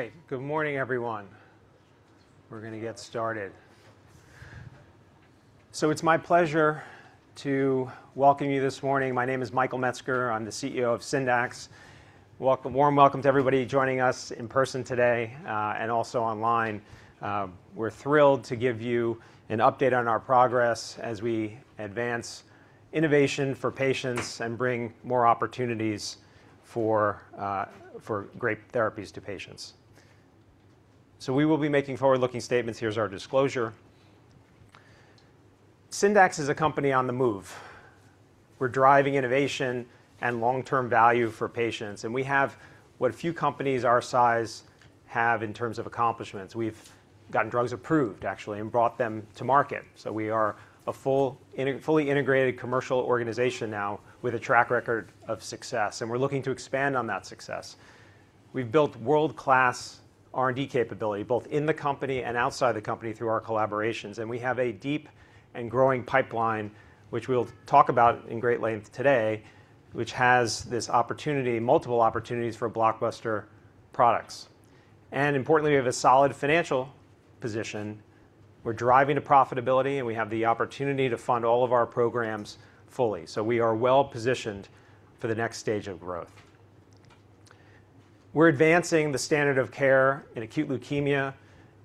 All right. Good morning, everyone. We're going to get started. It's my pleasure to welcome you this morning. My name is Michael Metzger. I'm the CEO of Syndax. Warm welcome to everybody joining us in person today, and also online. We're thrilled to give you an update on our progress as we advance innovation for patients and bring more opportunities for great therapies to patients. We will be making forward-looking statements. Here's our disclosure. Syndax is a company on the move. We're driving innovation and long-term value for patients, and we have what few companies our size have in terms of accomplishments. We've gotten drugs approved, actually, and brought them to market. We are a fully integrated commercial organization now with a track record of success, and we're looking to expand on that success. We've built world-class R&D capability, both in the company and outside the company through our collaborations. We have a deep and growing pipeline, which we'll talk about in great length today, which has this opportunity, multiple opportunities for blockbuster products. Importantly, we have a solid financial position. We're driving to profitability, and we have the opportunity to fund all of our programs fully. We are well-positioned for the next stage of growth. We're advancing the standard of care in acute leukemia,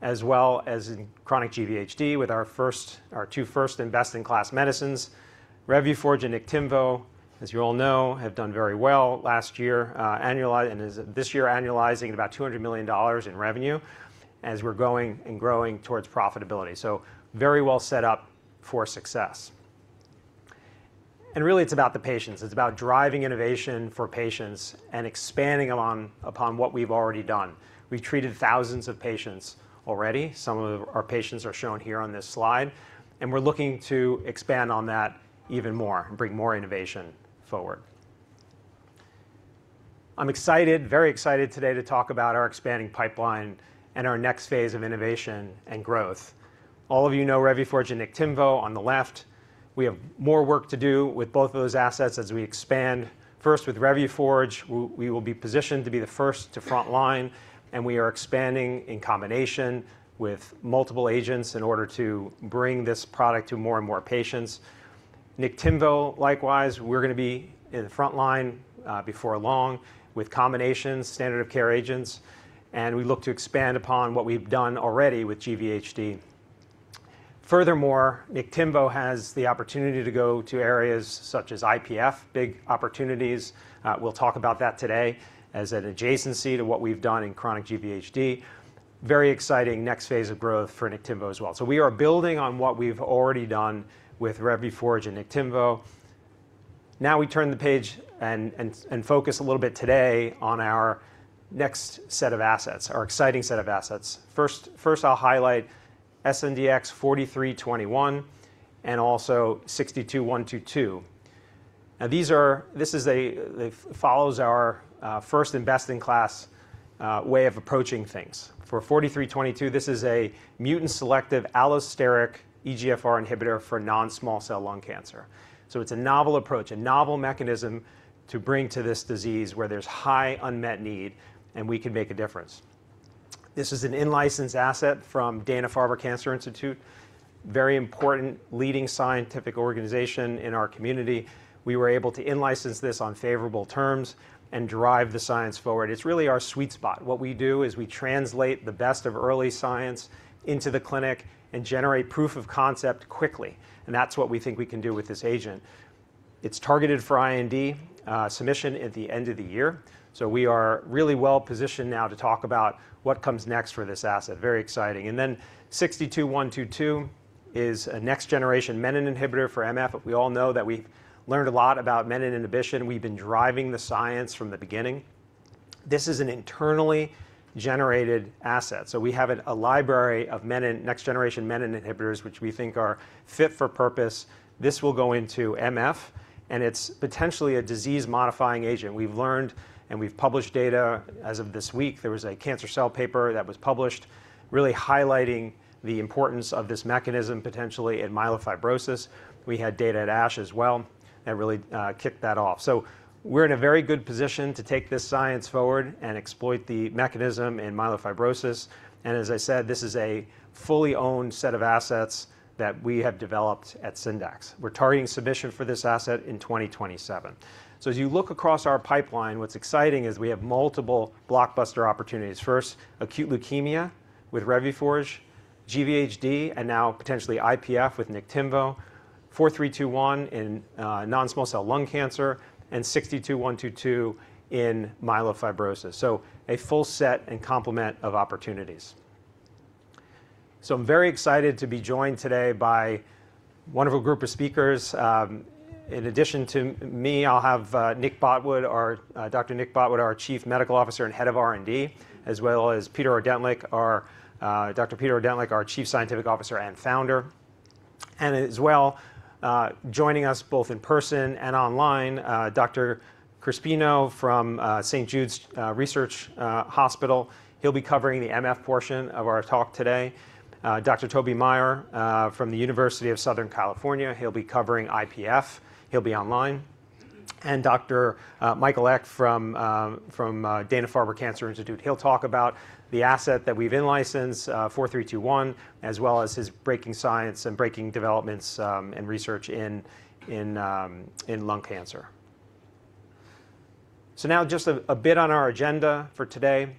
as well as in chronic GVHD with our two first-in-best-in-class medicines. Revuforj and Niktimvo, as you all know, have done very well last year, and this year annualizing about $200 million in revenue as we're growing and growing towards profitability. Very well set up for success. Really, it's about the patients. It's about driving innovation for patients and expanding upon what we've already done. We've treated thousands of patients already. Some of our patients are shown here on this slide, and we're looking to expand on that even more and bring more innovation forward. I'm excited, very excited today to talk about our expanding pipeline and our next phase of innovation and growth. All of you know Revuforj and Niktimvo on the left. We have more work to do with both of those assets as we expand. First, with Revuforj, we will be positioned to be the first to frontline, and we are expanding in combination with multiple agents in order to bring this product to more and more patients. Niktimvo, likewise, we're going to be in the frontline, before long with combinations, standard of care agents, and we look to expand upon what we've done already with GVHD. Furthermore, Niktimvo has the opportunity to go to areas such as IPF, big opportunities. We'll talk about that today as an adjacency to what we've done in chronic GVHD. Very exciting next phase of growth for Niktimvo as well. We are building on what we've already done with Revuforj and Niktimvo. Now we turn the page and focus a little bit today on our next set of assets, our exciting set of assets. First, I'll highlight SNDX-4321 and also 62122. This follows our first-in-best-in-class way of approaching things. For SNDX-4321, this is a mutant selective allosteric EGFR inhibitor for non-small cell lung cancer. It's a novel approach, a novel mechanism to bring to this disease where there's high unmet need and we can make a difference. This is an in-license asset from Dana-Farber Cancer Institute, very important leading scientific organization in our community. We were able to in-license this on favorable terms and drive the science forward. It's really our sweet spot. What we do is we translate the best of early science into the clinic and generate proof of concept quickly, that's what we think we can do with this agent. It's targeted for IND submission at the end of the year. We are really well-positioned now to talk about what comes next for this asset. Very exciting. SNDX-62122 is a next-generation menin inhibitor for MF. We all know that we've learned a lot about menin inhibition. We've been driving the science from the beginning. This is an internally generated asset. We have a library of next generation menin inhibitors, which we think are fit for purpose. This will go into MF, and it's potentially a disease-modifying agent. We've learned and we've published data. As of this week, there was a Cancer Cell paper that was published really highlighting the importance of this mechanism, potentially in myelofibrosis. We had data at ASH as well and really kicked that off. We're in a very good position to take this science forward and exploit the mechanism in myelofibrosis. As I said, this is a fully owned set of assets that we have developed at Syndax. We're targeting submission for this asset in 2027. As you look across our pipeline, what's exciting is we have multiple blockbuster opportunities. First, acute leukemia with Revuforj, GVHD, and now potentially IPF with Niktimvo, SNDX-4321 in non-small cell lung cancer, and SNDX-62122 in myelofibrosis. A full set and complement of opportunities. I'm very excited to be joined today by wonderful group of speakers. In addition to me, I'll have Nick Botwood, Dr. Nick Botwood, our Chief Medical Officer and Head of R&D, as well as Peter Ordentlich, Dr. Peter Ordentlich, our Chief Scientific Officer and Founder. As well, joining us both in person and online, Dr. Crispino from St. Jude Children's Research Hospital. He'll be covering the MF portion of our talk today. Dr. Toby Maher, from the University of Southern California. He'll be covering IPF. He'll be online. Dr. Michael Eck from Dana-Farber Cancer Institute. He'll talk about the asset that we've in-licensed, SNDX-4321, as well as his breaking science and breaking developments in research in lung cancer. Now just a bit on our agenda for today.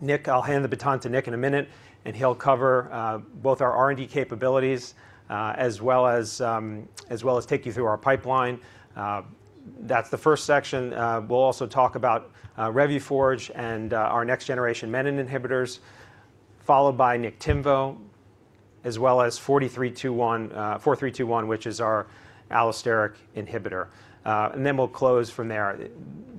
Nick, I'll hand the baton to Nick in a minute, he'll cover both our R&D capabilities, as well as take you through our pipeline. That's the first section. We'll also talk about Revuforj and our next-generation menin inhibitors, followed by Niktimvo, as well as SNDX-4321, which is our allosteric inhibitor. We'll close from there.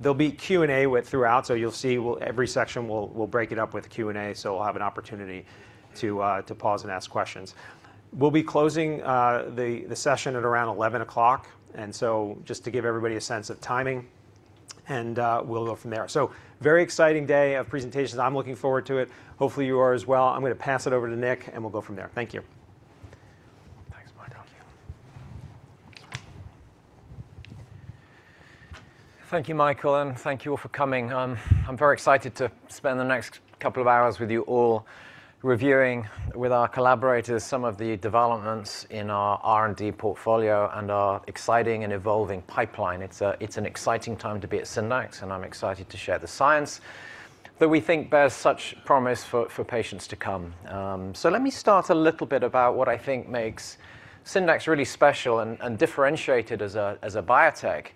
There'll be Q&A throughout, you'll see every section we'll break it up with Q&A, we'll have an opportunity to pause and ask questions. We'll be closing the session at around 11:00 A.M., just to give everybody a sense of timing, we'll go from there. Very exciting day of presentations. I'm looking forward to it. Hopefully you are as well. I'm going to pass it over to Nick, we'll go from there. Thank you. Thanks, Michael. Thank you, Michael, and thank you all for coming. I'm very excited to spend the next couple of hours with you all, reviewing with our collaborators some of the developments in our R&D portfolio and our exciting and evolving pipeline. It's an exciting time to be at Syndax, and I'm excited to share the science that we think bears such promise for patients to come. Let me start a little bit about what I think makes Syndax really special and differentiated as a biotech,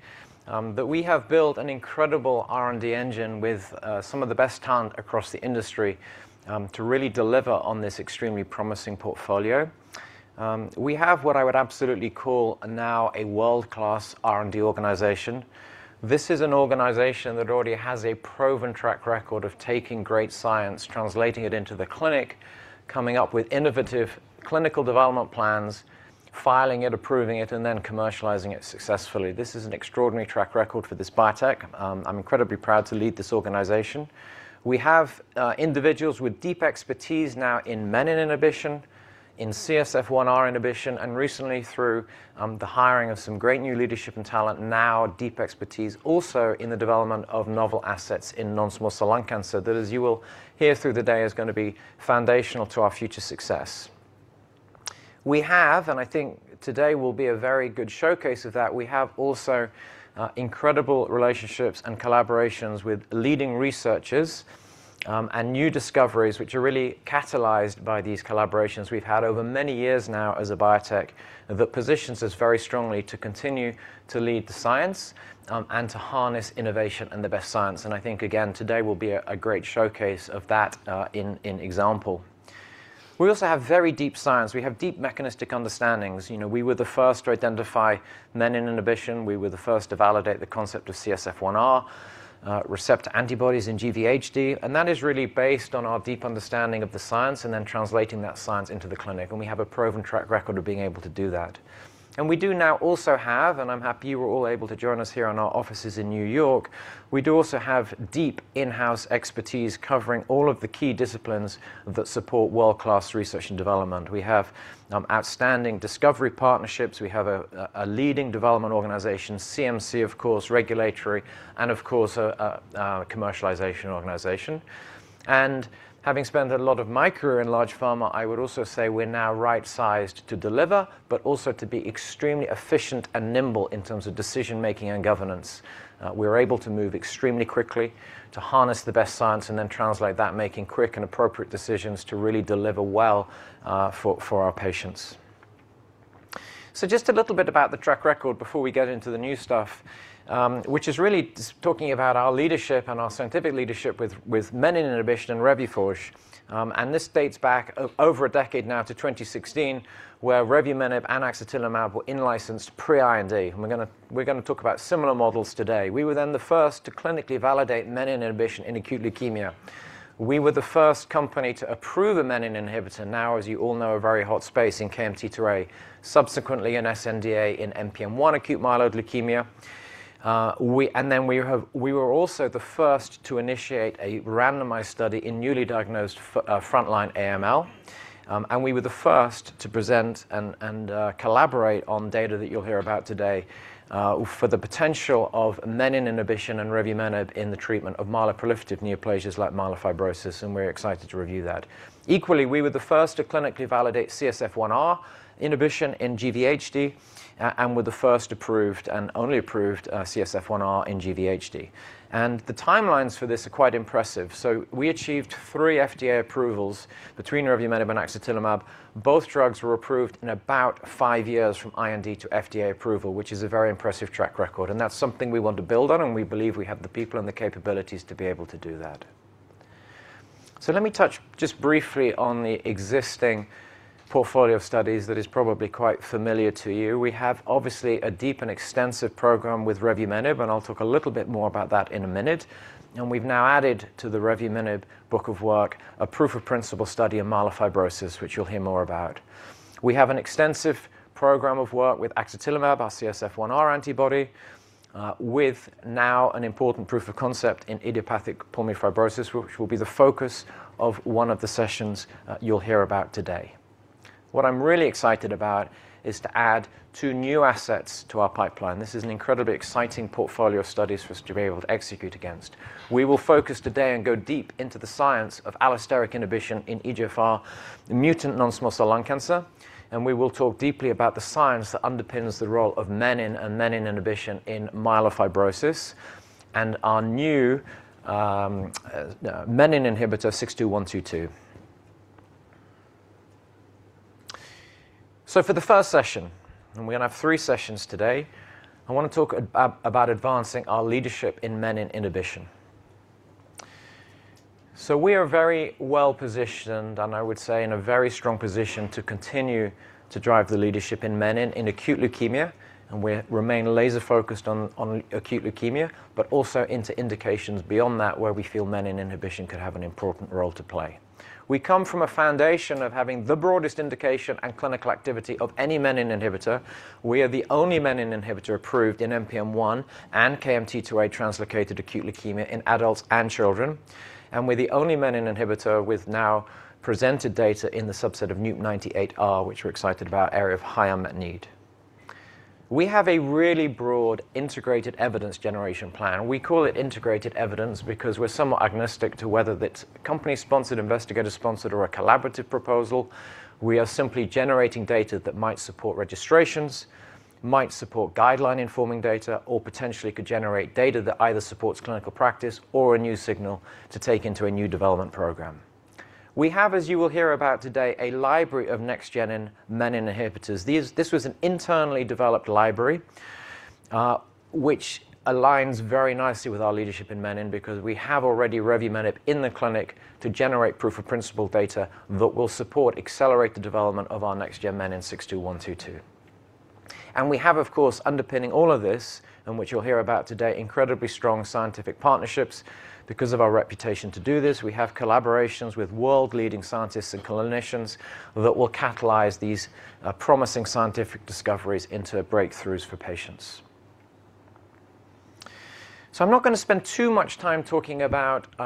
that we have built an incredible R&D engine with some of the best talent across the industry to really deliver on this extremely promising portfolio. We have what I would absolutely call now a world-class R&D organization. This is an organization that already has a proven track record of taking great science, translating it into the clinic, coming up with innovative clinical development plans, filing it, approving it, and then commercializing it successfully. This is an extraordinary track record for this biotech. I'm incredibly proud to lead this organization. We have individuals with deep expertise now in menin inhibition, in CSF1R inhibition, and recently through the hiring of some great new leadership and talent, now deep expertise also in the development of novel assets in non-small cell lung cancer that, as you will hear through the day, is going to be foundational to our future success. We have, I think today will be a very good showcase of that, we have also incredible relationships and collaborations with leading researchers, and new discoveries, which are really catalyzed by these collaborations we've had over many years now as a biotech that positions us very strongly to continue to lead the science and to harness innovation and the best science. I think, again, today will be a great showcase of that in example. We also have very deep science. We have deep mechanistic understandings. We were the first to identify menin inhibition. We were the first to validate the concept of CSF1R receptor antibodies in GVHD, and that is really based on our deep understanding of the science and then translating that science into the clinic, and we have a proven track record of being able to do that. We do now also have, and I'm happy you were all able to join us here in our offices in New York, we do also have deep in-house expertise covering all of the key disciplines that support world-class research and development. We have outstanding discovery partnerships. We have a leading development organization, CMC, of course, regulatory, and of course, a commercialization organization. Having spent a lot of my career in large pharma, I would also say we're now right-sized to deliver, but also to be extremely efficient and nimble in terms of decision-making and governance. We're able to move extremely quickly to harness the best science and then translate that, making quick and appropriate decisions to really deliver well for our patients. Just a little bit about the track record before we get into the new stuff, which is really talking about our leadership and our scientific leadership with menin inhibition and Revuforj. This dates back over a decade now to 2016, where revumenib and axatilimab were in-licensed pre-IND. We are going to talk about similar models today. We were the first to clinically validate menin inhibition in acute leukemia. We were the first company to approve a menin inhibitor, now, as you all know, a very hot space in KMT2A, subsequently an SNDA in NPM1 acute myeloid leukemia. We were also the first to initiate a randomized study in newly diagnosed frontline AML. We were the first to present and collaborate on data that you will hear about today for the potential of menin inhibition and revumenib in the treatment of myeloproliferative neoplasms like myelofibrosis, and we are excited to review that. Equally, we were the first to clinically validate CSF1R inhibition in GVHD, and we are the first approved and only approved CSF1R in GVHD. The timelines for this are quite impressive. We achieved three FDA approvals between revumenib and axatilimab. Both drugs were approved in about five years from IND to FDA approval, which is a very impressive track record, and that is something we want to build on, and we believe we have the people and the capabilities to be able to do that. Let me touch just briefly on the existing portfolio of studies that is probably quite familiar to you. We have obviously a deep and extensive program with revumenib, and I will talk a little bit more about that in a minute. We have now added to the revumenib book of work a proof of principle study in myelofibrosis, which you will hear more about. We have an extensive program of work with axatilimab, our CSF1R antibody, with now an important proof of concept in idiopathic pulmonary fibrosis, which will be the focus of one of the sessions you will hear about today. What I am really excited about is to add two new assets to our pipeline. This is an incredibly exciting portfolio of studies for us to be able to execute against. We will focus today and go deep into the science of allosteric inhibition in EGFR mutant non-small cell lung cancer. We will talk deeply about the science that underpins the role of menin and menin inhibition in myelofibrosis and our new menin inhibitor 62122. For the first session, and we are going to have three sessions today, I want to talk about advancing our leadership in menin inhibition. We are very well-positioned, and I would say in a very strong position to continue to drive the leadership in menin in acute leukemia, and we remain laser-focused on acute leukemia, but also into indications beyond that where we feel menin inhibition could have an important role to play. We come from a foundation of having the broadest indication and clinical activity of any menin inhibitor. We are the only menin inhibitor approved in NPM1 and KMT2A translocated acute leukemia in adults and children. We're the only menin inhibitor with now presented data in the subset of NUP98-R, which we're excited about, area of high unmet need. We have a really broad integrated evidence generation plan. We call it integrated evidence because we're somewhat agnostic to whether that's company-sponsored, investigator-sponsored, or a collaborative proposal. We are simply generating data that might support registrations, might support guideline-informing data, or potentially could generate data that either supports clinical practice or a new signal to take into a new development program. We have, as you will hear about today, a library of next-gen menin inhibitors. This was an internally developed library, which aligns very nicely with our leadership in menin because we have already revumenib in the clinic to generate proof of principle data that will support accelerate the development of our next-gen menin 62122. We have, of course, underpinning all of this, which you'll hear about today, incredibly strong scientific partnerships because of our reputation to do this. We have collaborations with world-leading scientists and clinicians that will catalyze these promising scientific discoveries into breakthroughs for patients. I'm not going to spend too much time talking about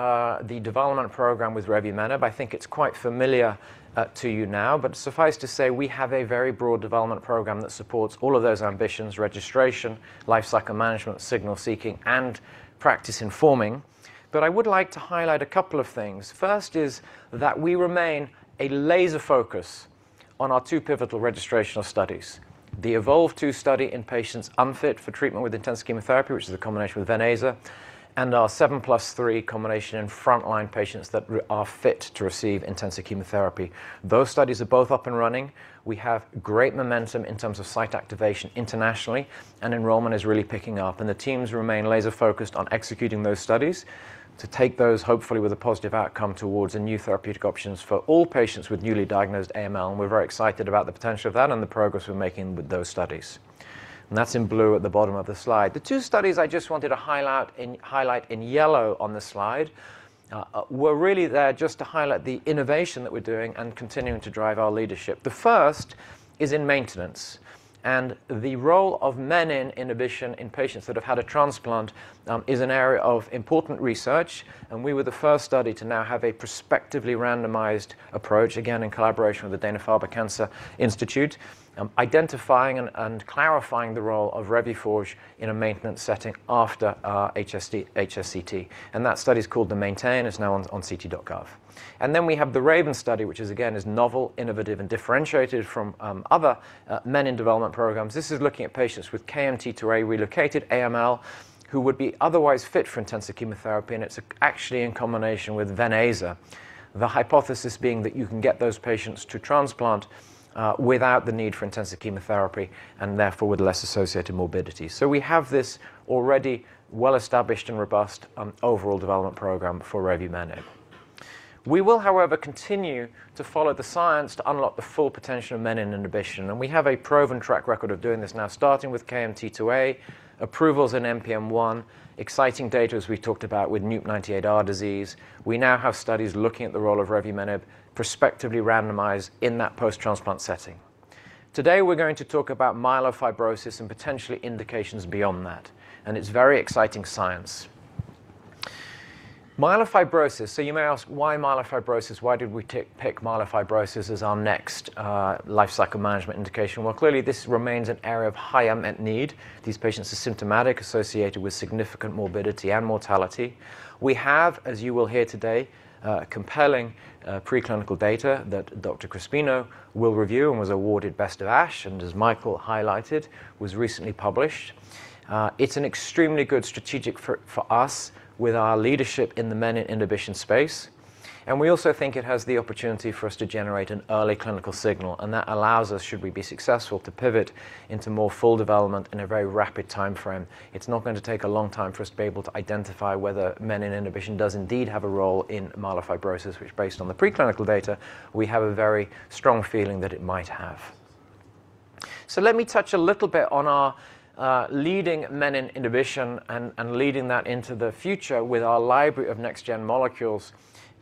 the development program with revumenib. I think it's quite familiar to you now. Suffice to say, we have a very broad development program that supports all of those ambitions, registration, life cycle management, signal seeking, and practice informing. I would like to highlight a couple of things. First is that we remain a laser focus on our two pivotal registrational studies, the EVOLVE-2 study in patients unfit for treatment with intense chemotherapy, which is a combination with venetoclax, and our 7+3 combination in frontline patients that are fit to receive intensive chemotherapy. Those studies are both up and running. We have great momentum in terms of site activation internationally, and enrollment is really picking up, and the teams remain laser-focused on executing those studies to take those, hopefully with a positive outcome, towards new therapeutic options for all patients with newly diagnosed AML, and we're very excited about the potential of that and the progress we're making with those studies. That's in blue at the bottom of the slide. The two studies I just wanted to highlight in yellow on the slide were really there just to highlight the innovation that we're doing and continuing to drive our leadership. The first is in maintenance. The role of menin inhibition in patients that have had a transplant is an area of important research. We were the first study to now have a prospectively randomized approach, again, in collaboration with the Dana-Farber Cancer Institute, identifying and clarifying the role of Revuforj in a maintenance setting after HSCT. That study is called the MAINTAIN. It's now on ct.gov. We have the RAVEN study, which is again novel, innovative, and differentiated from other menin development programs. This is looking at patients with KMT2A-relocated AML who would be otherwise fit for intensive chemotherapy. It's actually in combination with venetoclax. The hypothesis being that you can get those patients to transplant without the need for intensive chemotherapy and therefore with less associated morbidity. We have this already well-established and robust overall development program for revumenib. We will, however, continue to follow the science to unlock the full potential of menin inhibition, and we have a proven track record of doing this now, starting with KMT2A approvals in MPN, exciting data, as we talked about with NUP98-rearranged disease. We now have studies looking at the role of revumenib prospectively randomized in that post-transplant setting. Today, we're going to talk about myelofibrosis and potentially indications beyond that. It's very exciting science. Myelofibrosis. You may ask, why myelofibrosis? Why did we pick myelofibrosis as our next life cycle management indication? Clearly this remains an area of high unmet need. These patients are symptomatic, associated with significant morbidity and mortality. We have, as you will hear today, compelling preclinical data that Dr. Crispino will review and was awarded best of ASH, and as Michael highlighted, was recently published. It's an extremely good strategic fit for us with our leadership in the menin inhibition space. We also think it has the opportunity for us to generate an early clinical signal, and that allows us, should we be successful, to pivot into more full development in a very rapid timeframe. It's not going to take a long time for us to be able to identify whether menin inhibition does indeed have a role in myelofibrosis, which based on the preclinical data, we have a very strong feeling that it might have. Let me touch a little bit on our leading menin inhibition and leading that into the future with our library of next-gen molecules,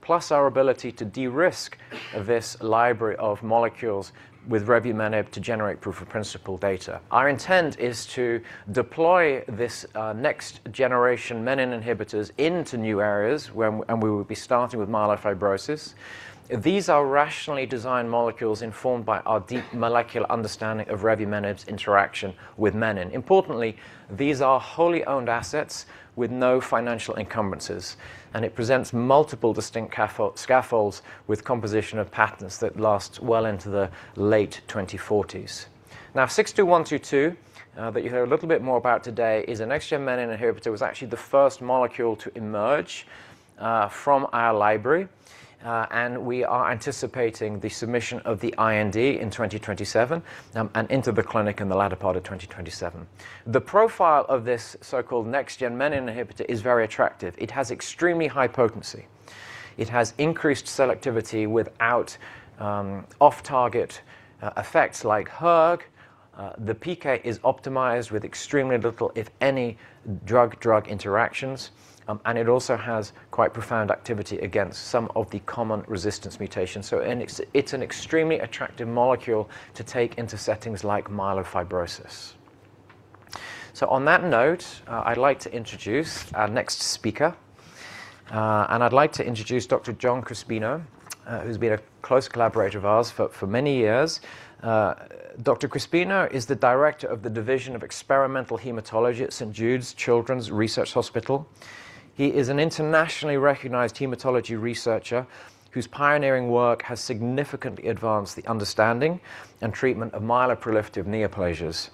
plus our ability to de-risk this library of molecules with revumenib to generate proof-of-principle data. Our intent is to deploy this next-generation menin inhibitors into new areas where we will be starting with myelofibrosis. These are rationally designed molecules informed by our deep molecular understanding of revumenib's interaction with menin. Importantly, these are wholly owned assets with no financial encumbrances. It presents multiple distinct scaffolds with composition of patents that last well into the late 2040s. 62122, that you'll hear a little bit more about today, is a next-gen menin inhibitor. It was actually the first molecule to emerge from our library. We are anticipating the submission of the IND in 2027, into the clinic in the latter part of 2027. The profile of this so-called next-gen menin inhibitor is very attractive. It has extremely high potency. It has increased selectivity without off-target effects like hERG. The PK is optimized with extremely little, if any, drug-drug interactions. It also has quite profound activity against some of the common resistance mutations. It's an extremely attractive molecule to take into settings like myelofibrosis. On that note, I'd like to introduce our next speaker. I'd like to introduce Dr. John Crispino, who's been a close collaborator of ours for many years. Dr. Crispino is the Director of the Division of Experimental Hematology at St. Jude Children's Research Hospital. He is an internationally recognized hematology researcher whose pioneering work has significantly advanced the understanding and treatment of myeloproliferative neoplasms,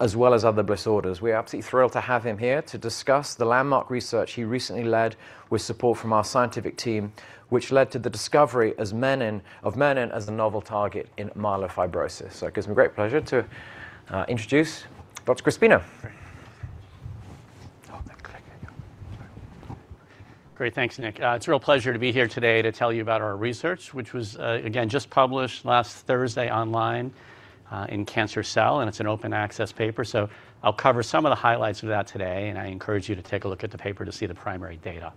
as well as other disorders. We are absolutely thrilled to have him here to discuss the landmark research he recently led with support from our scientific team, which led to the discovery of menin as the novel target in myelofibrosis. It gives me great pleasure to introduce Dr. Crispino. Great. Thanks, Nick. It's a real pleasure to be here today to tell you about our research, which was, again, just published last Thursday online in "Cancer Cell," and it's an open access paper. I'll cover some of the highlights of that today, and I encourage you to take a look at the paper to see the primary data.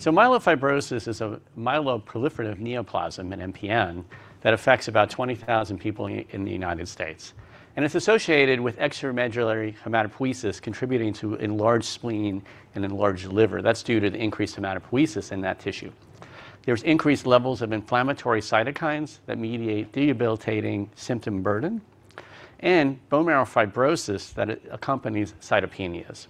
Myelofibrosis is a myeloproliferative neoplasm, an MPN, that affects about 20,000 people in the United States. It's associated with extramedullary hematopoiesis contributing to enlarged spleen and enlarged liver. That's due to the increased hematopoiesis in that tissue. There's increased levels of inflammatory cytokines that mediate the debilitating symptom burden and bone marrow fibrosis that accompanies cytopenias.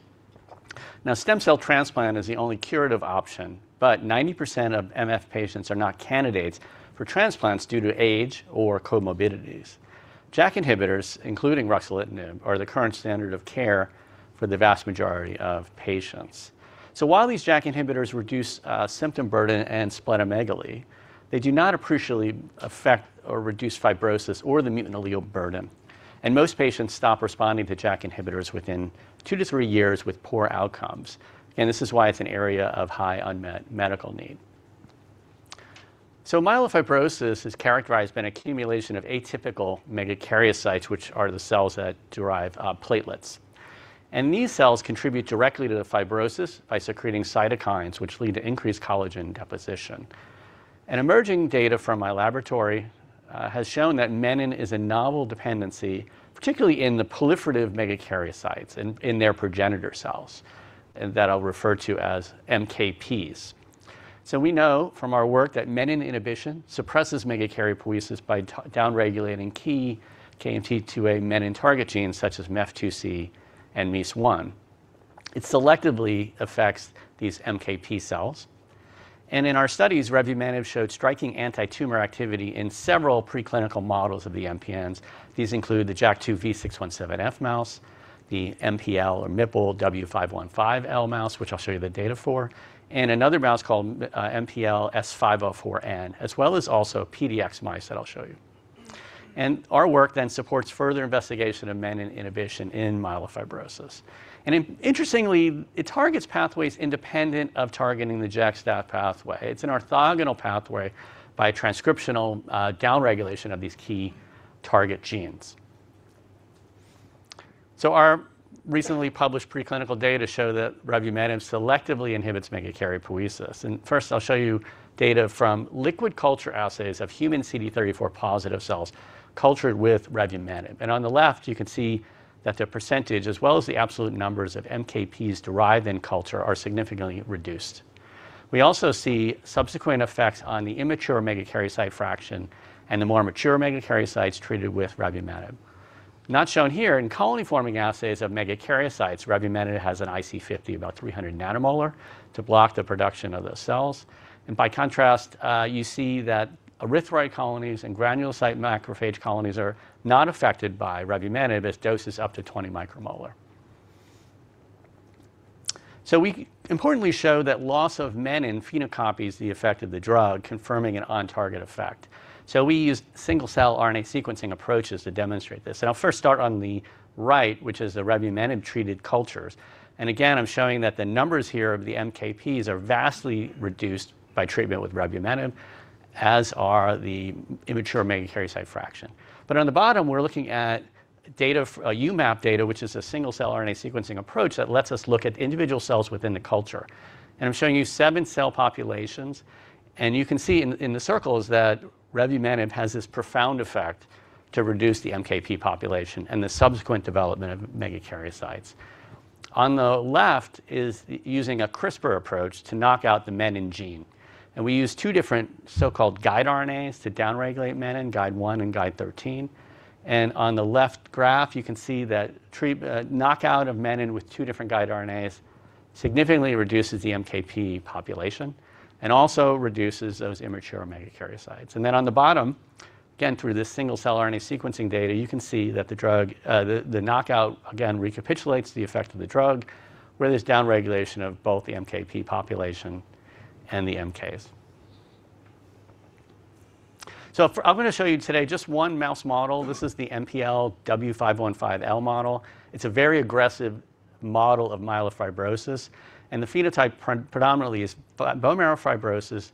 Stem cell transplant is the only curative option, but 90% of MF patients are not candidates for transplants due to age or comorbidities. JAK inhibitors, including ruxolitinib, are the current standard of care for the vast majority of patients. While these JAK inhibitors reduce symptom burden and splenomegaly, they do not appreciably affect or reduce fibrosis or the mutant allele burden. Most patients stop responding to JAK inhibitors within two to three years with poor outcomes. This is why it's an area of high unmet medical need. Myelofibrosis is characterized by an accumulation of atypical megakaryocytes, which are the cells that derive platelets. These cells contribute directly to the fibrosis by secreting cytokines, which lead to increased collagen deposition. Emerging data from my laboratory has shown that menin is a novel dependency, particularly in the proliferative megakaryocytes in their progenitor cells that I'll refer to as MKPs. We know from our work that menin inhibition suppresses megakaryopoiesis by down-regulating key KMT2A menin target genes such as MEF2C and MEIS1. It selectively affects these MKP cells. In our studies, revumenib showed striking anti-tumor activity in several preclinical models of the MPNs. These include the JAK2V617F mouse, the MPL or MPL W515L mouse, which I'll show you the data for, and another mouse called MPL S504N, as well as also PDX mice that I'll show you. Our work then supports further investigation of menin inhibition in myelofibrosis. Interestingly, it targets pathways independent of targeting the JAK-STAT pathway. It's an orthogonal pathway by transcriptional downregulation of these key target genes. Our recently published preclinical data show that revumenib selectively inhibits megakaryopoiesis. First, I'll show you data from liquid culture assays of human CD34 positive cells cultured with revumenib. On the left, you can see that the percentage, as well as the absolute numbers of MKPs derived in culture, are significantly reduced. We also see subsequent effects on the immature megakaryocyte fraction and the more mature megakaryocytes treated with revumenib. Not shown here, in colony-forming assays of megakaryocytes, revumenib has an IC50 of about 300 nanomolar to block the production of those cells. By contrast, you see that erythroid colonies and granulocyte macrophage colonies are not affected by revumenib as doses up to 20 micromolar. We importantly show that loss of menin phenocopies the effect of the drug, confirming an on-target effect. We used single-cell RNA sequencing approaches to demonstrate this. I'll first start on the right, which is the revumenib-treated cultures. Again, I'm showing that the numbers here of the MKPs are vastly reduced by treatment with revumenib, as are the immature megakaryocyte fraction. On the bottom, we're looking at UMAP data, which is a single-cell RNA sequencing approach that lets us look at individual cells within the culture. I'm showing you seven cell populations. You can see in the circles that revumenib has this profound effect to reduce the MKP population and the subsequent development of megakaryocytes. On the left is using a CRISPR approach to knock out the menin gene. We use two different so-called guide RNAs to down-regulate menin, guide one and guide 13. On the left graph, you can see that knock out of menin with two different guide RNAs significantly reduces the MKP population and also reduces those immature megakaryocytes. On the bottom, again, through this single-cell RNA sequencing data, you can see that the knockout again recapitulates the effect of the drug where there's downregulation of both the MKP population and the MKs. I'm going to show you today just one mouse model. This is the MPLW515L model. It's a very aggressive model of myelofibrosis. The phenotype predominantly is bone marrow fibrosis,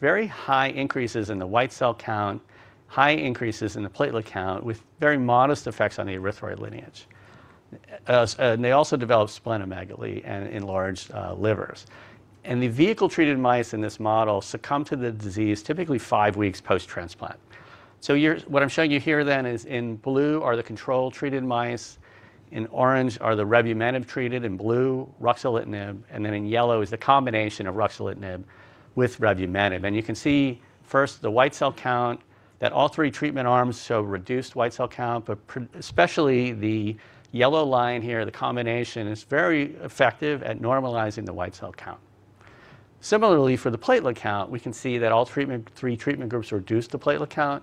very high increases in the white cell count, high increases in the platelet count with very modest effects on the erythroid lineage. They also develop splenomegaly and enlarged livers. The vehicle-treated mice in this model succumb to the disease typically five weeks post-transplant. What I'm showing you here then is in blue are the control treated mice, in orange are the revumenib-treated, in blue ruxolitinib, and in yellow is the combination of ruxolitinib with revumenib. You can see first the white cell count that all three treatment arms show reduced white cell count, but especially the yellow line here, the combination is very effective at normalizing the white cell count. Similarly, for the platelet count, we can see that all three treatment groups reduce the platelet count.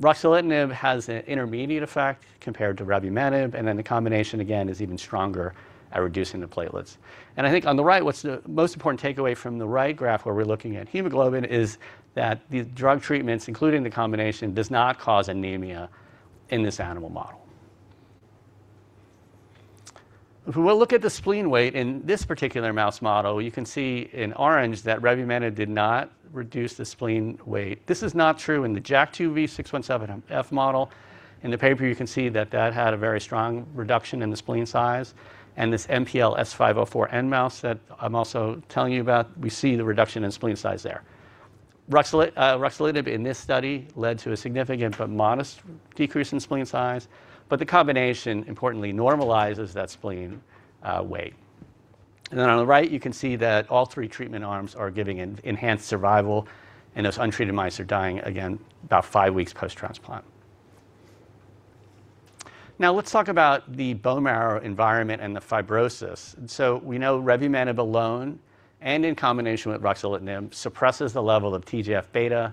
Ruxolitinib has an intermediate effect compared to revumenib, and the combination again is even stronger at reducing the platelets. I think on the right, what's the most important takeaway from the right graph where we're looking at hemoglobin is that the drug treatments, including the combination, does not cause anemia in this animal model. If we look at the spleen weight in this particular mouse model, you can see in orange that revumenib did not reduce the spleen weight. This is not true in the JAK2V617F model. In the paper, you can see that that had a very strong reduction in the spleen size. This MPL S504N mouse that I'm also telling you about, we see the reduction in spleen size there. ruxolitinib in this study led to a significant but modest decrease in spleen size, the combination importantly normalizes that spleen weight. On the right, you can see that all three treatment arms are giving enhanced survival, those untreated mice are dying again about five weeks post-transplant. Let's talk about the bone marrow environment and the fibrosis. We know revumenib alone and in combination with ruxolitinib suppresses the level of TGF-β,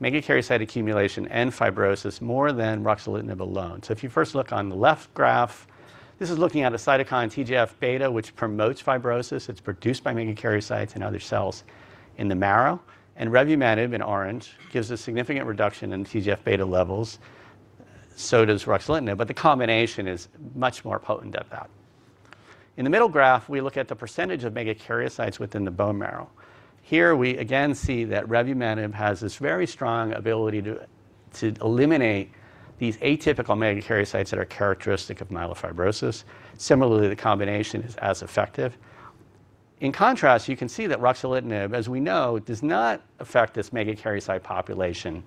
megakaryocyte accumulation, and fibrosis more than ruxolitinib alone. If you first look on the left graph, this is looking at a cytokine, TGF-β, which promotes fibrosis. It's produced by megakaryocytes and other cells in the marrow. Revumenib, in orange, gives a significant reduction in TGF-β levels. Does ruxolitinib, the combination is much more potent at that. In the middle graph, we look at the percentage of megakaryocytes within the bone marrow. Here, we again see that revumenib has this very strong ability to eliminate these atypical megakaryocytes that are characteristic of myelofibrosis. Similarly, the combination is as effective. In contrast, you can see that ruxolitinib, as we know, does not affect this megakaryocyte population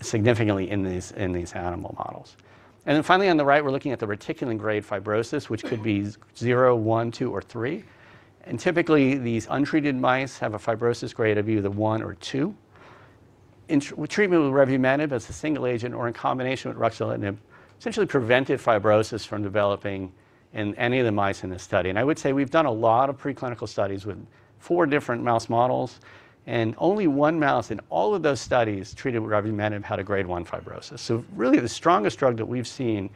significantly in these animal models. Finally, on the right, we're looking at the reticulin grade fibrosis, which could be zero, one, two, or three. Typically, these untreated mice have a fibrosis grade of either one or two. Treatment with revumenib as a single agent or in combination with ruxolitinib essentially prevented fibrosis from developing in any of the mice in this study. I would say we've done a lot of preclinical studies with four different mouse models, only one mouse in all of those studies treated with revumenib had a grade one fibrosis. Really the strongest drug that we've seen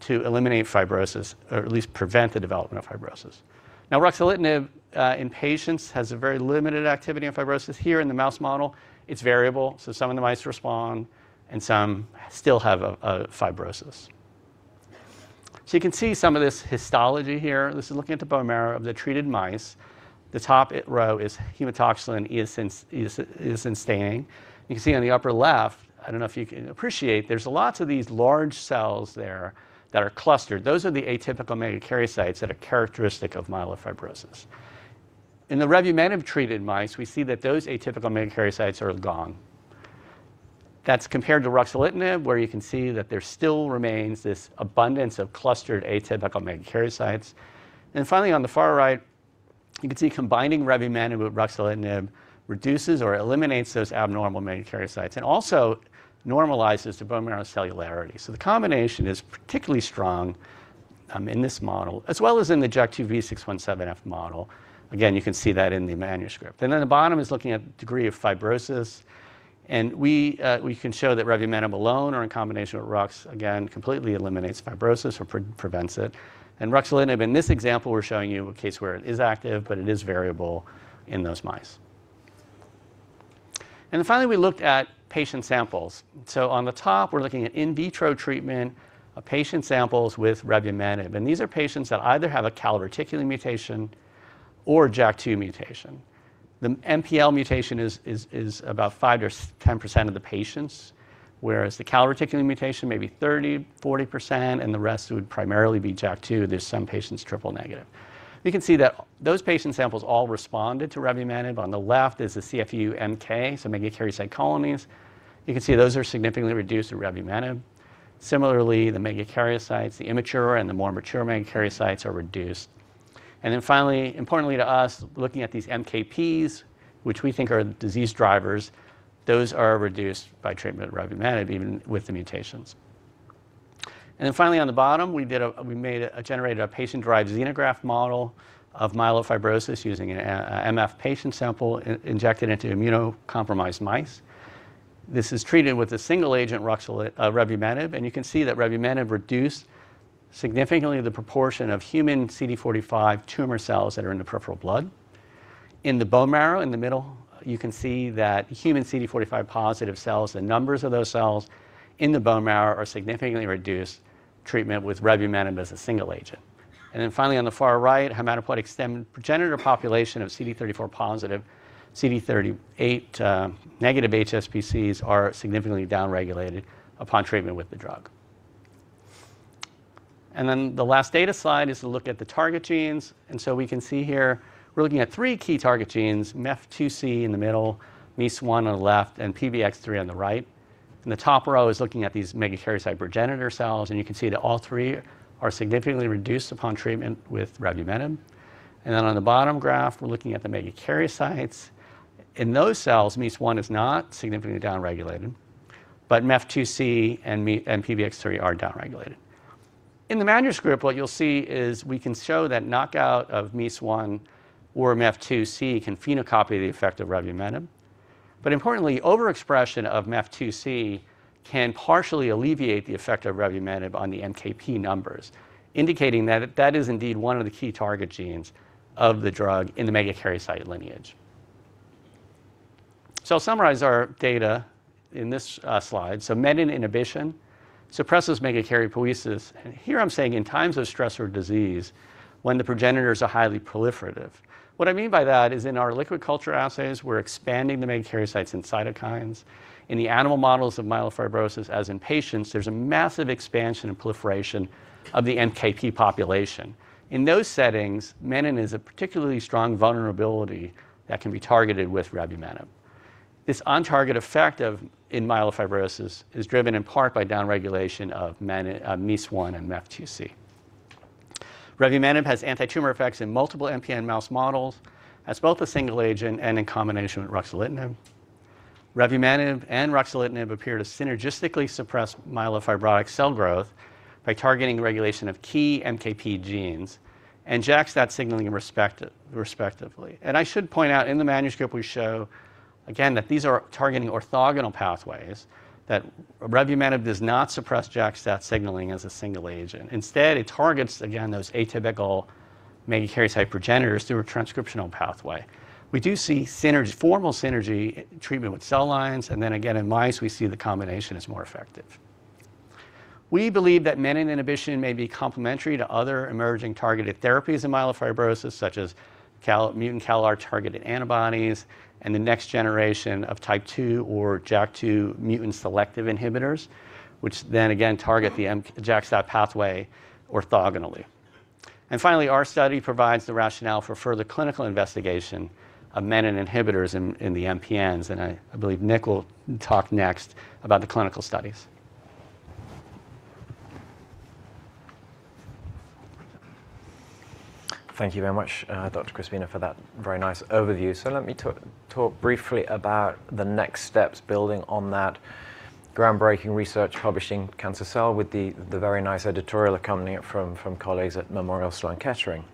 to eliminate fibrosis or at least prevent the development of fibrosis. ruxolitinib in patients has a very limited activity on fibrosis. Here in the mouse model, it's variable, some of the mice respond and some still have a fibrosis. You can see some of this histology here. This is looking at the bone marrow of the treated mice. The top row is hematoxylin and eosin stain. You can see on the upper left, I don't know if you can appreciate, there's lots of these large cells there that are clustered. Those are the atypical megakaryocytes that are characteristic of myelofibrosis. In the revumenib-treated mice, we see that those atypical megakaryocytes are gone. That's compared to ruxolitinib, where you can see that there still remains this abundance of clustered atypical megakaryocytes. Finally, on the far right, you can see combining revumenib with ruxolitinib reduces or eliminates those abnormal megakaryocytes and also normalizes the bone marrow cellularity. The combination is particularly strong in this model, as well as in the JAK2V617F model. Again, you can see that in the manuscript. The bottom is looking at degree of fibrosis, we can show that revumenib alone or in combination with rux, again, completely eliminates fibrosis or prevents it. ruxolitinib, in this example, we're showing you a case where it is active, it is variable in those mice. Finally, we looked at patient samples. On the top, we're looking at in vitro treatment of patient samples with revumenib. These are patients that either have a calreticulin mutation or JAK2 mutation. The MPL mutation is about 5% or 10% of the patients, whereas the calreticulin mutation may be 30%, 40%, and the rest would primarily be JAK2, though some patients triple negative. You can see that those patient samples all responded to revumenib. On the left is the CFU-MK, so megakaryocyte colonies. You can see those are significantly reduced with revumenib. Similarly, the megakaryocytes, the immature and the more mature megakaryocytes are reduced. Finally, importantly to us, looking at these MKPs, which we think are the disease drivers, those are reduced by treatment with revumenib, even with the mutations. Finally on the bottom, we generated a patient-derived xenograft model of myelofibrosis using an MF patient sample injected into immunocompromised mice. This is treated with a single agent, revumenib, you can see that revumenib reduced significantly the proportion of human CD45 tumor cells that are in the peripheral blood. In the bone marrow in the middle, you can see that human CD45 positive cells, the numbers of those cells in the bone marrow are significantly reduced treatment with revumenib as a single agent. Finally, on the far right, hematopoietic stem progenitor population of CD34 positive, CD38 negative HSPCs are significantly downregulated upon treatment with the drug. The last data slide is to look at the target genes. We can see here we're looking at three key target genes, MEF2C in the middle, MEIS1 on the left, and PBX3 on the right. In the top row is looking at these megakaryocyte progenitor cells. You can see that all three are significantly reduced upon treatment with revumenib. On the bottom graph, we're looking at the megakaryocytes. In those cells, MEIS1 is not significantly downregulated, MEF2C and PBX3 are downregulated. In the manuscript, what you'll see is we can show that knockout of MEIS1 or MEF2C can phenocopy the effect of revumenib. Importantly, overexpression of MEF2C can partially alleviate the effect of revumenib on the MKP numbers, indicating that that is indeed one of the key target genes of the drug in the megakaryocyte lineage. I'll summarize our data in this slide. Menin inhibition suppresses megakaryopoiesis. Here I'm saying in times of stress or disease, when the progenitors are highly proliferative. What I mean by that is in our liquid culture assays, we're expanding the megakaryocytes and cytokines. In the animal models of myelofibrosis, as in patients, there's a massive expansion and proliferation of the MKP population. In those settings, menin is a particularly strong vulnerability that can be targeted with revumenib. This on-target effect in myelofibrosis is driven in part by downregulation of MEIS1 and MEF2C. Revumenib has antitumor effects in multiple MPN mouse models, as both a single agent and in combination with ruxolitinib. Revumenib and ruxolitinib appear to synergistically suppress myelofibrotic cell growth by targeting the regulation of key MKP genes and JAK-STAT signaling respectively. I should point out, in the manuscript we show again that these are targeting orthogonal pathways, that revumenib does not suppress JAK-STAT signaling as a single agent. Instead, it targets, again, those atypical megakaryocyte progenitors through a transcriptional pathway. We do see formal synergy in treatment with cell lines, and then again in mice, we see the combination is more effective. We believe that menin inhibition may be complementary to other emerging targeted therapies in myelofibrosis, such as mutant CALR-targeted antibodies and the next generation of type two or JAK2 mutant selective inhibitors, which then again target the JAK-STAT pathway orthogonally. Finally, our study provides the rationale for further clinical investigation of menin inhibitors in the MPNs, and I believe Nick will talk next about the clinical studies. Thank you very much, Dr. Crispino, for that very nice overview. Let me talk briefly about the next steps building on that groundbreaking research publishing Cancer Cell with the very nice editorial accompanying it from colleagues at Memorial Sloan Kettering.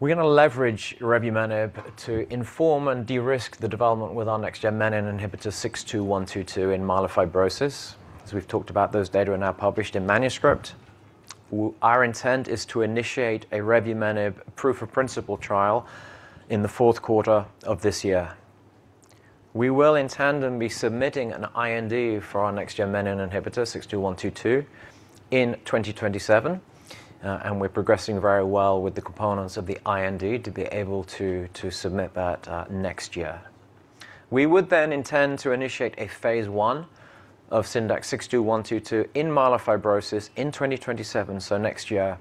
We're going to leverage revumenib to inform and de-risk the development with our next-gen menin inhibitor 62122 in myelofibrosis. As we've talked about, those data are now published in manuscript. Our intent is to initiate a revumenib proof of principle trial in the fourth quarter of this year. We will in tandem be submitting an IND for our next-gen menin inhibitor 62122 in 2027, and we're progressing very well with the components of the IND to be able to submit that next year. We would then intend to initiate a phase I of SNDX-62122 in myelofibrosis in 2027, so next year.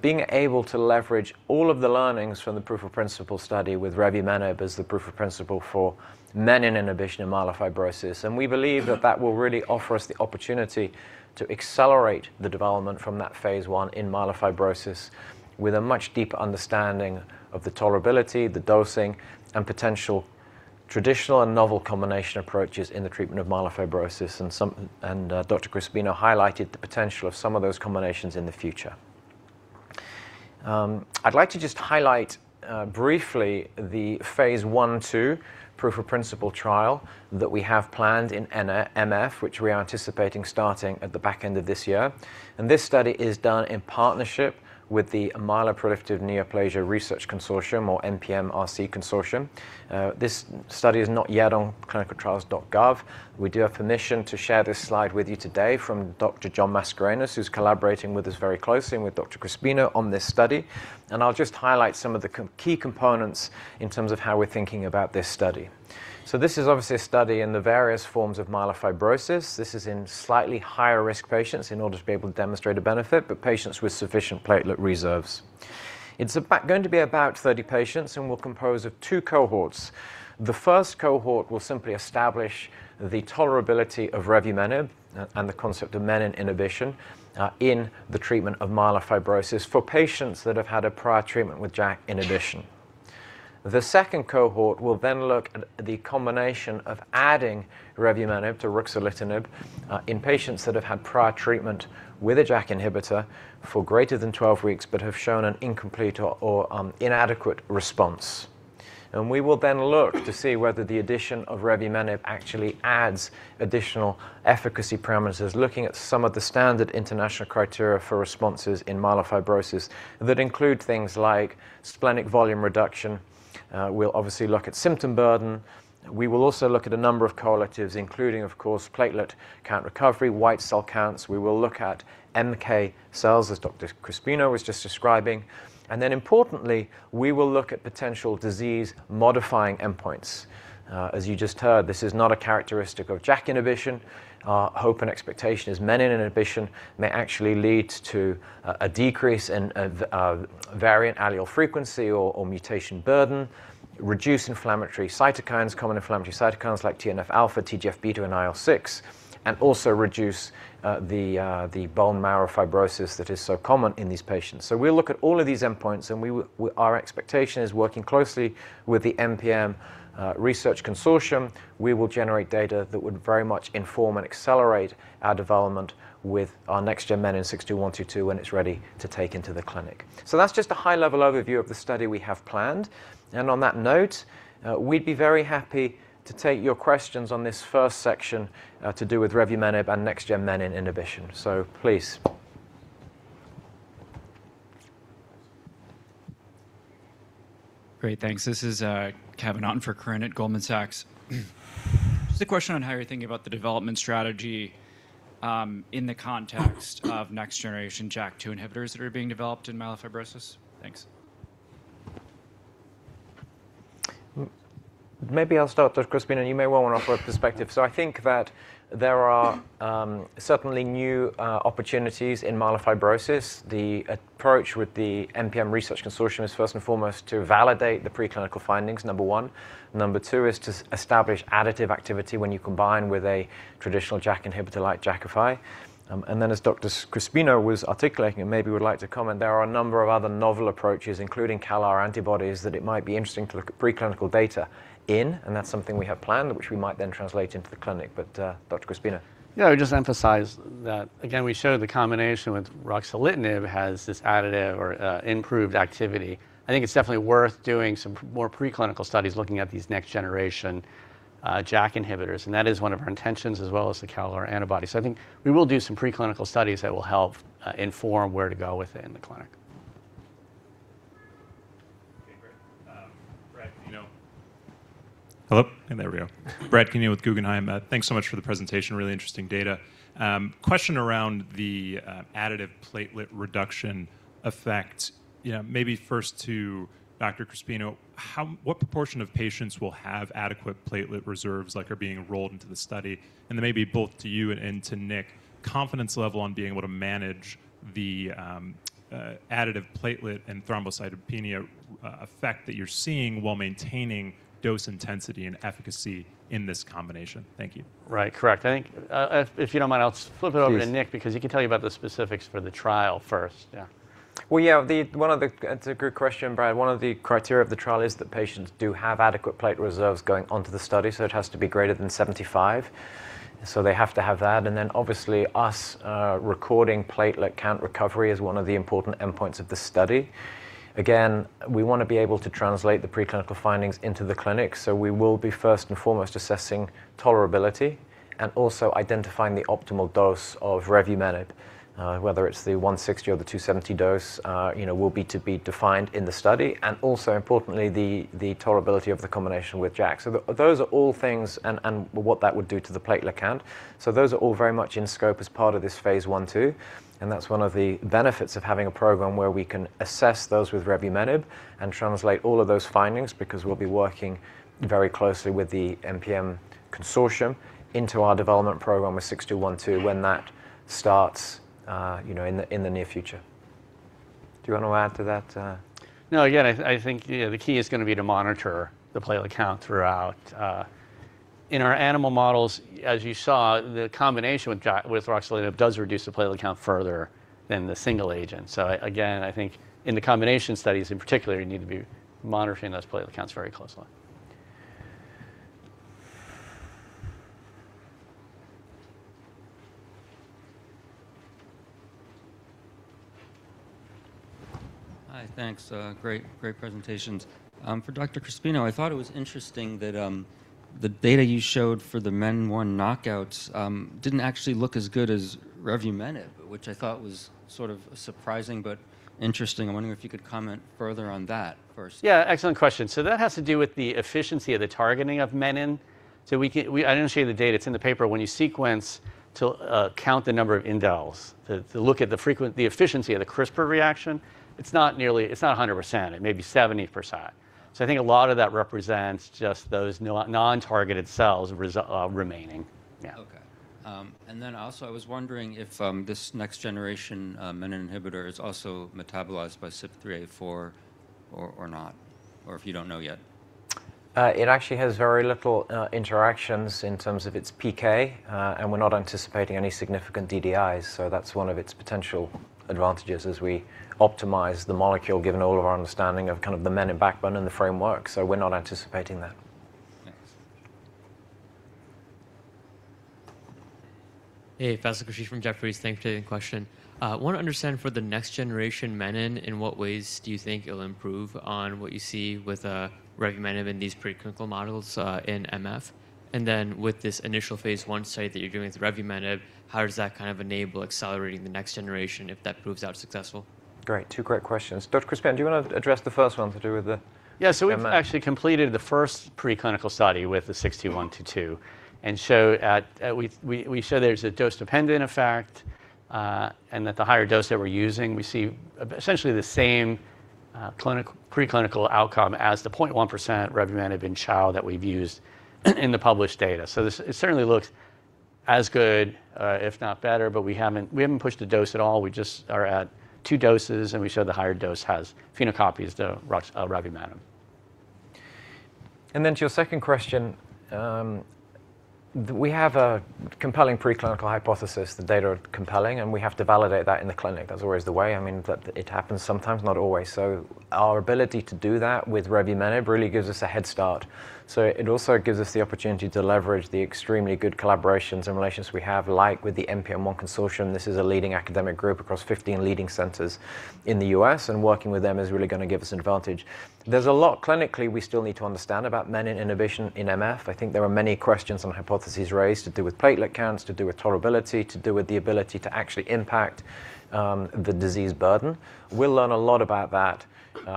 Being able to leverage all of the learnings from the proof of principle study with revumenib as the proof of principle for menin inhibition in myelofibrosis, and we believe that that will really offer us the opportunity to accelerate the development from that phase I in myelofibrosis with a much deeper understanding of the tolerability, the dosing, and potential traditional and novel combination approaches in the treatment of myelofibrosis, Dr. Crispino highlighted the potential of some of those combinations in the future. I'd like to just highlight briefly the phase I/II proof of principle trial that we have planned in MF, which we are anticipating starting at the back end of this year. This study is done in partnership with the Myeloproliferative Neoplasm Research Consortium, or MPN-RC Consortium. This study is not yet on clinicaltrials.gov. We do have permission to share this slide with you today from Dr. John Mascarenhas, who's collaborating with us very closely and with Dr. Crispino on this study. I'll just highlight some of the key components in terms of how we're thinking about this study. This is obviously a study in the various forms of myelofibrosis. This is in slightly higher risk patients in order to be able to demonstrate a benefit, but patients with sufficient platelet reserves. It's going to be about 30 patients and will compose of two cohorts. The first cohort will simply establish the tolerability of revumenib and the concept of menin inhibition in the treatment of myelofibrosis for patients that have had a prior treatment with JAK inhibition. The second cohort will look at the combination of adding revumenib to ruxolitinib in patients that have had prior treatment with a JAK inhibitor for greater than 12 weeks but have shown an incomplete or inadequate response. We will look to see whether the addition of revumenib actually adds additional efficacy parameters, looking at some of the standard international criteria for responses in myelofibrosis that include things like splenic volume reduction. We'll obviously look at symptom burden. We will also look at a number of correlatives, including, of course, platelet count recovery, white cell counts. We will look at MK cells, as Dr. Crispino was just describing. Importantly, we will look at potential disease-modifying endpoints. As you just heard, this is not a characteristic of JAK inhibition. Our hope and expectation is menin inhibition may actually lead to a decrease in variant allele frequency or mutation burden, reduce inflammatory cytokines, common inflammatory cytokines like TNF-alpha, TGF-β, and IL6, and also reduce the bone marrow fibrosis that is so common in these patients. We'll look at all of these endpoints, our expectation is working closely with the MPN Research Consortium, we will generate data that would very much inform and accelerate our development with our next-gen menin 62122 when it's ready to take into the clinic. That's just a high-level overview of the study we have planned. On that note, we'd be very happy to take your questions on this first section to do with revumenib and next-gen menin inhibition. Please. Great, thanks. This is Kevin on for Corinne at Goldman Sachs. Just a question on how you're thinking about the development strategy in the context of next-generation JAK2 inhibitors that are being developed in myelofibrosis. Thanks. Maybe I'll start, Dr. Crispino, you may well want to offer a perspective. I think that there are certainly new opportunities in myelofibrosis. The approach with the MPN Research Consortium is first and foremost to validate the preclinical findings, number one. Number two is to establish additive activity when you combine with a traditional JAK inhibitor like Jakafi. As Dr. Crispino was articulating, and maybe would like to comment, there are a number of other novel approaches, including CALR antibodies, that it might be interesting to look at preclinical data in, that's something we have planned, which we might then translate into the clinic. Dr. Crispino. I would just emphasize that, again, we showed the combination with ruxolitinib has this additive or improved activity. I think it's definitely worth doing some more preclinical studies looking at these next-generation JAK inhibitors, and that is one of our intentions as well as the CALR antibody. I think we will do some preclinical studies that will help inform where to go with it in the clinic. Okay, great. Brad Canino. Hello? There we go. Brad Canino with Guggenheim. Thanks so much for the presentation, really interesting data. Question around the additive platelet reduction effect. Maybe first to Dr. Crispino, what proportion of patients will have adequate platelet reserves like are being enrolled into the study? And then maybe both to you and to Nick, confidence level on being able to manage the additive platelet and thrombocytopenia effect that you're seeing while maintaining dose intensity and efficacy in this combination. Thank you. Right. Correct. I think, if you don't mind, I'll flip it over to Nick. Please. Because he can tell you about the specifics for the trial first. Yeah. That's a great question, Brad. One of the criteria of the trial is that patients do have adequate platelet reserves going onto the study, so it has to be greater than 75. They have to have that. Obviously, us recording platelet count recovery is one of the important endpoints of the study. Again, we want to be able to translate the preclinical findings into the clinic, we will be first and foremost assessing tolerability and also identifying the optimal dose of revumenib, whether it's the 160 or the 270 dose will be to be defined in the study, and also importantly, the tolerability of the combination with JAK. Those are all things and what that would do to the platelet count. Those are all very much in scope as part of this phase I/II, and that's one of the benefits of having a program where we can assess those with revumenib and translate all of those findings because we'll be working very closely with the MPN-RC Consortium into our development program with SNDX-62122 when that starts in the near future. Do you want to add to that? No, again, I think the key is going to be to monitor the platelet count throughout. In our animal models, as you saw, the combination with ruxolitinib does reduce the platelet count further than the single agent. Again, I think in the combination studies in particular, you need to be monitoring those platelet counts very closely. Hi, thanks. Great presentations. For Dr. Crispino, I thought it was interesting that the data you showed for the MEN1 knockouts didn't actually look as good as revumenib, which I thought was sort of surprising but interesting. I'm wondering if you could comment further on that first. Excellent question. That has to do with the efficiency of the targeting of menin. I didn't show you the data. It's in the paper. When you sequence to count the number of indels, to look at the efficiency of the CRISPR reaction, it's not 100%, it may be 70%. I think a lot of that represents just those non-targeted cells remaining. Also, I was wondering if this next generation menin inhibitor is also metabolized by CYP3A4 or not, or if you don't know yet. It actually has very little interactions in terms of its PK, and we're not anticipating any significant DDIs. That's one of its potential advantages as we optimize the molecule given all of our understanding of the menin backbone and the framework. We're not anticipating that. Thanks. Fais Khurshid from Jefferies. Thanks for taking the question. I want to understand for the next generation menin, in what ways do you think it'll improve on what you see with revumenib in these preclinical models in MF? With this initial phase I study that you're doing with revumenib, how does that enable accelerating the next generation if that proves out successful? Great. Two great questions. Dr. Crispino, do you want to address the first one to do with? Yeah. We've actually completed the first preclinical study with the 62122. We show there's a dose-dependent effect. The higher dose that we're using, we see essentially the same preclinical outcome as the 0.1% revumenib in chow that we've used in the published data. It certainly looks as good, if not better. We haven't pushed the dose at all. We just are at two doses. We show the higher dose phenocopies the revumenib. To your second question, we have a compelling preclinical hypothesis. The data are compelling. We have to validate that in the clinic. That's always the way. It happens sometimes, not always. Our ability to do that with revumenib really gives us a head start. It also gives us the opportunity to leverage the extremely good collaborations and relations we have, like with the NPM1 Consortium. This is a leading academic group across 15 leading centers in the U.S. Working with them is really going to give us an advantage. There's a lot clinically we still need to understand about menin inhibition in MF. I think there are many questions and hypotheses raised to do with platelet counts, to do with tolerability, to do with the ability to actually impact the disease burden. We'll learn a lot about that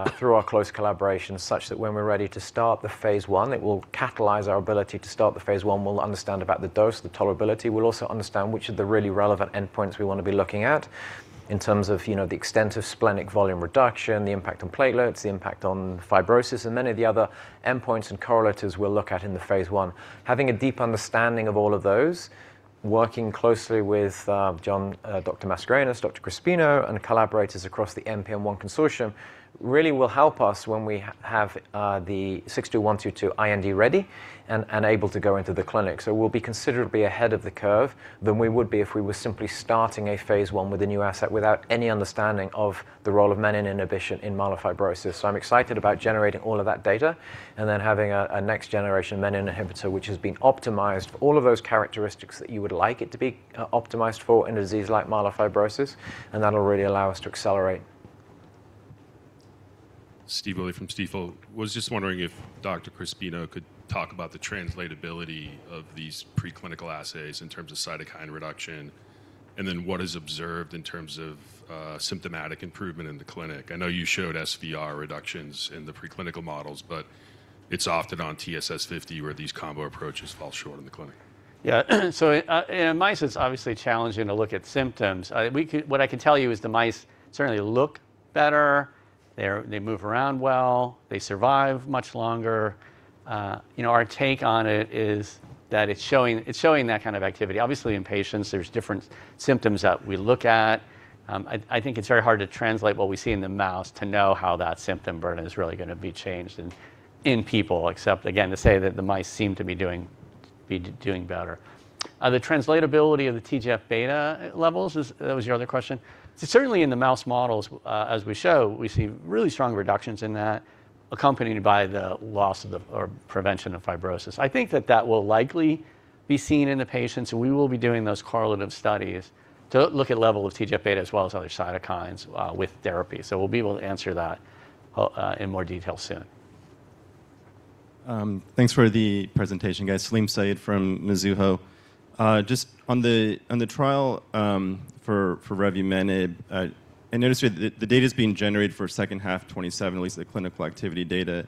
through our close collaborations, such that when we're ready to start the phase I, it will catalyze our ability to start the phase I. We'll understand about the dose, the tolerability. We'll also understand which of the really relevant endpoints we want to be looking at in terms of the extent of splenic volume reduction, the impact on platelets, the impact on fibrosis, and many of the other endpoints and correlators we'll look at in the phase I. Having a deep understanding of all of those, working closely with Dr. Mascarenhas, Dr. Crispino, and collaborators across the NPM1 Consortium, really will help us when we have the SNDX-62122 IND ready and able to go into the clinic. We'll be considerably ahead of the curve than we would be if we were simply starting a phase I with a new asset without any understanding of the role of menin inhibition in myelofibrosis. I'm excited about generating all of that data and then having a next-generation menin inhibitor, which has been optimized for all of those characteristics that you would like it to be optimized for in a disease like myelofibrosis, and that'll really allow us to accelerate. Stephen Willey from Stifel. Was just wondering if Dr. Crispino could talk about the translatability of these preclinical assays in terms of cytokine reduction, and then what is observed in terms of symptomatic improvement in the clinic. I know you showed SVR reductions in the preclinical models, but it's often on TSS70 where these combo approaches fall short in the clinic. Yeah. In mice, it's obviously challenging to look at symptoms. What I can tell you is the mice certainly look better. They move around well. They survive much longer. Our take on it is that it's showing that kind of activity. Obviously, in patients, there's different symptoms that we look at. I think it's very hard to translate what we see in the mouse to know how that symptom burden is really going to be changed in people, except, again, to say that the mice seem to be doing better. The translatability of the TGF-β levels, that was your other question. Certainly, in the mouse models, as we show, we see really strong reductions in that, accompanied by the loss or prevention of fibrosis. I think that that will likely be seen in the patients, and we will be doing those correlative studies to look at levels of TGF-β as well as other cytokines with therapy. We'll be able to answer that in more detail soon. Thanks for the presentation, guys. Salim Syed from Mizuho. On the trial for revumenib. I noticed the data's being generated for second half 2027, at least the clinical activity data,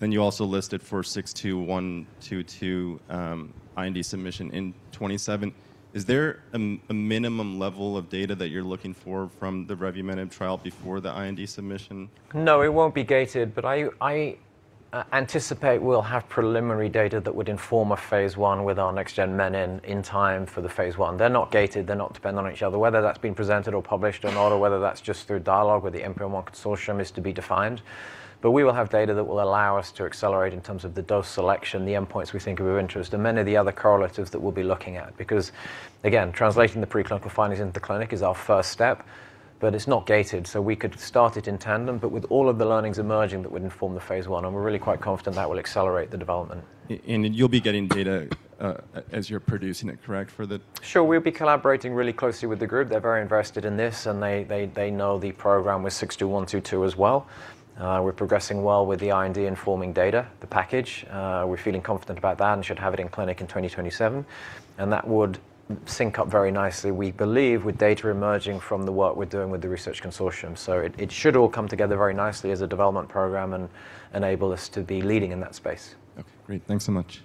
and you also listed for 62122 IND submission in 2027. Is there a minimum level of data that you're looking for from the revumenib trial before the IND submission? It won't be gated, but I anticipate we'll have preliminary data that would inform a phase I with our next-gen menin in time for the phase I. They're not gated. They're not dependent on each other. Whether that's been presented or published or not, or whether that's just through dialogue with the NPM1 Consortium is to be defined. We will have data that will allow us to accelerate in terms of the dose selection, the endpoints we think are of interest, and many of the other correlatives that we'll be looking at. Again, translating the preclinical findings into the clinic is our first step, but it's not gated, so we could start it in tandem. With all of the learnings emerging, that would inform the phase I, and we're really quite confident that will accelerate the development. You'll be getting data as you're producing it, correct? Sure. We'll be collaborating really closely with the group. They're very invested in this, and they know the program with 62122 as well. We're progressing well with the IND and forming data, the package. We're feeling confident about that and should have it in clinic in 2027. That would sync up very nicely, we believe, with data emerging from the work we're doing with the research consortium. It should all come together very nicely as a development program and enable us to be leading in that space. Okay, great. Thanks so much.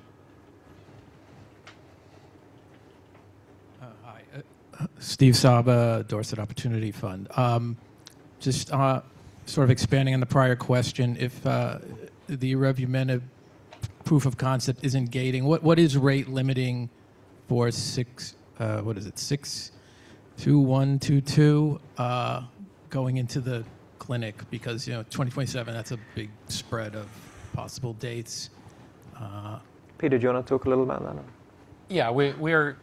Steve Sabba, Dorset Opportunity Fund. Just sort of expanding on the prior question, if the revumenib proof of concept isn't gating, what is rate-limiting for 62122 going into the clinic because 2027, that's a big spread of possible dates. Peter, do you want to talk a little about that? Yeah. We're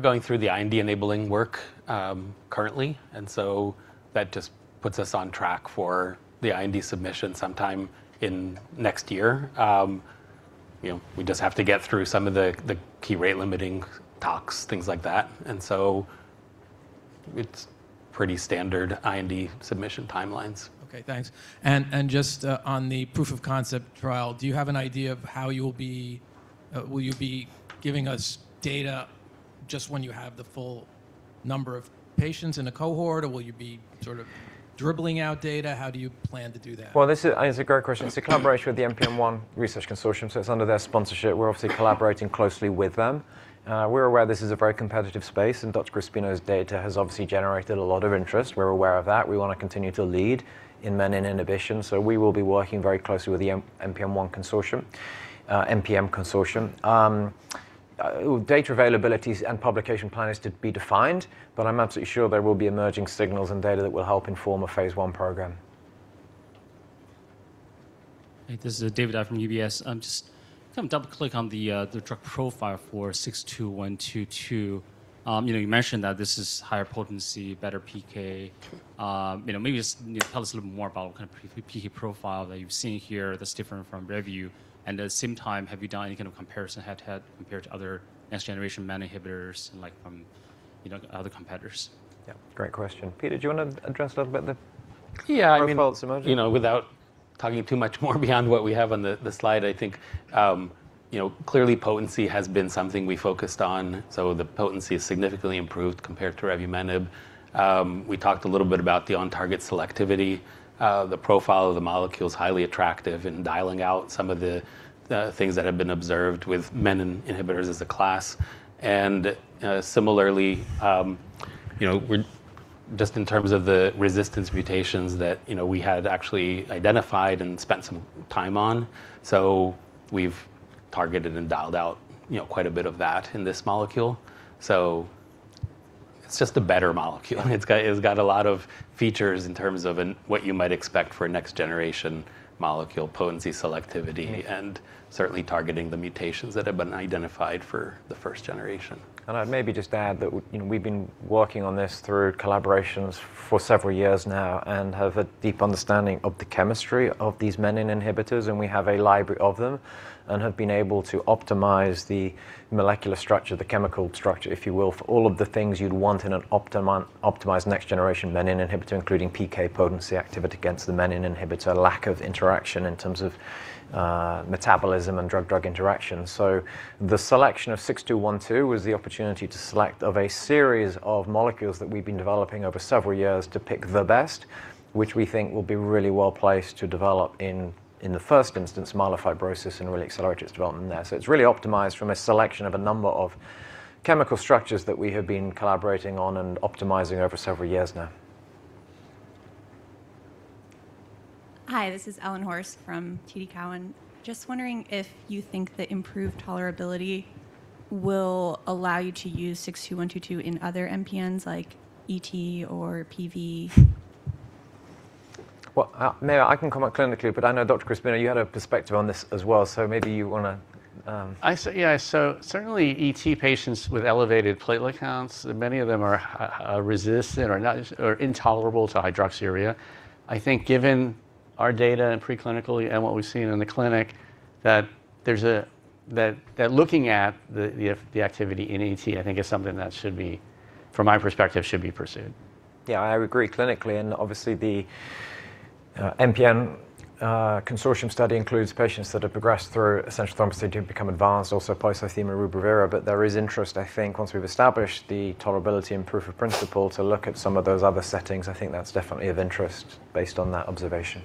going through the IND-enabling work currently. That just puts us on track for the IND submission sometime next year. We just have to get through some of the key rate-limiting talks, things like that. It's pretty standard IND submission timelines. Okay, thanks. Just on the proof of concept trial, do you have an idea of how will you be giving us data just when you have the full number of patients in a cohort, or will you be sort of dribbling out data? How do you plan to do that? Well, this is a great question. It's a collaboration with the NPM1 Research Consortium. It's under their sponsorship. We're obviously collaborating closely with them. We're aware this is a very competitive space. Dr. Crispino's data has obviously generated a lot of interest. We're aware of that. We want to continue to lead in menin inhibition. We will be working very closely with the NPM1 Consortium, MPN-RC Consortium. Data availabilities and publication plan is to be defined. I'm absolutely sure there will be emerging signals and data that will help inform a phase I program. Hey, this is David Dai from UBS. I'm just double-clicking on the drug profile for 62122. You mentioned that this is higher potency, better PK. Maybe just can you tell us a little more about what kind of PK profile that you've seen here that's different from revu? At the same time, have you done any kind of comparison head-to-head compared to other next-generation menin inhibitors and from other competitors? Yeah, great question. Peter, do you want to address a little bit? Yeah. Profiles emerging? Without talking too much more beyond what we have on the slide, I think clearly potency has been something we focused on. The potency is significantly improved compared to revumenib. We talked a little bit about the on-target selectivity. The profile of the molecule is highly attractive in dialing out some of the things that have been observed with menin inhibitors as a class. Similarly, just in terms of the resistance mutations that we had actually identified and spent some time on. We've targeted and dialed out quite a bit of that in this molecule. It's just a better molecule. It's got a lot of features in terms of what you might expect for a next-generation molecule, potency, selectivity, and certainly targeting the mutations that have been identified for the first-generation. I'd maybe just add that we've been working on this through collaborations for several years now and have a deep understanding of the chemistry of these menin inhibitors, and we have a library of them and have been able to optimize the molecular structure, the chemical structure, if you will, for all of the things you'd want in an optimized next-generation menin inhibitor, including PK potency, activity against the menin inhibitor, lack of interaction in terms of metabolism and drug-drug interactions. The selection of 62122 was the opportunity to select of a series of molecules that we've been developing over several years to pick the best, which we think will be really well-placed to develop in the first instance myelofibrosis and really accelerate its development there. It's really optimized from a selection of a number of chemical structures that we have been collaborating on and optimizing over several years now. Hi, this is Ellen Horste from TD Cowen. Just wondering if you think the improved tolerability will allow you to use 62122 in other MPNs like ET or PV. Well, maybe I can comment clinically, I know Dr. Crispino, you had a perspective on this as well, maybe you want to. Yeah. Certainly ET patients with elevated platelet counts, many of them are resistant or intolerable to hydroxyurea. I think given our data and preclinically and what we've seen in the clinic, that looking at the activity in ET, I think is something that should be, from my perspective, should be pursued. Yeah, I would agree clinically, obviously the MPN-RC Consortium study includes patients that have progressed through essential thrombocythemia to become advanced, also polycythemia rubra vera. There is interest, I think, once we've established the tolerability and proof of principle to look at some of those other settings. I think that's definitely of interest based on that observation.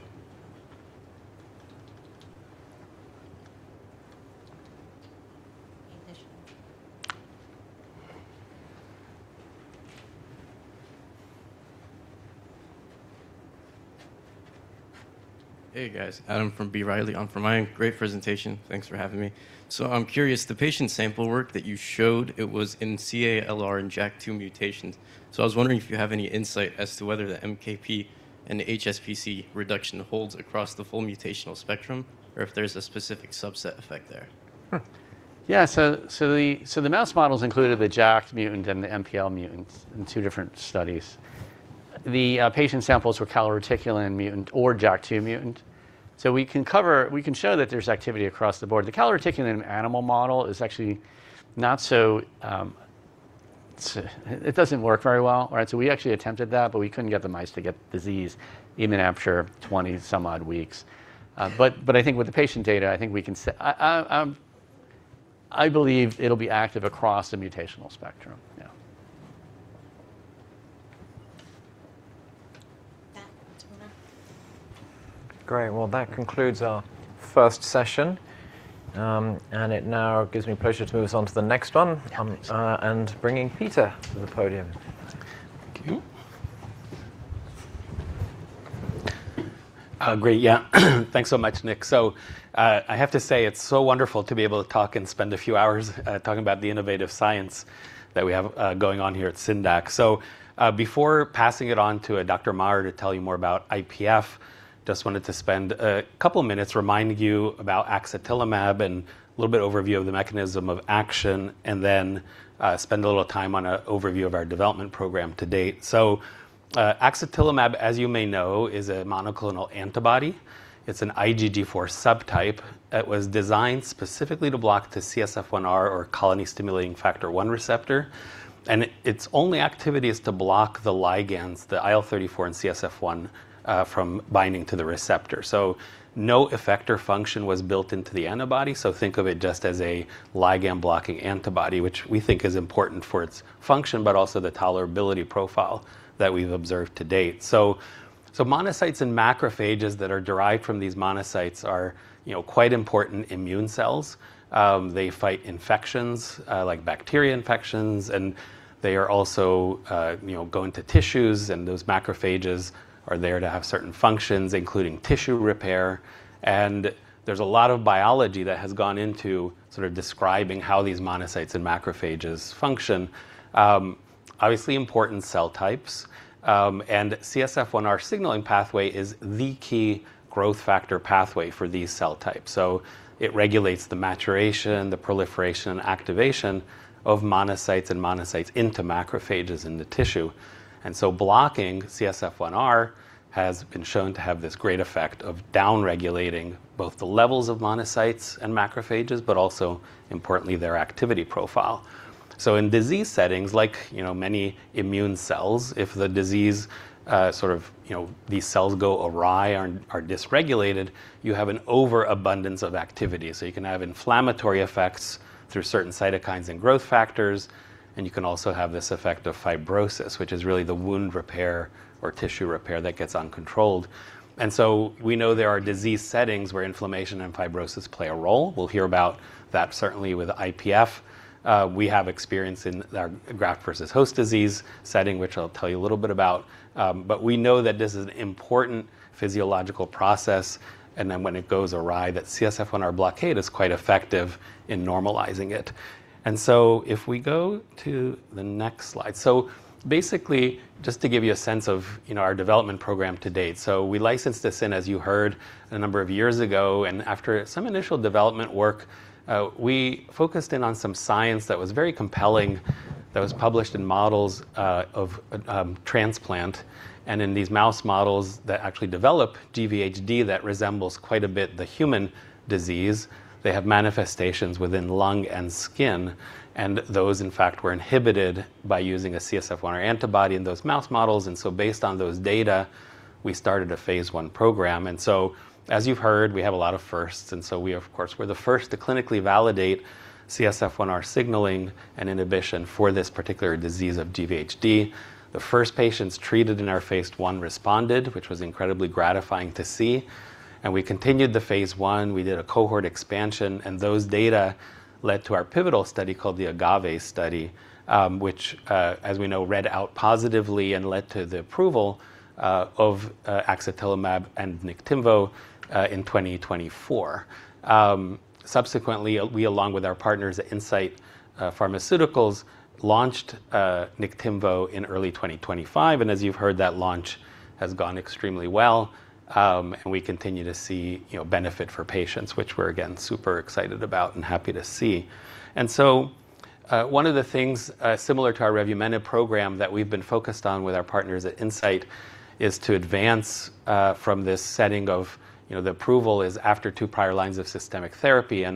Any additional? Hey, guys. Adam from B. Riley on for Mayank. Great presentation. Thanks for having me. I'm curious, the patient sample work that you showed it was in CALR and JAK2 mutations. I was wondering if you have any insight as to whether the MKP and the HSPC reduction holds across the full mutational spectrum, or if there's a specific subset effect there? Yeah. The mouse models included the JAK mutant and the MPL mutant in two different studies. The patient samples were calreticulin mutant or JAK2 mutant. We can show that there's activity across the board. The calreticulin animal model actually doesn't work very well. All right? We actually attempted that, but we couldn't get the mice to get the disease even after 20-some odd weeks. I think with the patient data, I believe it'll be active across the mutational spectrum. Yeah. Great. Well, that concludes our first session. It now gives me pleasure to move us on to the next one. Thanks. Bringing Peter to the podium. Thank you. Great. Yeah. Thanks so much, Nick. I have to say, it is so wonderful to be able to talk and spend a few hours talking about the innovative science that we have going on here at Syndax. Before passing it on to Dr. Maher to tell you more about IPF, just wanted to spend a couple of minutes reminding you about axatilimab and a little bit overview of the mechanism of action, then spend a little time on an overview of our development program to date. axatilimab, as you may know, is a monoclonal antibody. It is an IgG4 subtype that was designed specifically to block the CSF1R, or colony-stimulating factor one receptor. Its only activity is to block the ligands, the IL-34 and CSF1, from binding to the receptor. No effector function was built into the antibody. Think of it just as a ligand-blocking antibody, which we think is important for its function, but also the tolerability profile that we have observed to date. Monocytes and macrophages that are derived from these monocytes are quite important immune cells. They fight infections, like bacteria infections, and they also go into tissues, and those macrophages are there to have certain functions, including tissue repair. There is a lot of biology that has gone into sort of describing how these monocytes and macrophages function. Obviously, important cell types. CSF1R signaling pathway is the key growth factor pathway for these cell types. It regulates the maturation, the proliferation, activation of monocytes and monocytes into macrophages in the tissue. Blocking CSF1R has been shown to have this great effect of down-regulating both the levels of monocytes and macrophages, but also, importantly, their activity profile. In disease settings, like many immune cells, if the disease, sort of these cells go awry or are dysregulated, you have an overabundance of activity. You can have inflammatory effects through certain cytokines and growth factors, and you can also have this effect of fibrosis, which is really the wound repair or tissue repair that gets uncontrolled. We know there are disease settings where inflammation and fibrosis play a role. We will hear about that certainly with IPF. We have experience in our graft-versus-host disease setting, which I will tell you a little bit about. We know that this is an important physiological process, and then when it goes awry, that CSF1R blockade is quite effective in normalizing it. If we go to the next slide. Basically, just to give you a sense of our development program to date. We licensed this in, as you heard, a number of years ago. After some initial development work, we focused in on some science that was very compelling, that was published in models of transplant. In these mouse models that actually develop GVHD that resembles quite a bit the human disease, they have manifestations within lung and skin, and those, in fact, were inhibited by using a CSF1R antibody in those mouse models. Based on those data, we started a phase I program. As you've heard, we have a lot of firsts. We, of course, were the first to clinically validate CSF1R signaling and inhibition for this particular disease of GVHD. The first patients treated in our phase I responded, which was incredibly gratifying to see. We continued the phase I. We did a cohort expansion, those data led to our pivotal study called the AGAVE study, which, as we know, read out positively and led to the approval of axatilimab and Niktimvo in 2024. Subsequently, we, along with our partners at Incyte Pharmaceuticals, launched Niktimvo in early 2025. As you've heard, that launch has gone extremely well. We continue to see benefit for patients, which we're, again, super excited about and happy to see. One of the things similar to our revumenib program that we've been focused on with our partners at Incyte is to advance from this setting of the approval is after two prior lines of systemic therapy,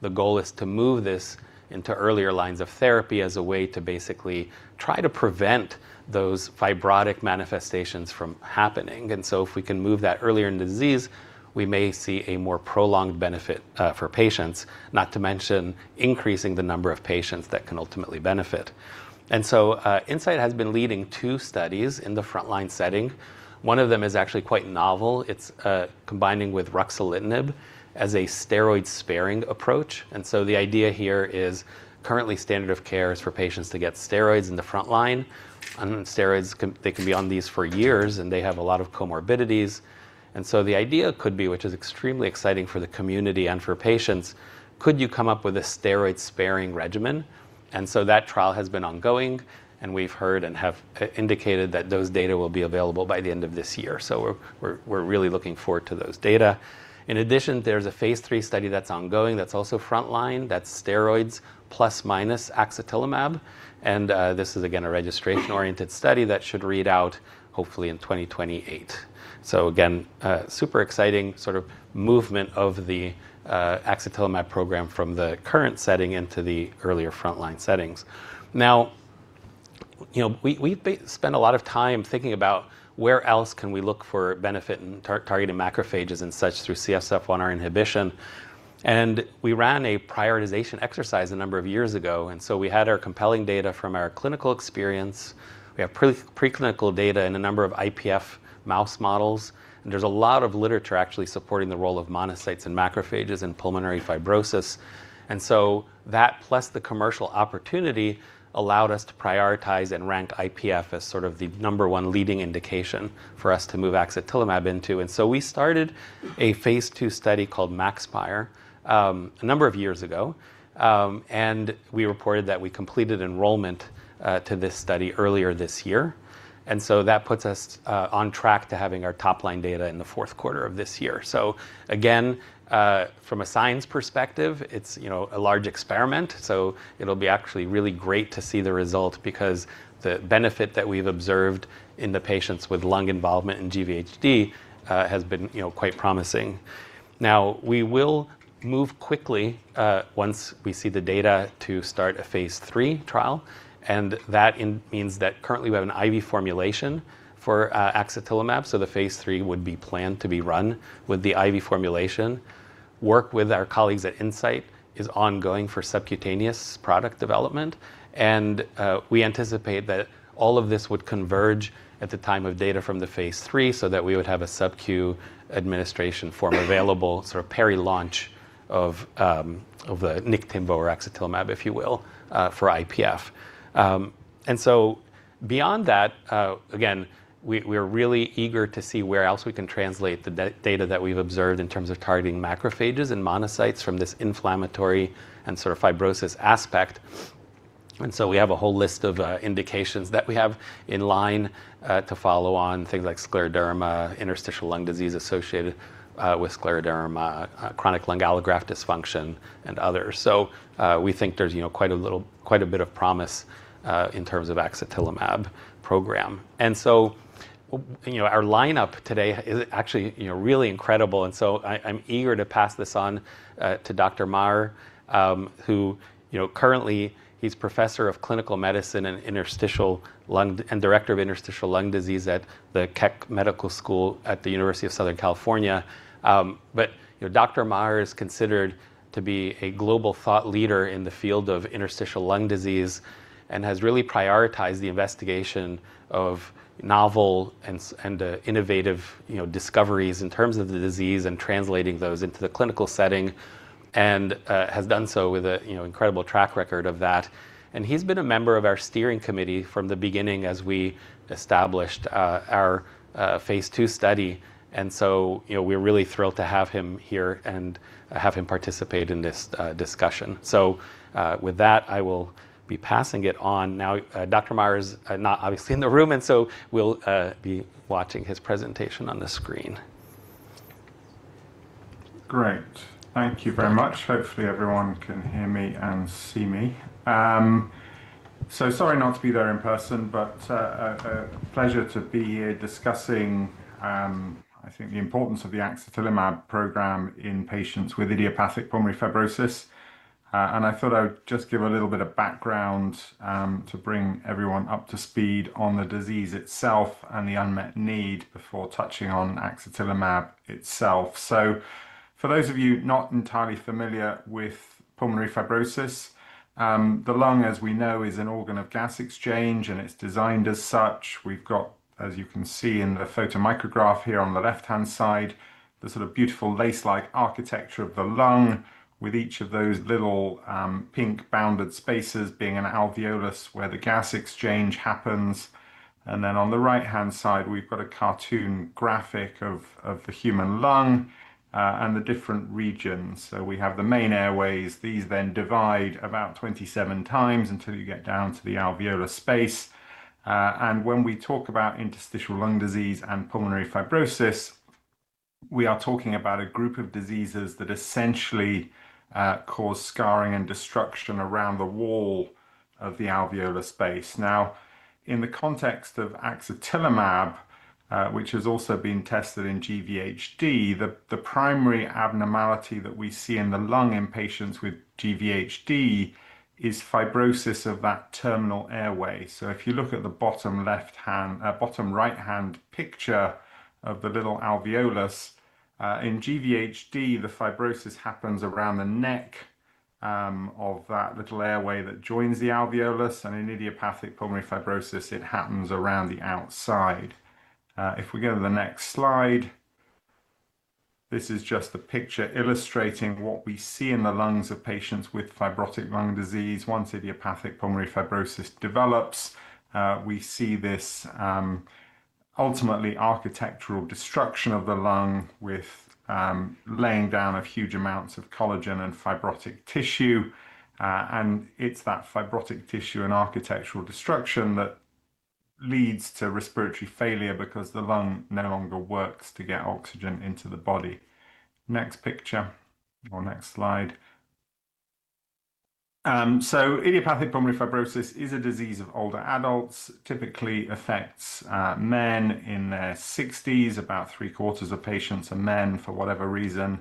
the goal is to move this into earlier lines of therapy as a way to basically try to prevent those fibrotic manifestations from happening. If we can move that earlier in disease, we may see a more prolonged benefit for patients. Not to mention increasing the number of patients that can ultimately benefit. Incyte has been leading two studies in the frontline setting. One of them is actually quite novel. It's combining with ruxolitinib as a steroid-sparing approach. The idea here is currently standard of care is for patients to get steroids in the frontline. Steroids, they can be on these for years, and they have a lot of comorbidities. The idea could be, which is extremely exciting for the community and for patients, could you come up with a steroid-sparing regimen? That trial has been ongoing, and we've heard and have indicated that those data will be available by the end of this year. We're really looking forward to those data. In addition, there's a phase III study that's ongoing that's also frontline. That's steroids plus/minus axatilimab. This is, again, a registration-oriented study that should read out hopefully in 2028. Again, super exciting sort of movement of the axatilimab program from the current setting into the earlier frontline settings. We've spent a lot of time thinking about where else can we look for benefit in targeting macrophages and such through CSF1R inhibition. We ran a prioritization exercise a number of years ago, we had our compelling data from our clinical experience. We have preclinical data in a number of IPF mouse models, there's a lot of literature actually supporting the role of monocytes and macrophages in pulmonary fibrosis. That, plus the commercial opportunity, allowed us to prioritize and rank IPF as sort of the number one leading indication for us to move axatilimab into. We started a phase II study called MAXPIRe a number of years ago, and we reported that we completed enrollment to this study earlier this year. That puts us on track to having our top-line data in the fourth quarter of this year. Again, from a science perspective, it's a large experiment, so it'll be actually really great to see the result because the benefit that we've observed in the patients with lung involvement in GVHD has been quite promising. We will move quickly, once we see the data, to start a phase III trial, and that means that currently we have an IV formulation for axatilimab. The phase III would be planned to be run with the IV formulation. Work with our colleagues at Incyte is ongoing for subcutaneous product development, and we anticipate that all of this would converge at the time of data from the phase III, so that we would have a subcu administration form available, sort of peri-launch of the Niktimvo, or axatilimab, if you will, for IPF. Beyond that, again, we're really eager to see where else we can translate the data that we've observed in terms of targeting macrophages and monocytes from this inflammatory and sort of fibrosis aspect. We have a whole list of indications that we have in line to follow on things like scleroderma, interstitial lung disease associated with scleroderma, chronic lung allograft dysfunction, and others. We think there's quite a bit of promise in terms of axatilimab program. Our lineup today is actually really incredible, I'm eager to pass this on to Dr. Maher, who currently he's Professor of Clinical Medicine and Director of Interstitial Lung Disease at the Keck School of Medicine of USC at the University of Southern California. Dr. Maher is considered to be a global thought leader in the field of interstitial lung disease and has really prioritized the investigation of novel and innovative discoveries in terms of the disease and translating those into the clinical setting and has done so with an incredible track record of that. He's been a member of our steering committee from the beginning as we established our phase II study, We're really thrilled to have him here and have him participate in this discussion. With that, I will be passing it on now. Dr. Maher is not obviously in the room, We'll be watching his presentation on the screen. Great. Thank you very much. Hopefully, everyone can hear me and see me. Sorry not to be there in person, but a pleasure to be here discussing, I think, the importance of the axatilimab program in patients with idiopathic pulmonary fibrosis. I thought I would just give a little bit of background to bring everyone up to speed on the disease itself and the unmet need before touching on axatilimab itself. For those of you not entirely familiar with pulmonary fibrosis, the lung, as we know, is an organ of gas exchange, and it's designed as such. We've got, as you can see in the photomicrograph here on the left-hand side, the sort of beautiful lace-like architecture of the lung with each of those little pink bounded spaces being an alveolus where the gas exchange happens. On the right-hand side, we've got a cartoon graphic of the human lung, and the different regions. We have the main airways. These then divide about 27 times until you get down to the alveolar space. When we talk about interstitial lung disease and pulmonary fibrosis, we are talking about a group of diseases that essentially cause scarring and destruction around the wall of the alveolar space. In the context of axatilimab, which has also been tested in GVHD, the primary abnormality that we see in the lung in patients with GVHD is fibrosis of that terminal airway. If you look at the bottom right-hand picture of the little alveolus, in GVHD, the fibrosis happens around the neck of that little airway that joins the alveolus, and in idiopathic pulmonary fibrosis, it happens around the outside. If we go to the next slide, this is just a picture illustrating what we see in the lungs of patients with fibrotic lung disease. Once idiopathic pulmonary fibrosis develops, we see this ultimately architectural destruction of the lung with laying down of huge amounts of collagen and fibrotic tissue. It's that fibrotic tissue and architectural destruction that leads to respiratory failure because the lung no longer works to get oxygen into the body. Next picture or next slide. Idiopathic pulmonary fibrosis is a disease of older adults. Typically affects men in their 60s. About three-quarters of patients are men, for whatever reason.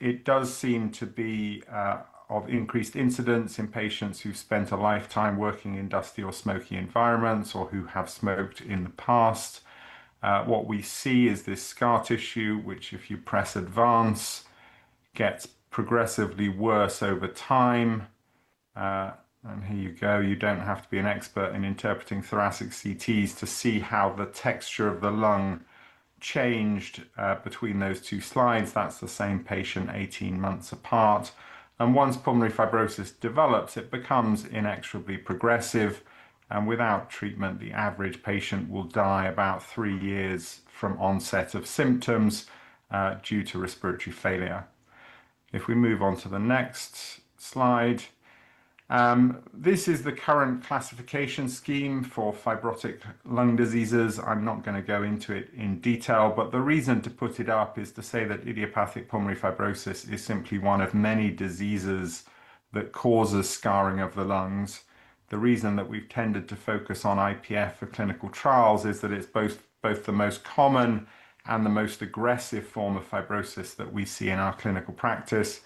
It does seem to be of increased incidence in patients who've spent a lifetime working in dusty or smoky environments or who have smoked in the past. What we see is this scar tissue, which if you press advance, gets progressively worse over time. Here you go. You don't have to be an expert in interpreting thoracic CTs to see how the texture of the lung changed between those two slides. That's the same patient 18 months apart. Once pulmonary fibrosis develops, it becomes inexorably progressive, and without treatment, the average patient will die about three years from onset of symptoms due to respiratory failure. If we move on to the next slide. This is the current classification scheme for fibrotic lung diseases. I'm not going to go into it in detail, but the reason to put it up is to say that idiopathic pulmonary fibrosis is simply one of many diseases that causes scarring of the lungs. The reason that we've tended to focus on IPF for clinical trials is that it's both the most common and the most aggressive form of fibrosis that we see in our clinical practice.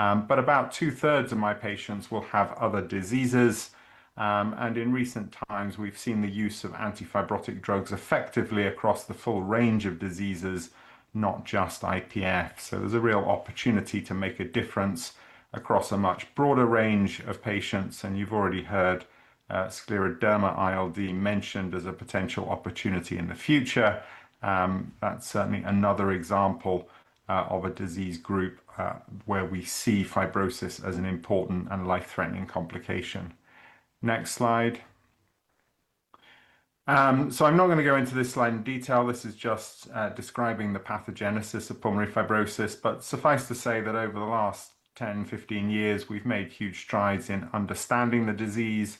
About two-thirds of my patients will have other diseases. In recent times, we've seen the use of anti-fibrotic drugs effectively across the full range of diseases, not just IPF. There's a real opportunity to make a difference across a much broader range of patients, and you've already heard scleroderma-ILD mentioned as a potential opportunity in the future. That's certainly another example of a disease group, where we see fibrosis as an important and life-threatening complication. Next slide. I'm not going to go into this slide in detail. This is just describing the pathogenesis of pulmonary fibrosis. Suffice to say that over the last 10, 15 years, we've made huge strides in understanding the disease.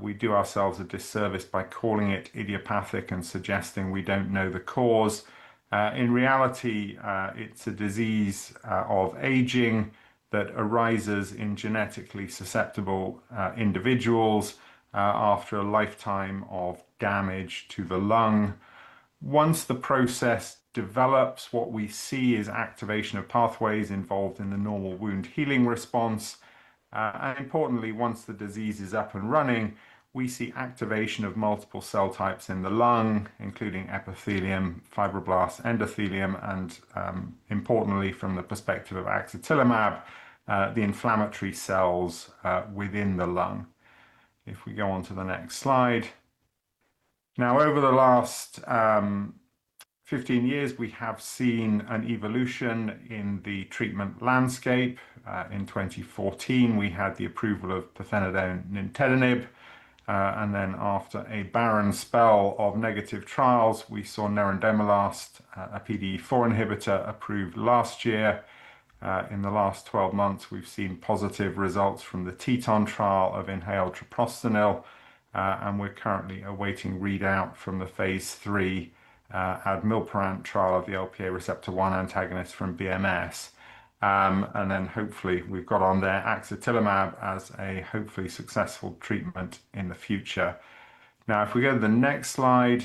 We do ourselves a disservice by calling it idiopathic and suggesting we don't know the cause. In reality, it's a disease of aging that arises in genetically susceptible individuals after a lifetime of damage to the lung. Once the process develops, what we see is activation of pathways involved in the normal wound-healing response. Importantly, once the disease is up and running, we see activation of multiple cell types in the lung, including epithelium, fibroblasts, endothelium and, importantly from the perspective of axatilimab, the inflammatory cells within the lung. If we go on to the next slide. Over the last 15 years, we have seen an evolution in the treatment landscape. In 2014, we had the approval of pirfenidone nintedanib. After a barren spell of negative trials, we saw nerandomilast, a PDE4 inhibitor, approved last year. In the last 12 months, we've seen positive results from the TETON trial of inhaled treprostinil, and we're currently awaiting readout from the phase III admilparant trial of the LPA receptor 1 antagonist from BMS. Hopefully, we've got on there axatilimab as a hopefully successful treatment in the future. If we go to the next slide.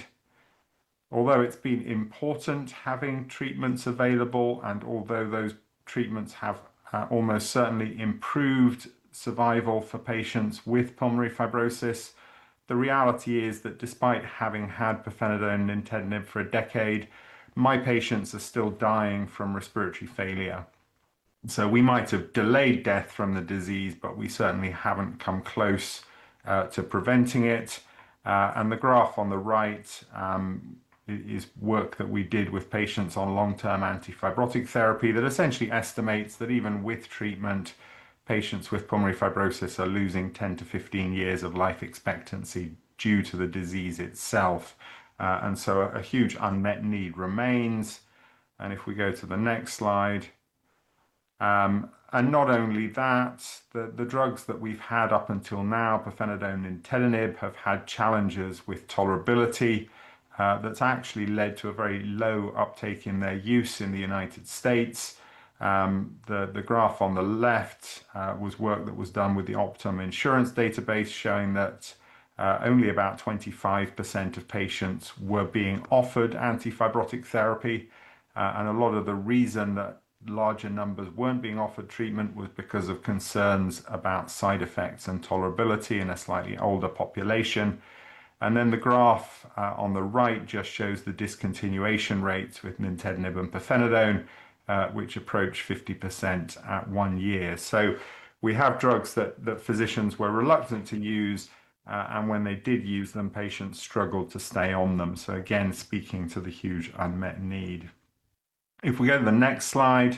Although it's been important having treatments available and although those treatments have almost certainly improved survival for patients with pulmonary fibrosis, the reality is that despite having had pirfenidone nintedanib for a decade, my patients are still dying from respiratory failure. We might have delayed death from the disease, but we certainly haven't come close to preventing it. The graph on the right is work that we did with patients on long-term anti-fibrotic therapy that essentially estimates that even with treatment, patients with pulmonary fibrosis are losing 10 to 15 years of life expectancy due to the disease itself. A huge unmet need remains. If we go to the next slide. Not only that, the drugs that we've had up until now, pirfenidone nintedanib, have had challenges with tolerability, that's actually led to a very low uptake in their use in the United States. The graph on the left was work that was done with the Optum insurance database, showing that only about 25% of patients were being offered anti-fibrotic therapy. A lot of the reason that larger numbers weren't being offered treatment was because of concerns about side effects and tolerability in a slightly older population. The graph on the right just shows the discontinuation rates with nintedanib and pirfenidone, which approach 50% at one year. We have drugs that physicians were reluctant to use, and when they did use them, patients struggled to stay on them. Again, speaking to the huge unmet need. If we go to the next slide.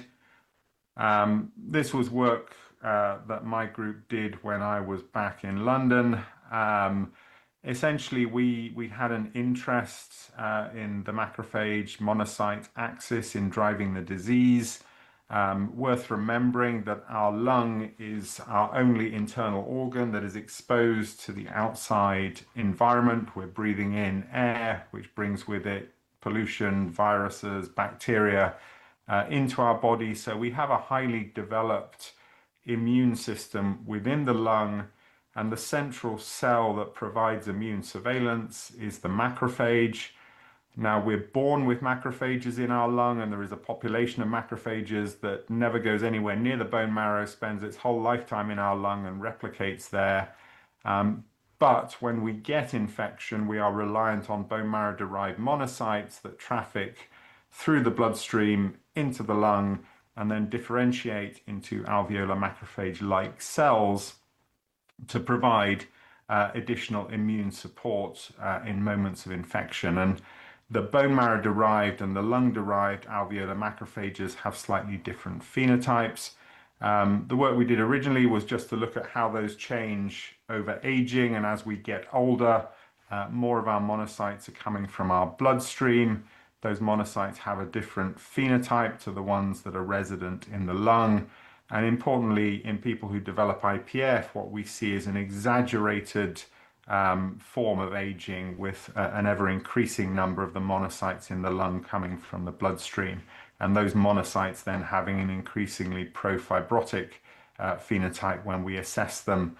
This was work that my group did when I was back in London. Essentially, we had an interest in the macrophage monocyte axis in driving the disease. Worth remembering that our lung is our only internal organ that is exposed to the outside environment. We are breathing in air, which brings with it pollution, viruses, bacteria, into our body. We have a highly developed immune system within the lung, and the central cell that provides immune surveillance is the macrophage. We are born with macrophages in our lung, and there is a population of macrophages that never goes anywhere near the bone marrow, spends its whole lifetime in our lung and replicates there. When we get infection, we are reliant on bone marrow-derived monocytes that traffic through the bloodstream into the lung and then differentiate into alveolar macrophage-like cells to provide additional immune support in moments of infection. The bone marrow-derived and the lung-derived alveolar macrophages have slightly different phenotypes. The work we did originally was just to look at how those change over aging. As we get older, more of our monocytes are coming from our bloodstream. Those monocytes have a different phenotype to the ones that are resident in the lung. Importantly, in people who develop IPF, what we see is an exaggerated form of aging with an ever-increasing number of the monocytes in the lung coming from the bloodstream, and those monocytes then having an increasingly pro-fibrotic phenotype when we assess them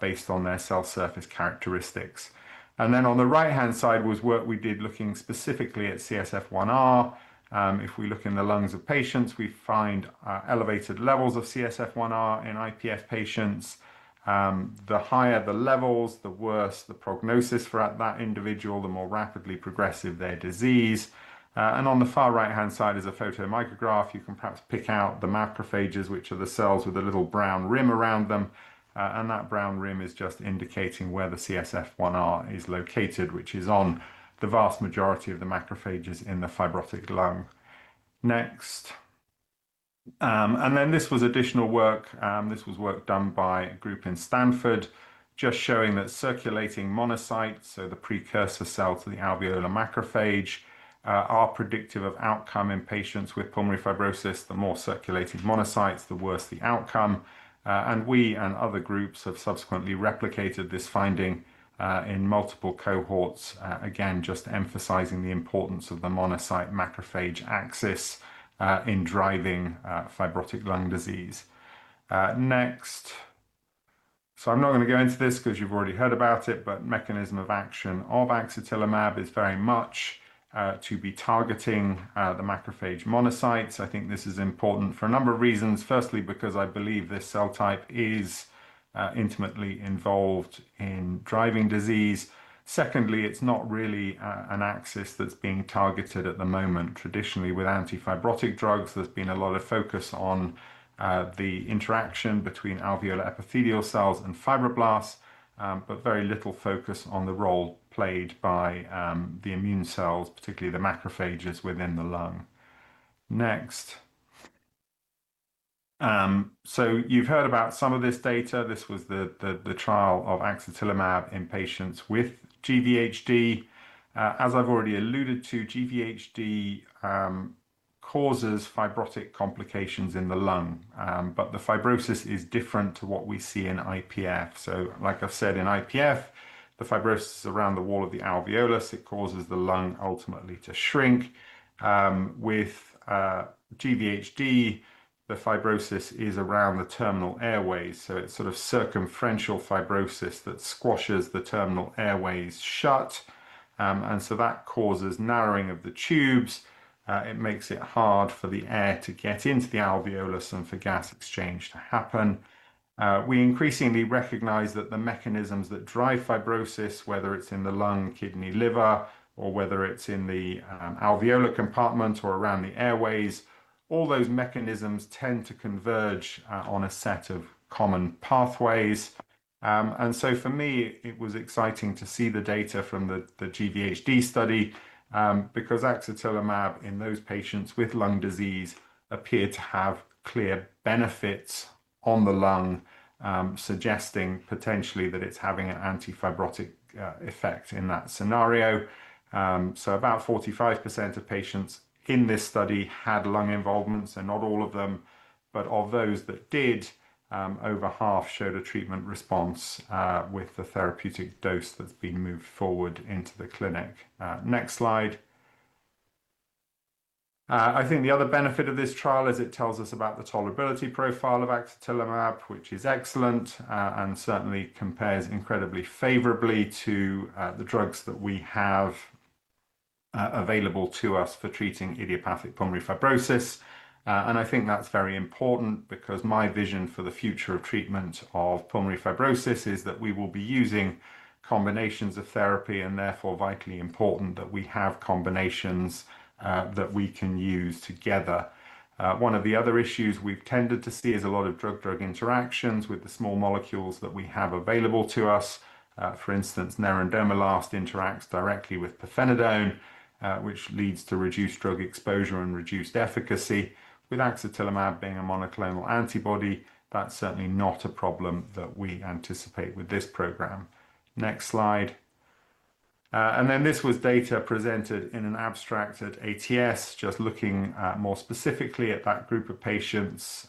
based on their cell surface characteristics. On the right-hand side was work we did looking specifically at CSF1R. If we look in the lungs of patients, we find elevated levels of CSF1R in IPF patients. The higher the levels, the worse the prognosis for that individual, the more rapidly progressive their disease. On the far right-hand side is a photomicrograph. You can perhaps pick out the macrophages, which are the cells with a little brown rim around them. That brown rim is just indicating where the CSF1R is located, which is on the vast majority of the macrophages in the fibrotic lung. Next. This was additional work. This was work done by a group in Stanford, just showing that circulating monocytes, so the precursor cell to the alveolar macrophage, are predictive of outcome in patients with pulmonary fibrosis. The more circulating monocytes, the worse the outcome. We and other groups have subsequently replicated this finding in multiple cohorts, again, just emphasizing the importance of the monocyte-macrophage axis in driving fibrotic lung disease. Next. I am not going to go into this because you have already heard about it, but mechanism of action of axatilimab is very much to be targeting the macrophage monocytes. I think this is important for a number of reasons. Firstly, because I believe this cell type is intimately involved in driving disease. Secondly, it is not really an axis that is being targeted at the moment. Traditionally, with anti-fibrotic drugs, there's been a lot of focus on the interaction between alveolar epithelial cells and fibroblasts, but very little focus on the role played by the immune cells, particularly the macrophages within the lung. Next. You've heard about some of this data. This was the trial of axatilimab in patients with GVHD. As I've already alluded to, GVHD causes fibrotic complications in the lung, but the fibrosis is different to what we see in IPF. Like I've said, in IPF, the fibrosis is around the wall of the alveolus. It causes the lung ultimately to shrink. With GVHD, the fibrosis is around the terminal airways, so it's sort of circumferential fibrosis that squashes the terminal airways shut. That causes narrowing of the tubes. It makes it hard for the air to get into the alveolus and for gas exchange to happen. We increasingly recognize that the mechanisms that drive fibrosis, whether it's in the lung, kidney, liver, or whether it's in the alveolar compartment or around the airways, all those mechanisms tend to converge on a set of common pathways. For me, it was exciting to see the data from the GVHD study, because axatilimab in those patients with lung disease appeared to have clear benefits on the lung, suggesting potentially that it's having an anti-fibrotic effect in that scenario. About 45% of patients in this study had lung involvement, so not all of them. But of those that did, over half showed a treatment response with the therapeutic dose that's been moved forward into the clinic. Next slide. I think the other benefit of this trial is it tells us about the tolerability profile of axatilimab, which is excellent, and certainly compares incredibly favorably to the drugs that we have available to us for treating idiopathic pulmonary fibrosis. I think that's very important because my vision for the future of treatment of pulmonary fibrosis is that we will be using combinations of therapy, and therefore vitally important that we have combinations that we can use together. One of the other issues we've tended to see is a lot of drug-drug interactions with the small molecules that we have available to us. For instance, nerandomilast interacts directly with pirfenidone, which leads to reduced drug exposure and reduced efficacy. With axatilimab being a monoclonal antibody, that's certainly not a problem that we anticipate with this program. Next slide. Then this was data presented in an abstract at ATS, just looking more specifically at that group of patients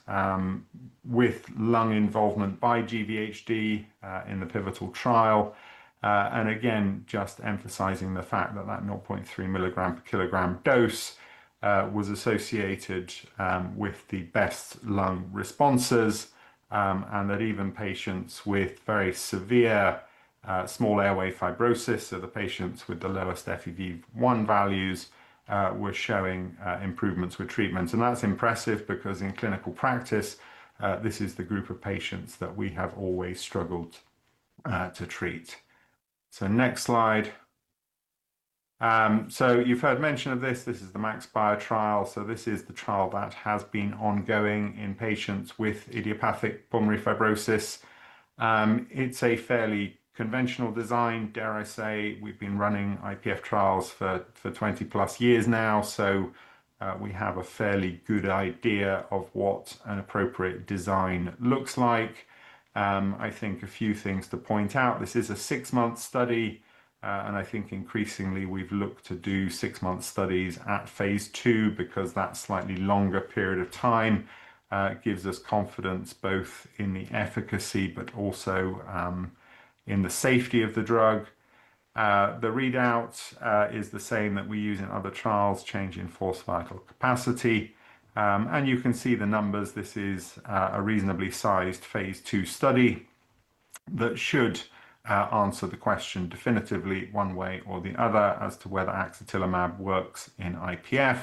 with lung involvement by GVHD in the pivotal trial. Again, just emphasizing the fact that that 0.3 mg/kg dose was associated with the best lung responses, and that even patients with very severe small airway fibrosis. The patients with the lowest FEV1 values were showing improvements with treatments. That's impressive because in clinical practice, this is the group of patients that we have always struggled to treat. Next slide. You've heard mention of this. This is the MAXPIRe trial. This is the trial that has been ongoing in patients with idiopathic pulmonary fibrosis. It's a fairly conventional design, dare I say. We've been running IPF trials for 20+ years now, so we have a fairly good idea of what an appropriate design looks like. I think a few things to point out, this is a six-month study. I think increasingly we've looked to do six-month studies at phase II because that slightly longer period of time gives us confidence both in the efficacy but also in the safety of the drug. The readout is the same that we use in other trials, change in forced vital capacity. You can see the numbers. This is a reasonably sized phase II study that should answer the question definitively one way or the other as to whether axatilimab works in IPF.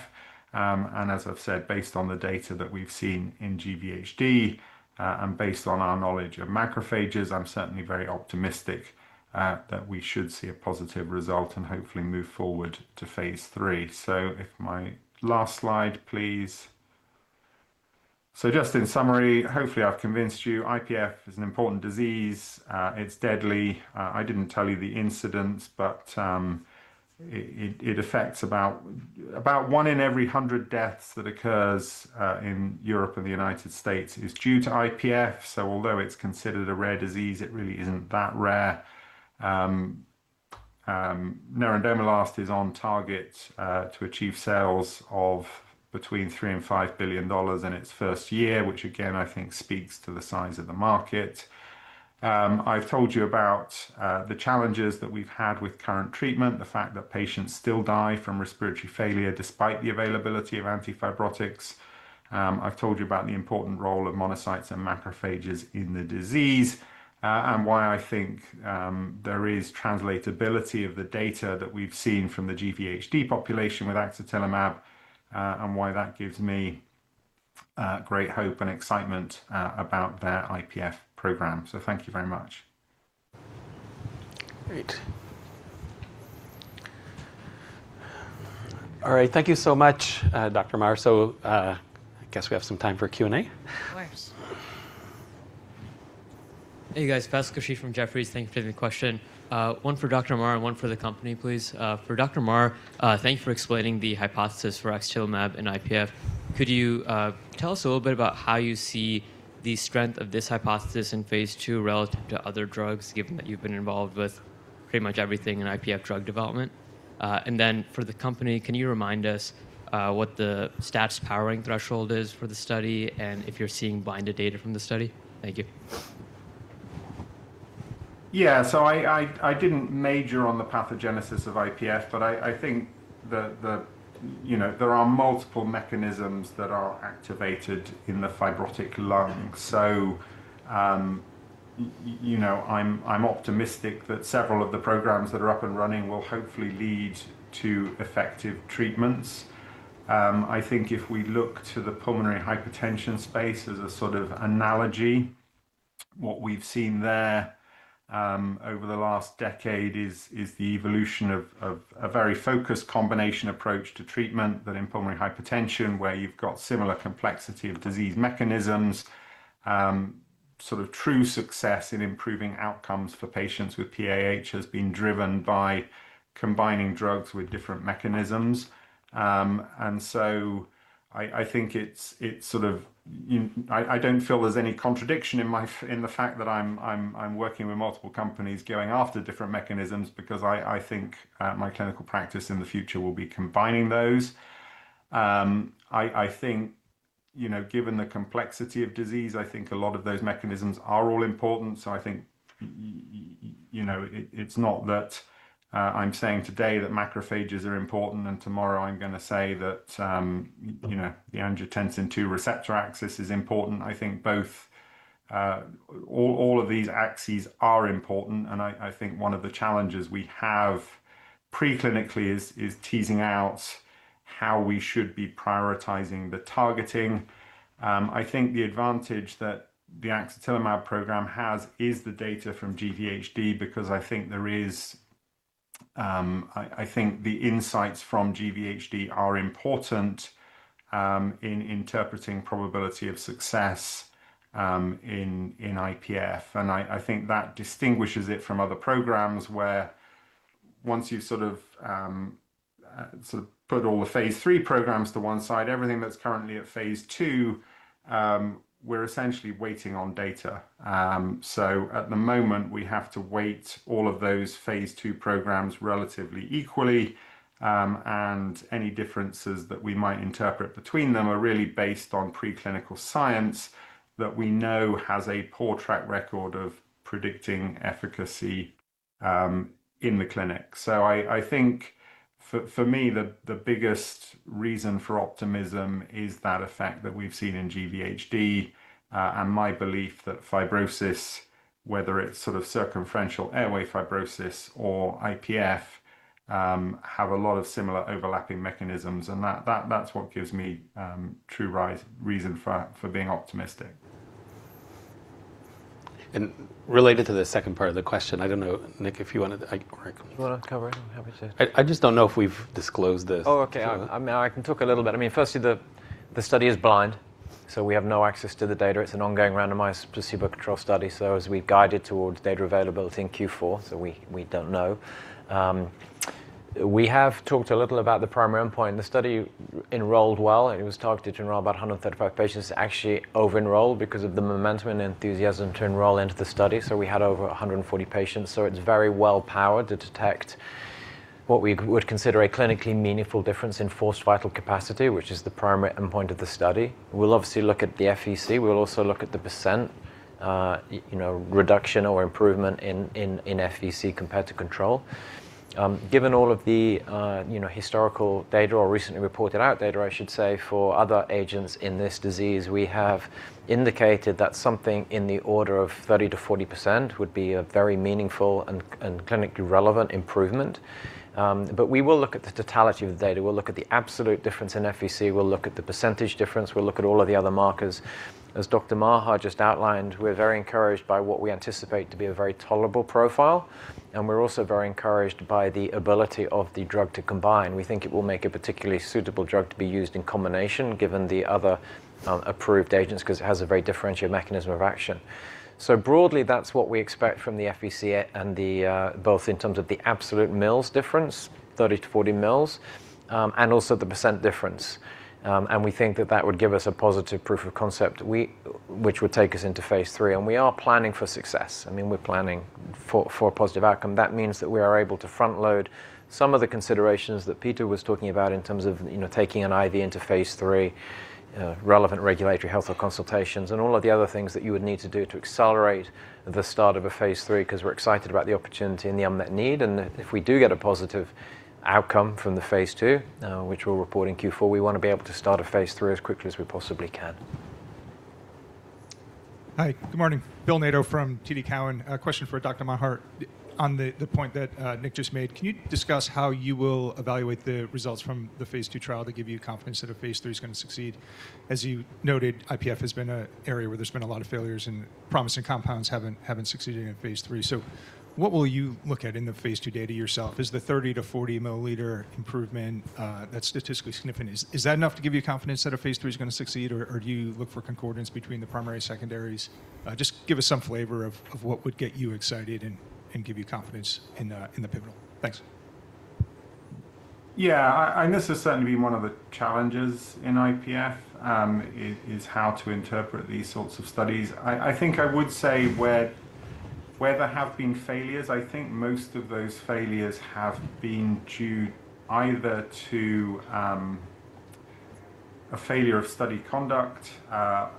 As I've said, based on the data that we've seen in GVHD, and based on our knowledge of macrophages, I'm certainly very optimistic that we should see a positive result and hopefully move forward to phase III. If my last slide, please. Just in summary, hopefully, I've convinced you IPF is an important disease. It's deadly. I didn't tell you the incidence, but it affects about one in every 100 deaths that occurs in Europe and the U.S. is due to IPF. Although it's considered a rare disease, it really isn't that rare. Nerandomilast is on target to achieve sales of between $3 billion and $5 billion in its first year, which again, I think speaks to the size of the market. I've told you about the challenges that we've had with current treatment, the fact that patients still die from respiratory failure despite the availability of antifibrotics. I've told you about the important role of monocytes and macrophages in the disease, and why I think there is translatability of the data that we've seen from the GVHD population with axatilimab, and why that gives me great hope and excitement about their IPF program. Thank you very much. Great. All right. Thank you so much, Dr. Maher. I guess we have some time for Q&A. Of course. Hey, guys. Fais Khurshid from Jefferies. Thank you for taking the question. One for Dr. Maher and one for the company, please. For Dr. Maher, thanks for explaining the hypothesis for axatilimab and IPF. Could you tell us a little bit about how you see the strength of this hypothesis in phase II relative to other drugs, given that you've been involved with pretty much everything in IPF drug development? For the company, can you remind us what the stats powering threshold is for the study and if you're seeing blinded data from the study? Thank you. I didn't major on the pathogenesis of IPF, but I think there are multiple mechanisms that are activated in the fibrotic lung. I'm optimistic that several of the programs that are up and running will hopefully lead to effective treatments. I think if we look to the pulmonary hypertension space as a sort of analogy, what we've seen there over the last decade is the evolution of a very focused combination approach to treatment that in pulmonary hypertension, where you've got similar complexity of disease mechanisms, true success in improving outcomes for patients with PAH has been driven by combining drugs with different mechanisms. I don't feel there's any contradiction in the fact that I'm working with multiple companies going after different mechanisms because I think my clinical practice in the future will be combining those. Given the complexity of disease, I think a lot of those mechanisms are all important. I think it's not that I'm saying today that macrophages are important, and tomorrow I'm going to say that the angiotensin II receptor axis is important. I think both, all of these axes are important, and I think one of the challenges we have pre-clinically is teasing out how we should be prioritizing the targeting. I think the advantage that the axatilimab program has is the data from GVHD because I think the insights from GVHD are important in interpreting probability of success in IPF. I think that distinguishes it from other programs where once you've put all the phase III programs to one side, everything that's currently at phase II, we're essentially waiting on data. At the moment, we have to weight all of those phase II programs relatively equally, and any differences that we might interpret between them are really based on preclinical science that we know has a poor track record of predicting efficacy in the clinic. For me, the biggest reason for optimism is that effect that we've seen in GVHD, and my belief that fibrosis, whether it's circumferential airway fibrosis or IPF, have a lot of similar overlapping mechanisms, and that's what gives me true reason for being optimistic. Related to the second part of the question, I don't know, Nick, if you wanted You want to cover it? I'm happy to. I just don't know if we've disclosed this. Oh, okay. I can talk a little bit. Firstly, the study is blind, we have no access to the data. It's an ongoing randomized placebo control study. As we're guided towards data availability in Q4, we don't know. We have talked a little about the primary endpoint. The study enrolled well. It was targeted to enroll about 135 patients, actually over-enrolled because of the momentum and enthusiasm to enroll into the study. We had over 140 patients, it's very well powered to detect what we would consider a clinically meaningful difference in forced vital capacity, which is the primary endpoint of the study. We'll obviously look at the FVC. We'll also look at the percent reduction or improvement in FVC compared to control. Given all of the historical data or recently reported out data, I should say, for other agents in this disease, we have indicated that something in the order of 30%-40% would be a very meaningful and clinically relevant improvement. We will look at the totality of the data. We'll look at the absolute difference in FVC. We'll look at the % difference. We'll look at all of the other markers. As Dr. Maher just outlined, we're very encouraged by what we anticipate to be a very tolerable profile, and we're also very encouraged by the ability of the drug to combine. We think it will make a particularly suitable drug to be used in combination, given the other approved agents, because it has a very differentiated mechanism of action. Broadly, that's what we expect from the FVC, both in terms of the absolute mils difference, 30 to 40 mL, and also the percent difference. We think that that would give us a positive proof of concept, which would take us into phase III. We are planning for success. We're planning for a positive outcome. That means that we are able to front load some of the considerations that Peter was talking about in terms of taking an IV into phase III, relevant regulatory health consultations, and all of the other things that you would need to do to accelerate the start of a phase III, because we're excited about the opportunity and the unmet need. If we do get a positive outcome from the phase II, which we'll report in Q4, we want to be able to start a phase III as quickly as we possibly can. Hi. Good morning. Phil Nadeau from TD Cowen. A question for Dr. Maher on the point that Nick just made. Can you discuss how you will evaluate the results from the phase II trial to give you confidence that a phase III is going to succeed? As you noted, IPF has been an area where there's been a lot of failures and promising compounds haven't succeeded in phase III. What will you look at in the phase II data yourself? Is the 30 to 40 mL improvement that's statistically significant, is that enough to give you confidence that a phase III is going to succeed, or do you look for concordance between the primary and secondaries? Just give us some flavor of what would get you excited and give you confidence in the pivotal. Thanks. This has certainly been one of the challenges in IPF is how to interpret these sorts of studies. I think I would say where there have been failures, I think most of those failures have been due either to a failure of study conduct,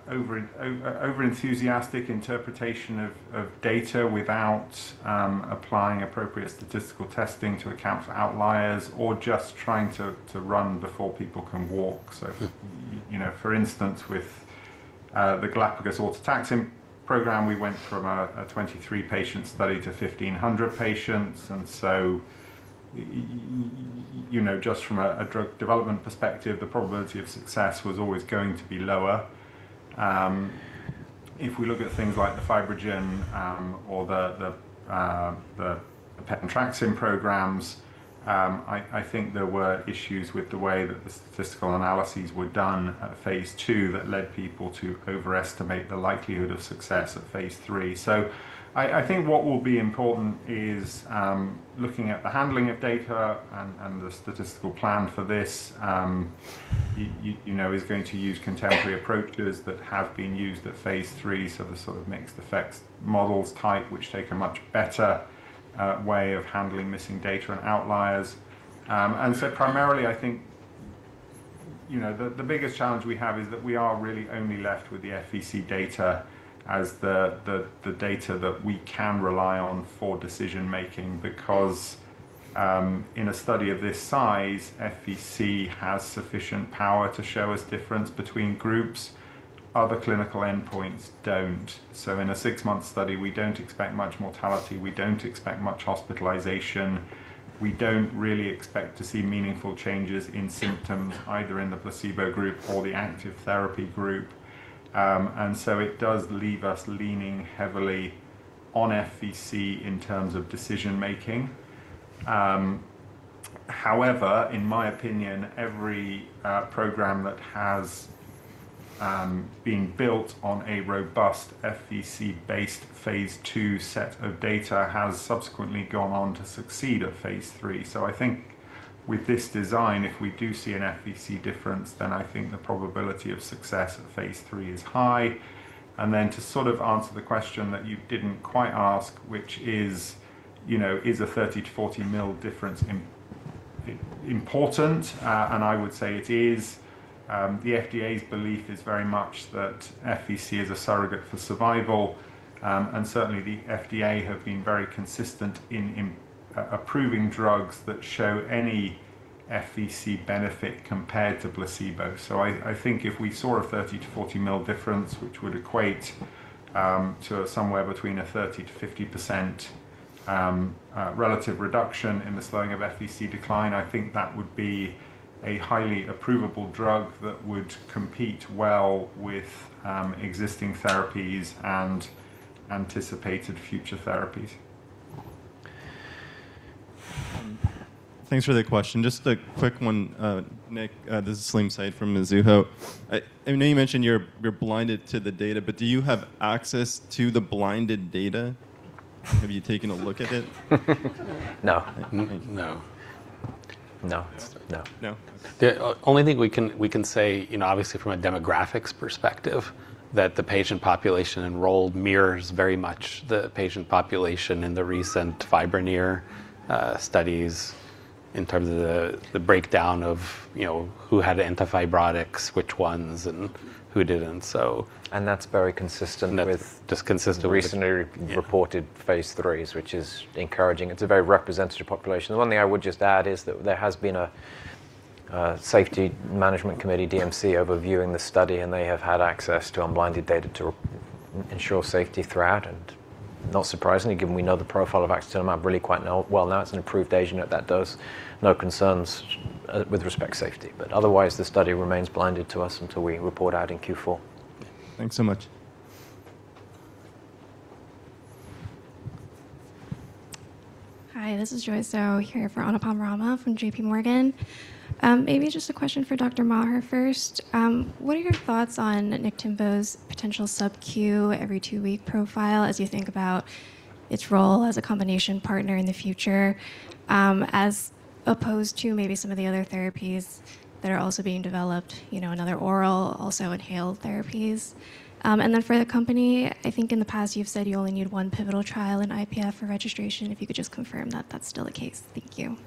over-enthusiastic interpretation of data without applying appropriate statistical testing to account for outliers, or just trying to run before people can walk. For instance, with the Galapagos autotaxin program, we went from a 23 patient study to 1,500 patients. Just from a drug development perspective, the probability of success was always going to be lower. If we look at things like the FibroGen or the Pentraxin programs, I think there were issues with the way that the statistical analyses were done at phase II that led people to overestimate the likelihood of success at phase III. I think what will be important is looking at the handling of data and the statistical plan for this is going to use contemporary approaches that have been used at phase III, the sort of mixed effects models type, which take a much better way of handling missing data and outliers. Primarily, I think the biggest challenge we have is that we are really only left with the FVC data as the data that we can rely on for decision making, because in a study of this size, FVC has sufficient power to show us difference between groups. Other clinical endpoints don't. In a six-month study, we don't expect much mortality. We don't expect much hospitalization. We don't really expect to see meaningful changes in symptoms, either in the placebo group or the active therapy group. It does leave us leaning heavily on FVC in terms of decision making. However, in my opinion, every program that has been built on a robust FVC-based phase II set of data has subsequently gone on to succeed at phase III. I think with this design, if we do see an FVC difference, then I think the probability of success at phase III is high. Then to sort of answer the question that you didn't quite ask, which is a 30 to 40 mL difference important? I would say it is. The FDA's belief is very much that FVC is a surrogate for survival, and certainly the FDA have been very consistent in approving drugs that show any FVC benefit compared to placebo. I think if we saw a 30 to 40 mL difference, which would equate to somewhere between a 30% to 50% relative reduction in the slowing of FVC decline, I think that would be a highly approvable drug that would compete well with existing therapies and anticipated future therapies. Thanks for the question. Just a quick one. Nick, this is Salim Syed from Mizuho. I know you mentioned you're blinded to the data, do you have access to the blinded data? Have you taken a look at it? No. No. No. No? The only thing we can say, obviously from a demographics perspective, that the patient population enrolled mirrors very much the patient population in the recent FIBRONEER studies in terms of the breakdown of who had antifibrotics, which ones, and who didn't. That's very consistent with. Just consistent with. Recently reported phase IIIs, which is encouraging. It's a very representative population. The one thing I would just add is that there has been a Safety Management Committee, DMC, overviewing the study, and they have had access to unblinded data to ensure safety throughout, and not surprisingly, given we know the profile of axatilimab really quite well now it's an approved agent at that dose, no concerns with respect to safety. But otherwise, the study remains blinded to us until we report out in Q4. Thanks so much. Hi, this is Joyce Zhao here for Anupam Rama from JPMorgan. Maybe just a question for Dr. Maher first. What are your thoughts on Niktimvo's potential sub-Q every two-week profile as you think about its role as a combination partner in the future, as opposed to maybe some of the other therapies that are also being developed, another oral, also inhaled therapies. And then for the company, I think in the past you've said you only need one pivotal trial in IPF for registration, if you could just confirm that that's still the case. Thank you.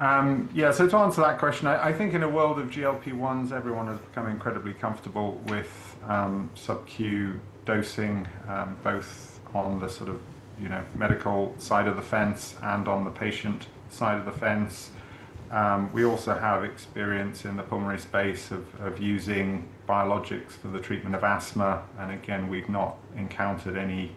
Yeah. To answer that question, I think in a world of GLP-1s, everyone has become incredibly comfortable with sub-Q dosing, both on the medical side of the fence and on the patient side of the fence. We also have experience in the pulmonary space of using biologics for the treatment of asthma. Again, we've not encountered any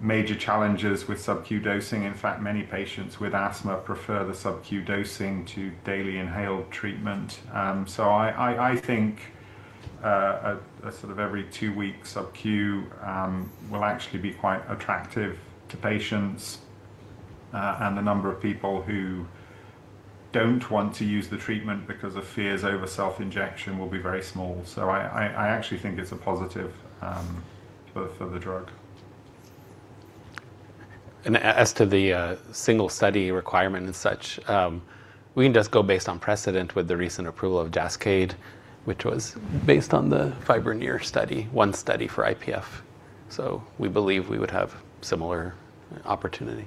major challenges with sub-Q dosing. In fact, many patients with asthma prefer the sub-Q dosing to daily inhaled treatment. I think a sort of every two-week sub-Q will actually be quite attractive to patients. The number of people who don't want to use the treatment because of fears over self-injection will be very small. I actually think it's a positive for the drug. As to the single study requirement and such, we can just go based on precedent with the recent approval of JASCAYD, which was based on the FIBRONEER study, one study for IPF. We believe we would have similar opportunity.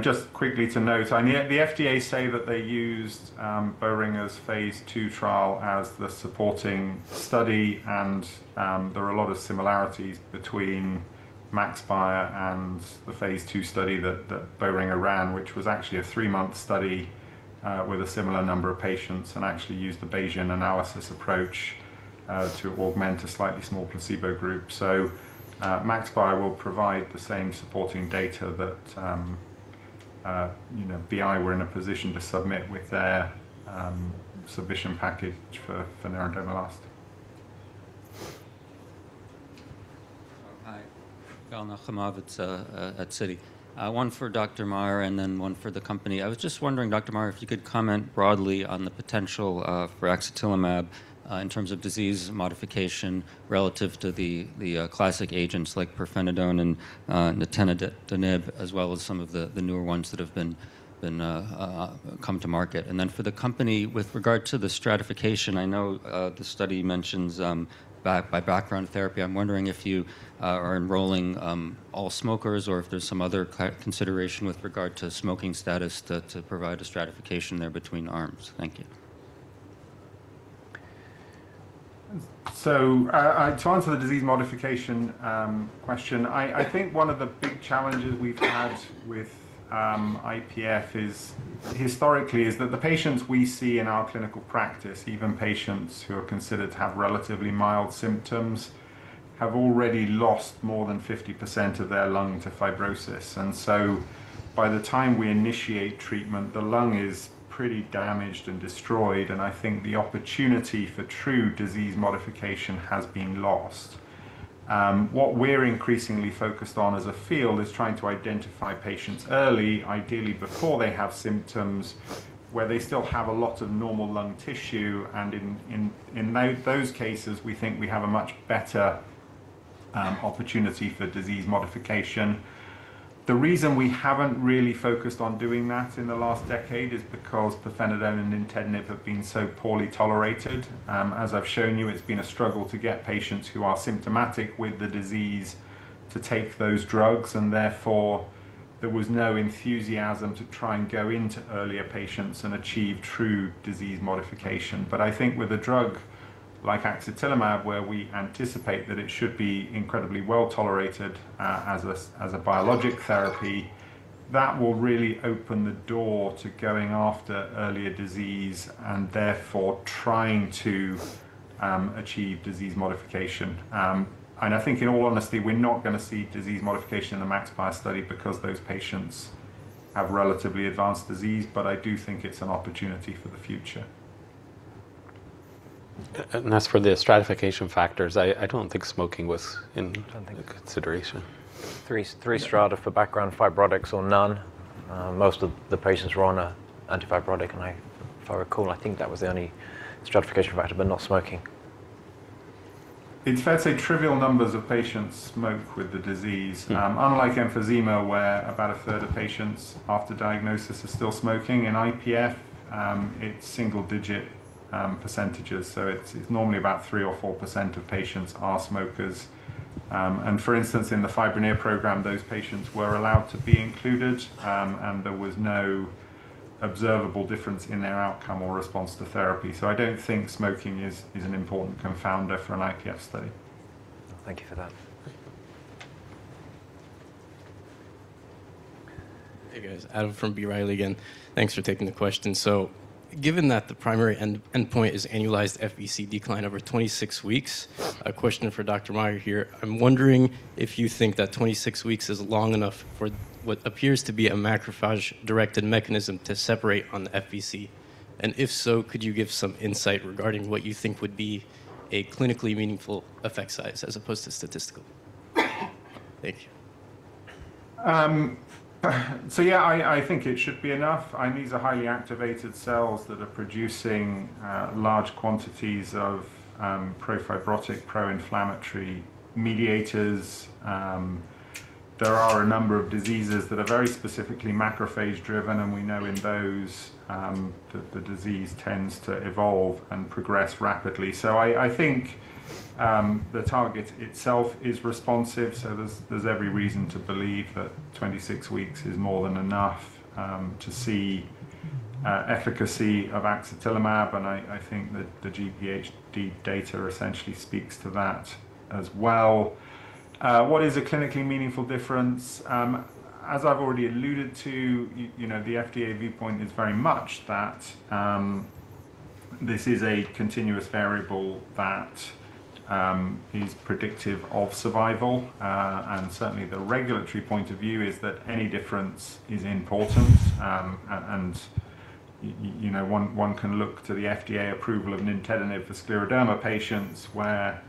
Just quickly to note, the FDA say that they used Boehringer's phase II trial as the supporting study. There are a lot of similarities between MAXPIRe and the phase II study that Boehringer ran, which was actually a three-month study, with a similar number of patients. Actually used the Bayesian analysis approach to augment a slightly smaller placebo group. MAXPIRe will provide the same supporting data that BI were in a position to submit with their submission package for nintedanib last. Hi. Yigal Nochomovitz at Citi. One for Dr. Maher, then one for the company. I was just wondering, Dr. Maher, if you could comment broadly on the potential for axatilimab, in terms of disease modification relative to the classic agents like pirfenidone and nintedanib, as well as some of the newer ones that have come to market. Then for the company, with regard to the stratification, I know the study mentions by background therapy. I'm wondering if you are enrolling all smokers or if there's some other consideration with regard to smoking status to provide a stratification there between arms. Thank you. To answer the disease modification question, I think one of the big challenges we've had with IPF historically is that the patients we see in our clinical practice, even patients who are considered to have relatively mild symptoms, have already lost more than 50% of their lung to fibrosis. By the time we initiate treatment, the lung is pretty damaged and destroyed, and I think the opportunity for true disease modification has been lost. What we're increasingly focused on as a field is trying to identify patients early, ideally before they have symptoms, where they still have a lot of normal lung tissue. In those cases, we think we have a much better opportunity for disease modification. The reason we haven't really focused on doing that in the last decade is because pirfenidone and nintedanib have been so poorly tolerated. As I've shown you, it's been a struggle to get patients who are symptomatic with the disease to take those drugs, and therefore there was no enthusiasm to try and go into earlier patients and achieve true disease modification. I think with a drug like axatilimab, where we anticipate that it should be incredibly well-tolerated as a biologic therapy, that will really open the door to going after earlier disease and therefore trying to achieve disease modification. I think in all honesty, we're not going to see disease modification in the MAXPIRe study because those patients have relatively advanced disease, but I do think it's an opportunity for the future. As for the stratification factors, I don't think smoking was. I don't think. Consideration. Three strata for background fibrotics or none. Most of the patients were on a antifibrotic, and if I recall, I think that was the only stratification factor, not smoking. In fact, a trivial number of patients smoke with the disease. Yeah. Unlike emphysema, where about a third of patients after diagnosis are still smoking, in IPF, it's single-digit percentage. It's normally about 3% or 4% of patients are smokers. For instance, in the FIBRONEER program, those patients were allowed to be included, and there was no observable difference in their outcome or response to therapy. I don't think smoking is an important confounder for an IPF study. Thank you for that. Hey, guys. Adam from B. Riley again. Thanks for taking the question. Given that the primary endpoint is annualized FVC decline over 26 weeks, a question for Dr. Maher here. I'm wondering if you think that 26 weeks is long enough for what appears to be a macrophage-directed mechanism to separate on the FVC, and if so, could you give some insight regarding what you think would be a clinically meaningful effect size as opposed to statistical? Thank you. Yeah, I think it should be enough. These are highly activated cells that are producing large quantities of pro-fibrotic, pro-inflammatory mediators. There are a number of diseases that are very specifically macrophage driven, and we know in those, that the disease tends to evolve and progress rapidly. I think the target itself is responsive, there's every reason to believe that 26 weeks is more than enough to see efficacy of axatilimab, and I think that the GVHD data essentially speaks to that as well. What is a clinically meaningful difference? As I've already alluded to, the FDA viewpoint is very much that this is a continuous variable that is predictive of survival. Certainly, the regulatory point of view is that any difference is important. One can look to the FDA approval of nintedanib for scleroderma patients, where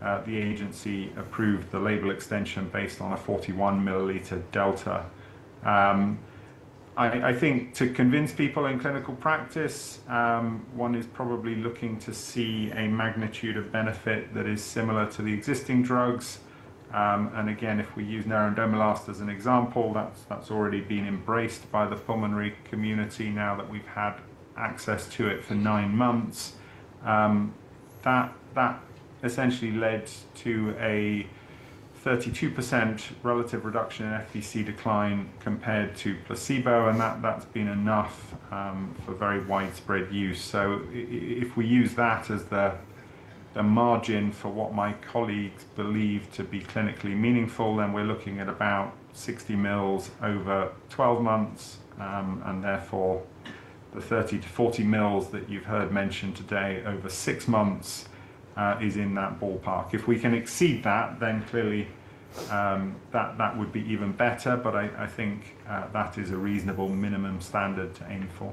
the agency approved the label extension based on a 41-milliliter delta. I think to convince people in clinical practice, one is probably looking to see a magnitude of benefit that is similar to the existing drugs. Again, if we use nerandomilast as an example, that's already been embraced by the pulmonary community now that we've had access to it for nine months. That essentially led to a 32% relative reduction in FVC decline compared to placebo, and that's been enough for very widespread use. If we use that as the margin for what my colleagues believe to be clinically meaningful, then we're looking at about 60 mL over 12 months, and therefore the 30 to 40 mL that you've heard mentioned today over six months is in that ballpark. If we can exceed that, clearly, that would be even better, I think that is a reasonable minimum standard to aim for.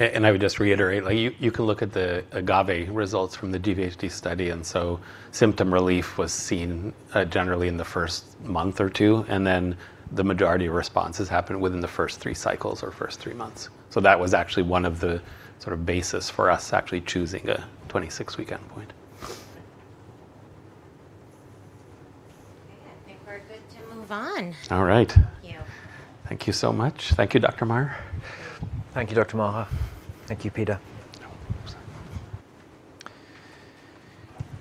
I would just reiterate, you can look at the AGAVE results from the GVHD study. Symptom relief was seen generally in the first month or two, then the majority of responses happened within the first three cycles or first three months. That was actually one of the basis for us actually choosing a 26-week endpoint. Okay. I think we're good to move on. All right. Thank you. Thank you so much. Thank you, Dr. Maher. Thank you, Dr. Maher. Thank you, Peter.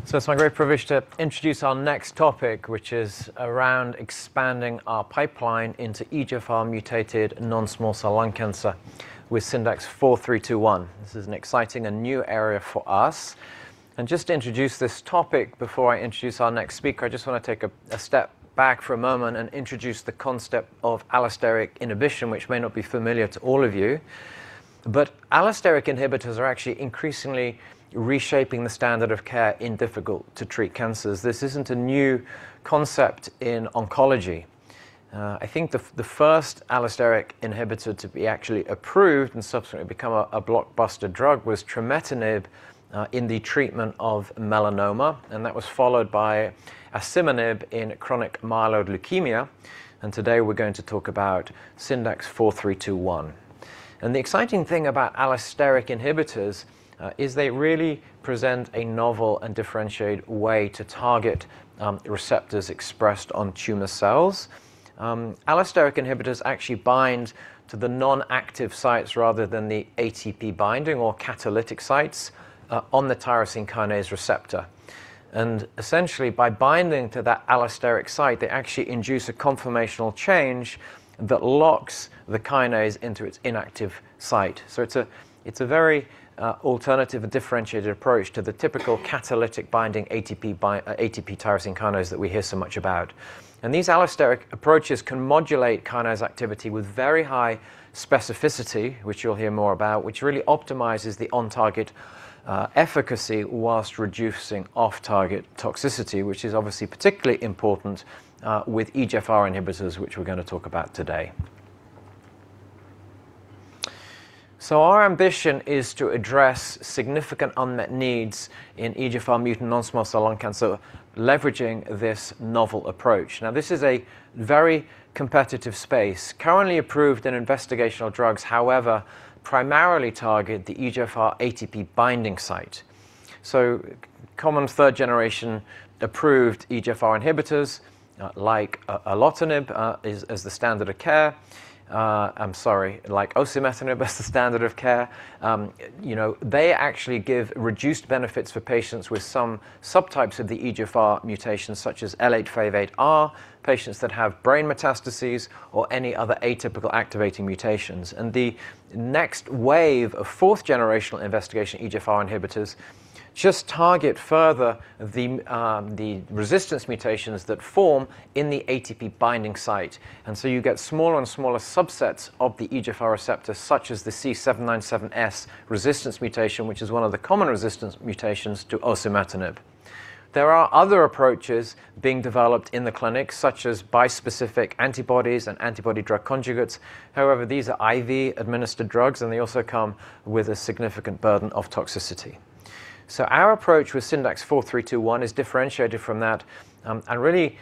It's my great privilege to introduce our next topic, which is around expanding our pipeline into EGFR mutated non-small cell lung cancer with SNDX-4321. This is an exciting and new area for us. Just to introduce this topic before I introduce our next speaker, I just want to take a step back for a moment and introduce the concept of allosteric inhibition, which may not be familiar to all of you. Allosteric inhibitors are actually increasingly reshaping the standard of care in difficult to treat cancers. This isn't a new concept in oncology. I think the first allosteric inhibitor to be actually approved and subsequently become a blockbuster drug was trametinib in the treatment of melanoma, that was followed by osimertinib in chronic myeloid leukemia. Today, we're going to talk about SNDX-4321. The exciting thing about allosteric inhibitors is they really present a novel and differentiated way to target receptors expressed on tumor cells. Allosteric inhibitors actually bind to the non-active sites rather than the ATP binding or catalytic sites on the tyrosine kinase receptor. Essentially, by binding to that allosteric site, they actually induce a conformational change that locks the kinase into its inactive site. It's a very alternative and differentiated approach to the typical catalytic binding ATP tyrosine kinase that we hear so much about. These allosteric approaches can modulate kinase activity with very high specificity, which you'll hear more about, which really optimizes the on-target efficacy whilst reducing off-target toxicity, which is obviously particularly important with EGFR inhibitors, which we're going to talk about today. Our ambition is to address significant unmet needs in EGFR mutant non-small cell lung cancer, leveraging this novel approach. Now, this is a very competitive space. Currently approved and investigational drugs, however, primarily target the EGFR ATP binding site. Common third-generation approved EGFR inhibitors, like alotinib, as the standard of care. I'm sorry, like osimertinib as the standard of care. They actually give reduced benefits for patients with some subtypes of the EGFR mutations, such as L858R, patients that have brain metastases, or any other atypical activating mutations. The next wave of fourth-generational investigation EGFR inhibitors just target further the resistance mutations that form in the ATP binding site. You get smaller and smaller subsets of the EGFR receptor, such as the C797S resistance mutation, which is one of the common resistance mutations to osimertinib. There are other approaches being developed in the clinic, such as bispecific antibodies and antibody drug conjugates. These are IV-administered drugs, and they also come with a significant burden of toxicity. Our approach with SNDX-4321 is differentiated from that, really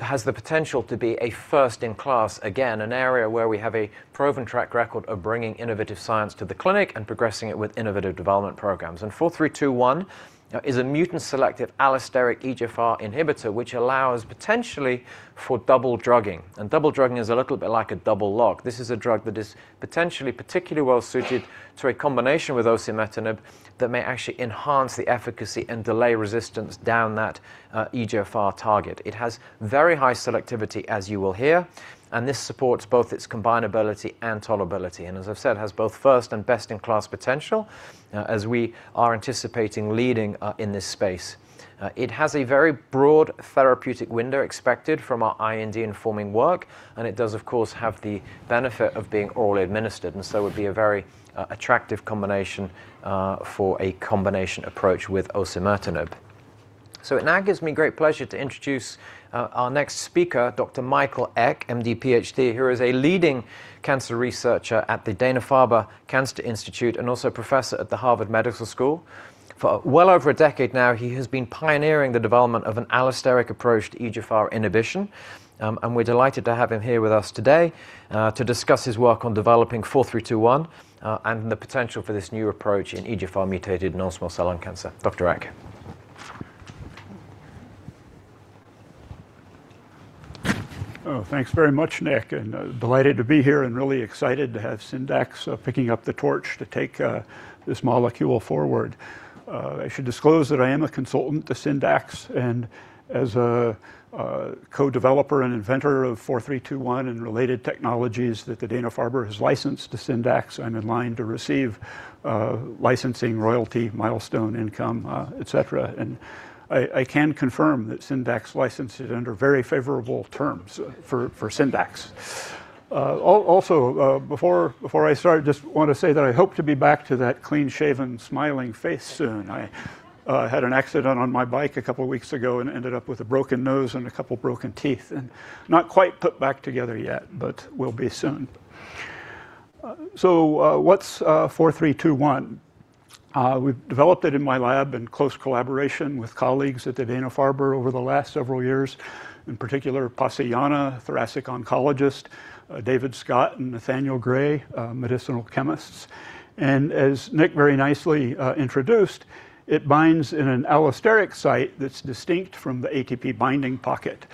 has the potential to be a first-in-class, again, an area where we have a proven track record of bringing innovative science to the clinic and progressing it with innovative development programs. 4321 is a mutant-selective allosteric EGFR inhibitor, which allows, potentially, for double drugging. Double drugging is a little bit like a double lock. This is a drug that is potentially particularly well-suited to a combination with osimertinib that may actually enhance the efficacy and delay resistance down that EGFR target. It has very high selectivity, as you will hear, and this supports both its combinability and tolerability. As I've said, has both first and best-in-class potential, as we are anticipating leading in this space. It has a very broad therapeutic window expected from our IND-informing work, it does of course have the benefit of being orally administered, would be a very attractive combination for a combination approach with osimertinib. It now gives me great pleasure to introduce our next speaker, Dr. Michael Eck, MD, PhD, who is a leading cancer researcher at the Dana-Farber Cancer Institute and also professor at the Harvard Medical School. For well over a decade now, he has been pioneering the development of an allosteric approach to EGFR inhibition. We're delighted to have him here with us today to discuss his work on developing 4321, and the potential for this new approach in EGFR-mutated non-small cell lung cancer. Dr. Eck. Thanks very much, Nick, delighted to be here and really excited to have Syndax picking up the torch to take this molecule forward. I should disclose that I am a consultant to Syndax, as a co-developer and inventor of 4321 and related technologies that the Dana-Farber has licensed to Syndax, I'm in line to receive licensing royalty, milestone income, et cetera. I can confirm that Syndax licensed it under very favorable terms for Syndax. Also, before I start, just want to say that I hope to be back to that clean-shaven, smiling face soon. I had an accident on my bike a couple of weeks ago and ended up with a broken nose and a couple broken teeth, not quite put back together yet, but will be soon. What's 4321? We've developed it in my lab in close collaboration with colleagues at the Dana-Farber over the last several years. In particular, Pasi Jänne, a thoracic oncologist, David Scott and Nathanael Gray, medicinal chemists. As Nick very nicely introduced, it binds in an allosteric site that's distinct from the ATP binding pocket.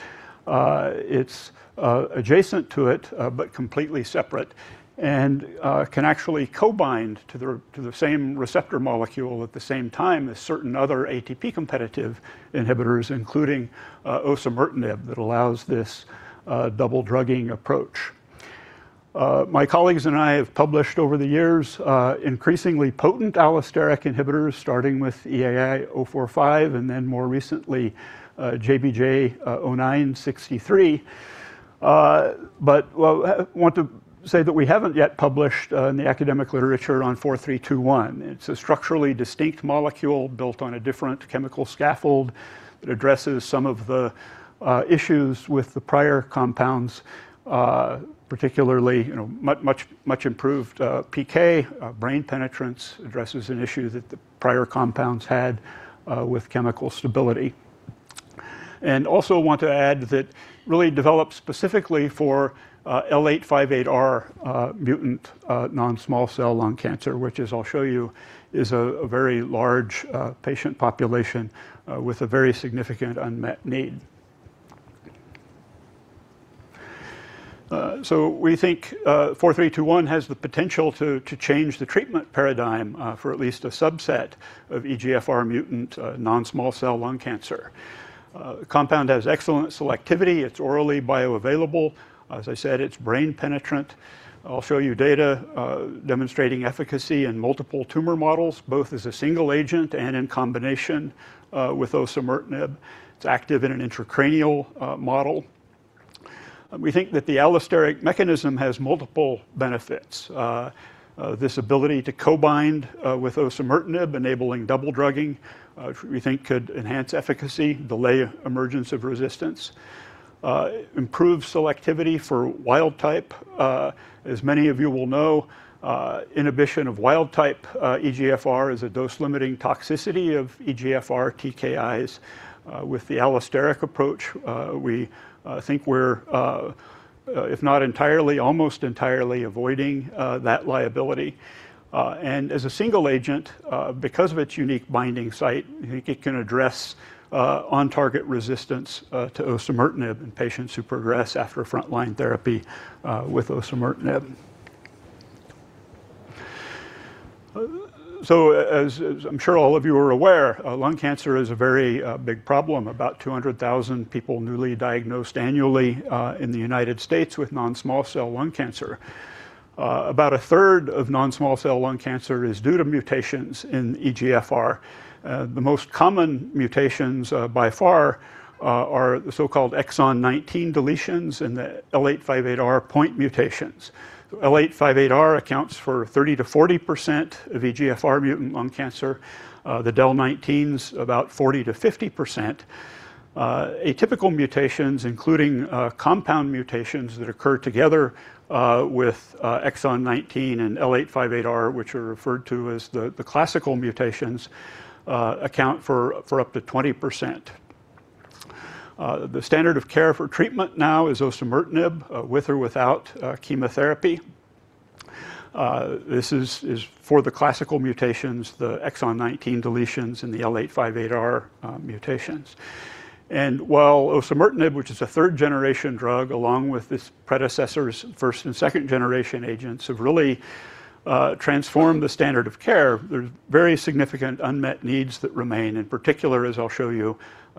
It's adjacent to it, but completely separate, and can actually co-bind to the same receptor molecule at the same time as certain other ATP-competitive inhibitors, including osimertinib, that allows this double-drugging approach. My colleagues and I have published over the years increasingly potent allosteric inhibitors, starting with EAI045, and then more recently, JBJ-09-063. I want to say that we haven't yet published in the academic literature on 4321. It's a structurally distinct molecule built on a different chemical scaffold that addresses some of the issues with the prior compounds, particularly, much improved PK, brain penetrance addresses an issue that the prior compounds had with chemical stability. Also want to add that really developed specifically for L858R mutant non-small cell lung cancer, which is, I'll show you, is a very large patient population with a very significant unmet need. We think 4321 has the potential to change the treatment paradigm for at least a subset of EGFR mutant non-small cell lung cancer. Compound has excellent selectivity. It's orally bioavailable. As I said, it's brain penetrant. I'll show you data demonstrating efficacy in multiple tumor models, both as a single agent and in combination with osimertinib. It's active in an intracranial model. We think that the allosteric mechanism has multiple benefits. This ability to co-bind with osimertinib, enabling double-drugging, which we think could enhance efficacy, delay emergence of resistance, improve selectivity for wild type. As many of you will know, inhibition of wild type EGFR is a dose-limiting toxicity of EGFR TKIs. With the allosteric approach, we think we're, if not entirely, almost entirely avoiding that liability. As a single agent, because of its unique binding site, we think it can address on-target resistance to osimertinib in patients who progress after frontline therapy with osimertinib. As I'm sure all of you are aware, lung cancer is a very big problem. About 200,000 people newly diagnosed annually in the U.S. with non-small cell lung cancer. About a third of non-small cell lung cancer is due to mutations in EGFR. The most common mutations by far are the so-called exon 19 deletions and the L858R point mutations. L858R accounts for 30%-40% of EGFR mutant lung cancer. The DEL19s, about 40%-50%. Atypical mutations, including compound mutations that occur together with exon 19 and L858R, which are referred to as the classical mutations, account for up to 20%. The standard of care for treatment now is osimertinib, with or without chemotherapy. This is for the classical mutations, the exon 19 deletions, and the L858R mutations. While osimertinib, which is a third-generation drug, along with its predecessors, first and second-generation agents, have really transformed the standard of care, there's very significant unmet needs that remain. In particular, as I'll show you,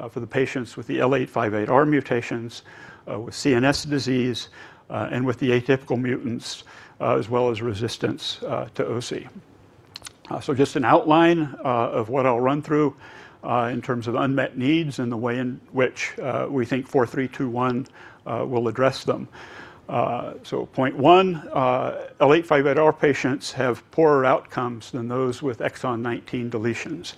for the patients with the L858R mutations, with CNS disease, and with the atypical mutants, as well as resistance to Osi. Just an outline of what I'll run through in terms of unmet needs and the way in which we think 4321 will address them. Point one, L858R patients have poorer outcomes than those with exon 19 deletions.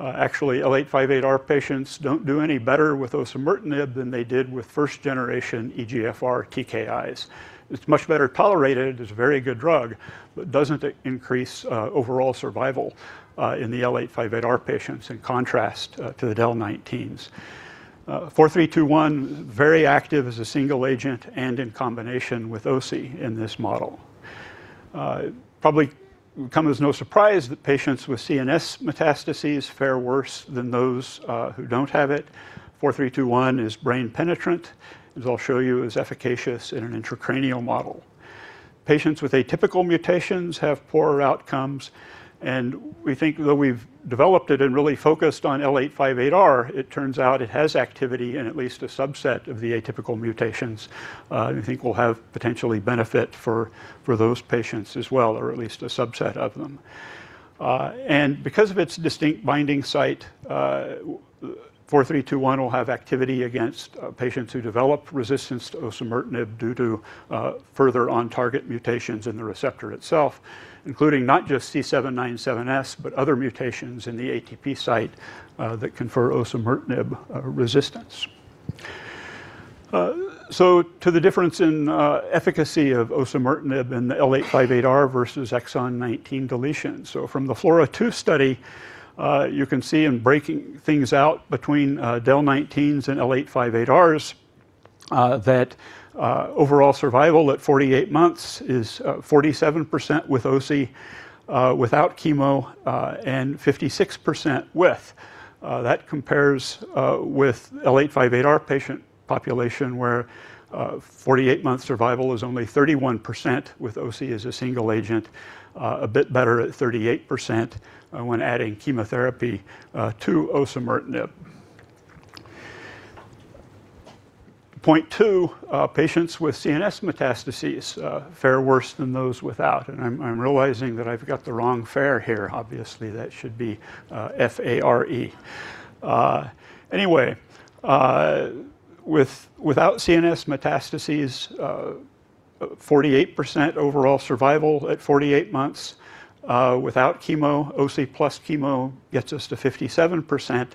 Actually, L858R patients don't do any better with osimertinib than they did with first-generation EGFR TKIs. It's much better tolerated, it's a very good drug, but doesn't increase overall survival in the L858R patients, in contrast to the DEL19s. 4321, very active as a single agent and in combination with Osi in this model. Probably come as no surprise that patients with CNS metastases fare worse than those who don't have it. 4321 is brain penetrant, as I'll show you, is efficacious in an intracranial model. Patients with atypical mutations have poorer outcomes. We think though we've developed it and really focused on L858R, it turns out it has activity in at least a subset of the atypical mutations we think will have potentially benefit for those patients as well, or at least a subset of them. Because of its distinct binding site, 4321 will have activity against patients who develop resistance to osimertinib due to further on-target mutations in the receptor itself, including not just C797S, but other mutations in the ATP site that confer osimertinib resistance. To the difference in efficacy of osimertinib in the L858R versus exon 19 deletion, from the FLAURA2 study, you can see in breaking things out between DEL19s and L858Rs, that overall survival at 48 months is 47% with Osi without chemo, and 56% with. That compares with L858R patient population, where 48-month survival is only 31% with Osi as a single agent, a bit better at 38% when adding chemotherapy to osimertinib. Point two, patients with CNS metastases fare worse than those without. I'm realizing that I've got the wrong fare here. Obviously, that should be F-A-R-E. Anyway, without CNS metastases, 48% overall survival at 48 months without chemo. Osi plus chemo gets us to 57%.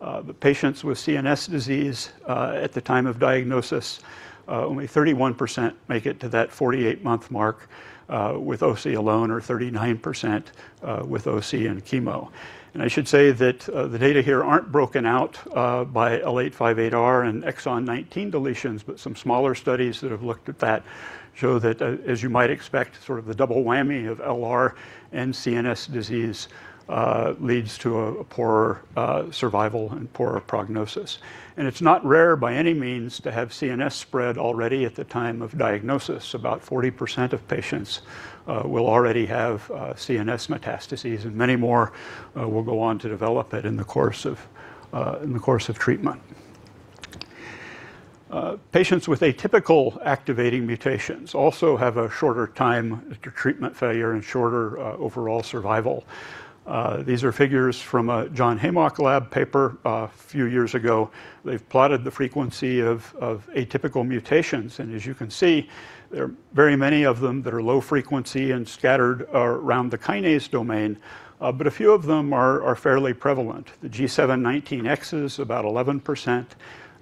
The patients with CNS disease at the time of diagnosis, only 31% make it to that 48-month mark with Osi alone, or 39% with Osi and chemo. I should say that the data here aren't broken out by L858R and exon 19 deletions, but some smaller studies that have looked at that show that, as you might expect, sort of the double whammy of LR and CNS disease leads to a poorer survival and poorer prognosis. It's not rare by any means to have CNS spread already at the time of diagnosis. About 40% of patients will already have CNS metastases, and many more will go on to develop it in the course of treatment. Patients with atypical activating mutations also have a shorter time to treatment failure and shorter overall survival. These are figures from a John Heymach lab paper a few years ago. They've plotted the frequency of atypical mutations, and as you can see, there are very many of them that are low frequency and scattered around the kinase domain. But a few of them are fairly prevalent. The G719X is about 11%.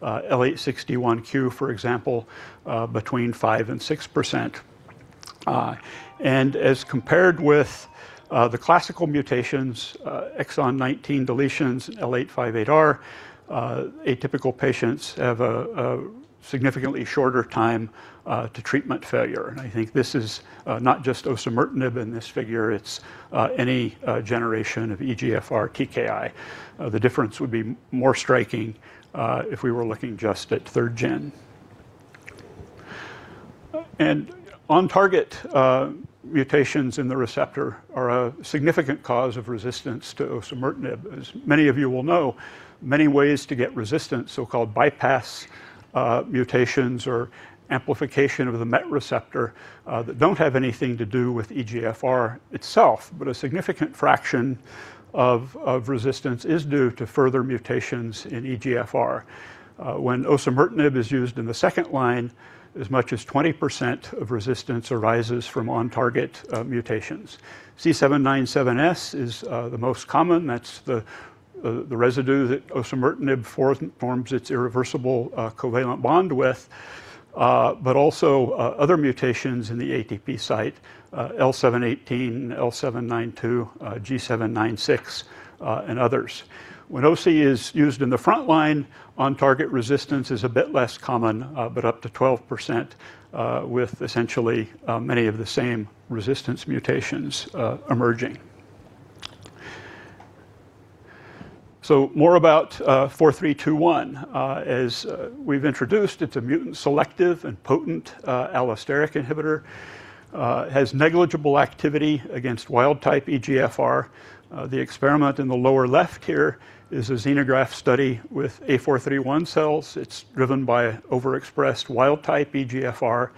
L861Q, for example, between 5% and 6%. As compared with the classical mutations, exon 19 deletions, L858R, atypical patients have a significantly shorter time to treatment failure. I think this is not just osimertinib in this figure, it's any generation of EGFR TKI. The difference would be more striking if we were looking just at third gen. On-target mutations in the receptor are a significant cause of resistance to osimertinib. Many of you will know, many ways to get resistance, so-called bypass mutations or amplification of the MET receptor, that don't have anything to do with EGFR itself. But a significant fraction of resistance is due to further mutations in EGFR. When osimertinib is used in the second line, as much as 20% of resistance arises from on-target mutations. C797S is the most common. That's the residue that osimertinib forms its irreversible covalent bond with. Also, other mutations in the ATP site, L718, L792, G796, and others. When osimertinib is used in the front line, on-target resistance is a bit less common, but up to 12%, with essentially many of the same resistance mutations emerging. More about SNDX-4321. As we've introduced, it's a mutant-selective and potent allosteric inhibitor. It has negligible activity against wild-type EGFR. The experiment in the lower left here is a xenograft study with A431 cells. It's driven by overexpressed wild-type EGFR,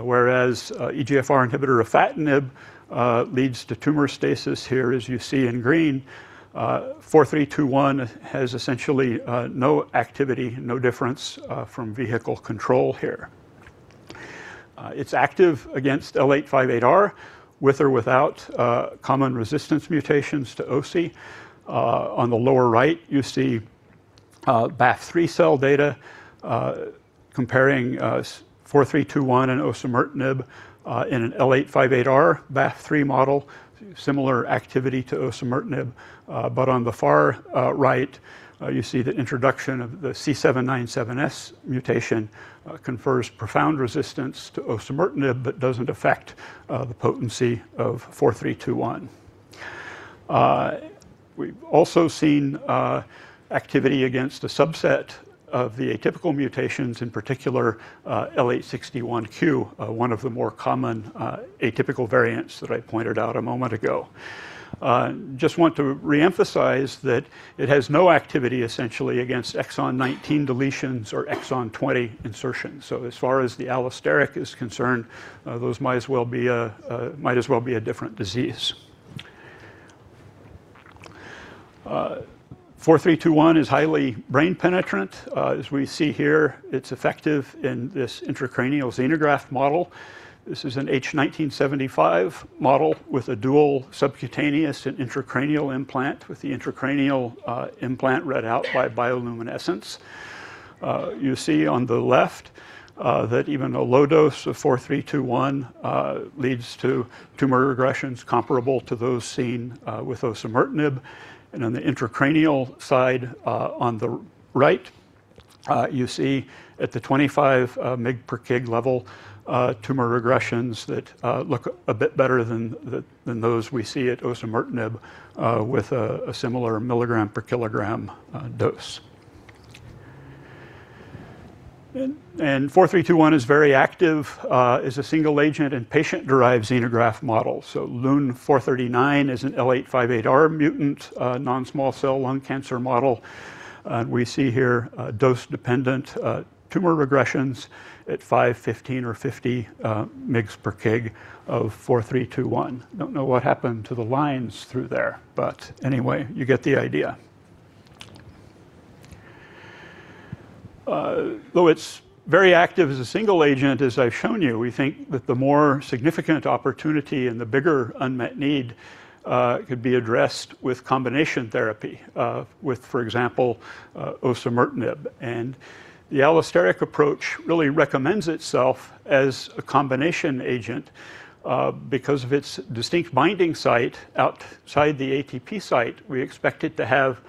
whereas EGFR inhibitor afatinib leads to tumor stasis here, as you see in green. SNDX-4321 has essentially no activity, no difference from vehicle control here. It's active against L858R with or without common resistance mutations to osimertinib. On the lower right, you see Ba/F3 cell data comparing SNDX-4321 and osimertinib in an L858R Ba/F3 model. Similar activity to osimertinib. On the far right, you see the introduction of the C797S mutation confers profound resistance to osimertinib but doesn't affect the potency of SNDX-4321. We've also seen activity against a subset of the atypical mutations, in particular, L861Q, one of the more common atypical variants that I pointed out a moment ago. Just want to reemphasize that it has no activity, essentially, against exon 19 deletions or exon 20 insertions. As far as the allosteric is concerned, those might as well be a different disease. SNDX-4321 is highly brain penetrant. As we see here, it's effective in this intracranial xenograft model. This is an H1975 model with a dual subcutaneous and intracranial implant, with the intracranial implant read out by bioluminescence. You see on the left that even a low dose of SNDX-4321 leads to tumor regressions comparable to those seen with osimertinib. And on the intracranial side, on the right, you see at the 25 mg/kg level, tumor regressions that look a bit better than those we see at osimertinib with a similar milligram per kilogram dose. And SNDX-4321 is very active as a single agent in patient-derived xenograft models. LU6439 is an L858R mutant, non-small cell lung cancer model. And we see here dose-dependent tumor regressions at 5, 15, or 50 mg/kg of SNDX-4321. Don't know what happened to the lines through there, but anyway, you get the idea. Though it's very active as a single agent, as I've shown you, we think that the more significant opportunity and the bigger unmet need could be addressed with combination therapy with, for example, osimertinib. And the allosteric approach really recommends itself as a combination agent. Because of its distinct binding site outside the ATP site, we expect it to have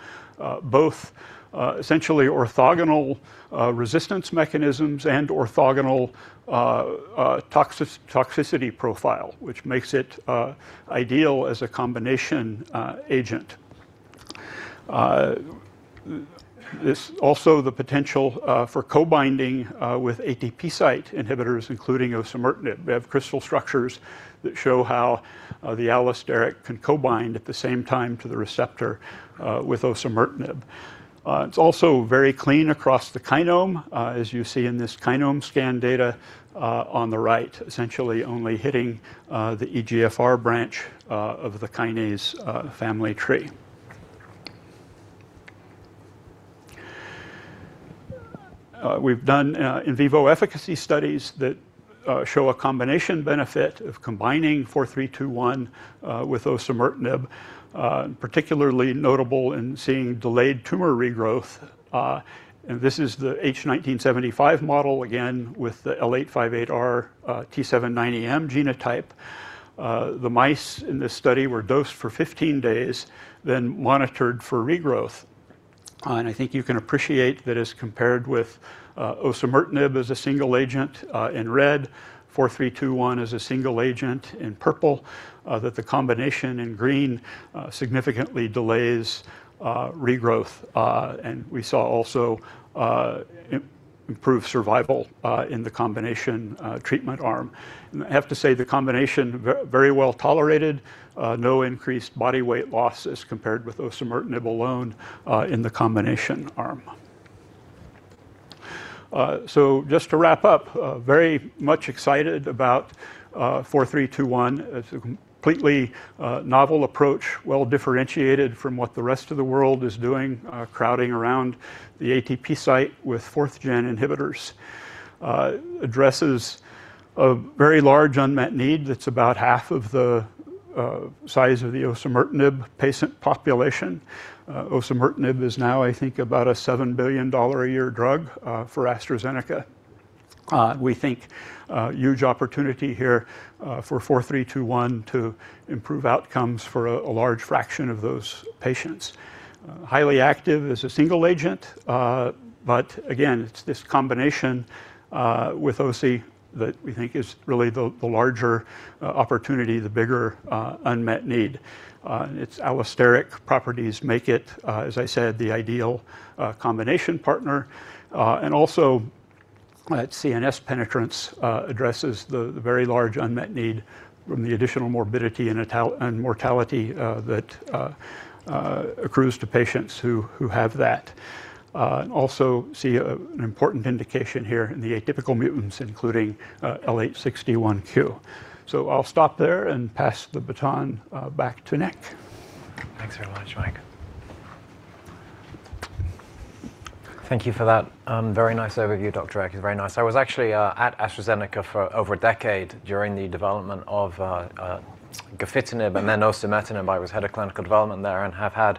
both essentially orthogonal resistance mechanisms and orthogonal toxicity profile, which makes it ideal as a combination agent. This also the potential for co-binding with ATP site inhibitors, including osimertinib. We have crystal structures that show how the allosteric can co-bind at the same time to the receptor with osimertinib. It's also very clean across the kinome, as you see in this kinome scan data on the right, essentially only hitting the EGFR branch of the kinase family tree. We've done in vivo efficacy studies that show a combination benefit of combining 4321 with osimertinib, particularly notable in seeing delayed tumor regrowth. And this is the H1975 model, again, with the L858R T790M genotype. The mice in this study were dosed for 15 days, then monitored for regrowth. I think you can appreciate that as compared with osimertinib as a single agent in red, 4321 as a single agent in purple, that the combination in green significantly delays regrowth. We saw also improved survival in the combination treatment arm. I have to say, the combination, very well-tolerated. No increased body weight loss as compared with osimertinib alone in the combination arm. Just to wrap up, very much excited about 4321. It's a completely novel approach, well-differentiated from what the rest of the world is doing, crowding around the ATP site with fourth-gen inhibitors. Addresses a very large unmet need that's about half of the size of the osimertinib patient population. Osimertinib is now, I think, about a $7 billion a year drug for AstraZeneca. We think a huge opportunity here for 4321 to improve outcomes for a large fraction of those patients. Highly active as a single agent, again, it's this combination with OSI that we think is really the larger opportunity, the bigger unmet need. Its allosteric properties make it, as I said, the ideal combination partner. Also, that CNS penetrance addresses the very large unmet need from the additional morbidity and mortality that accrues to patients who have that. Also see an important indication here in the atypical mutants, including L861Q. I'll stop there and pass the baton back to Nick. Thanks very much, Mike. Thank you for that very nice overview, Dr. Eck. It's very nice. I was actually at AstraZeneca for over a decade during the development of gefitinib and then osimertinib. I was head of clinical development there and have had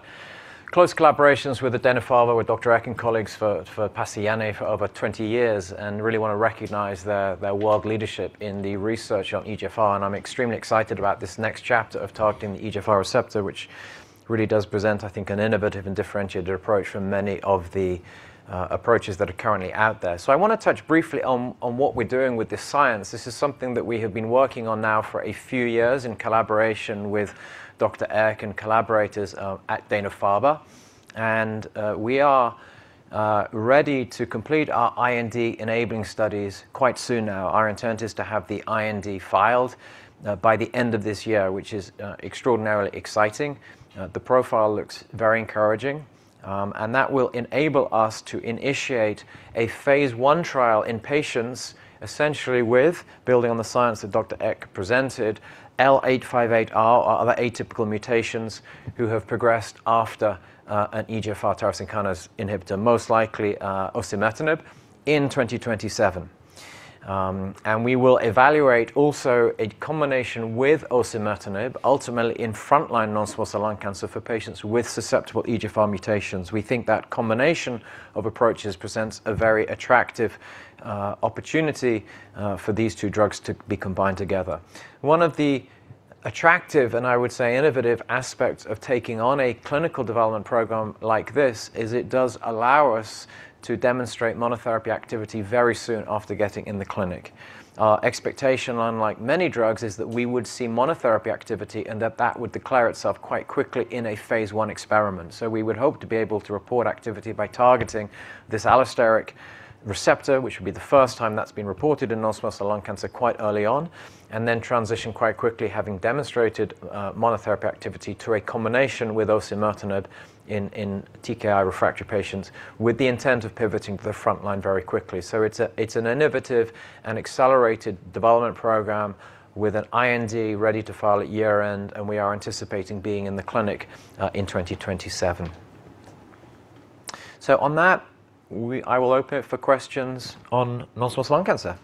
close collaborations with Dana-Farber, with Dr. Eck and colleagues for Pasi Jänne for over 20 years and really want to recognize their world leadership in the research on EGFR. I'm extremely excited about this next chapter of targeting the EGFR receptor, which really does present, I think, an innovative and differentiated approach from many of the approaches that are currently out there. I want to touch briefly on what we're doing with this science. This is something that we have been working on now for a few years in collaboration with Dr. Eck and collaborators at Dana-Farber. We are ready to complete our IND-enabling studies quite soon now. Our intent is to have the IND filed by the end of this year, which is extraordinarily exciting. The profile looks very encouraging. That will enable us to initiate a phase I trial in patients, essentially with building on the science that Dr. Eck presented, L858R or other atypical mutations who have progressed after an EGFR tyrosine kinase inhibitor, most likely osimertinib, in 2027. We will evaluate also a combination with osimertinib, ultimately in frontline non-small cell lung cancer for patients with susceptible EGFR mutations. We think that combination of approaches presents a very attractive opportunity for these two drugs to be combined together. One of the attractive, and I would say innovative aspects of taking on a clinical development program like this is it does allow us to demonstrate monotherapy activity very soon after getting in the clinic. Our expectation, unlike many drugs, is that we would see monotherapy activity, and that that would declare itself quite quickly in a phase I experiment. We would hope to be able to report activity by targeting this allosteric receptor, which would be the first time that's been reported in non-small cell lung cancer quite early on, and then transition quite quickly, having demonstrated monotherapy activity to a combination with osimertinib in TKI-refractory patients with the intent of pivoting to the frontline very quickly. It's an innovative and accelerated development program with an IND ready to file at year-end, and we are anticipating being in the clinic in 2027. On that, I will open it for questions on non-small cell lung cancer.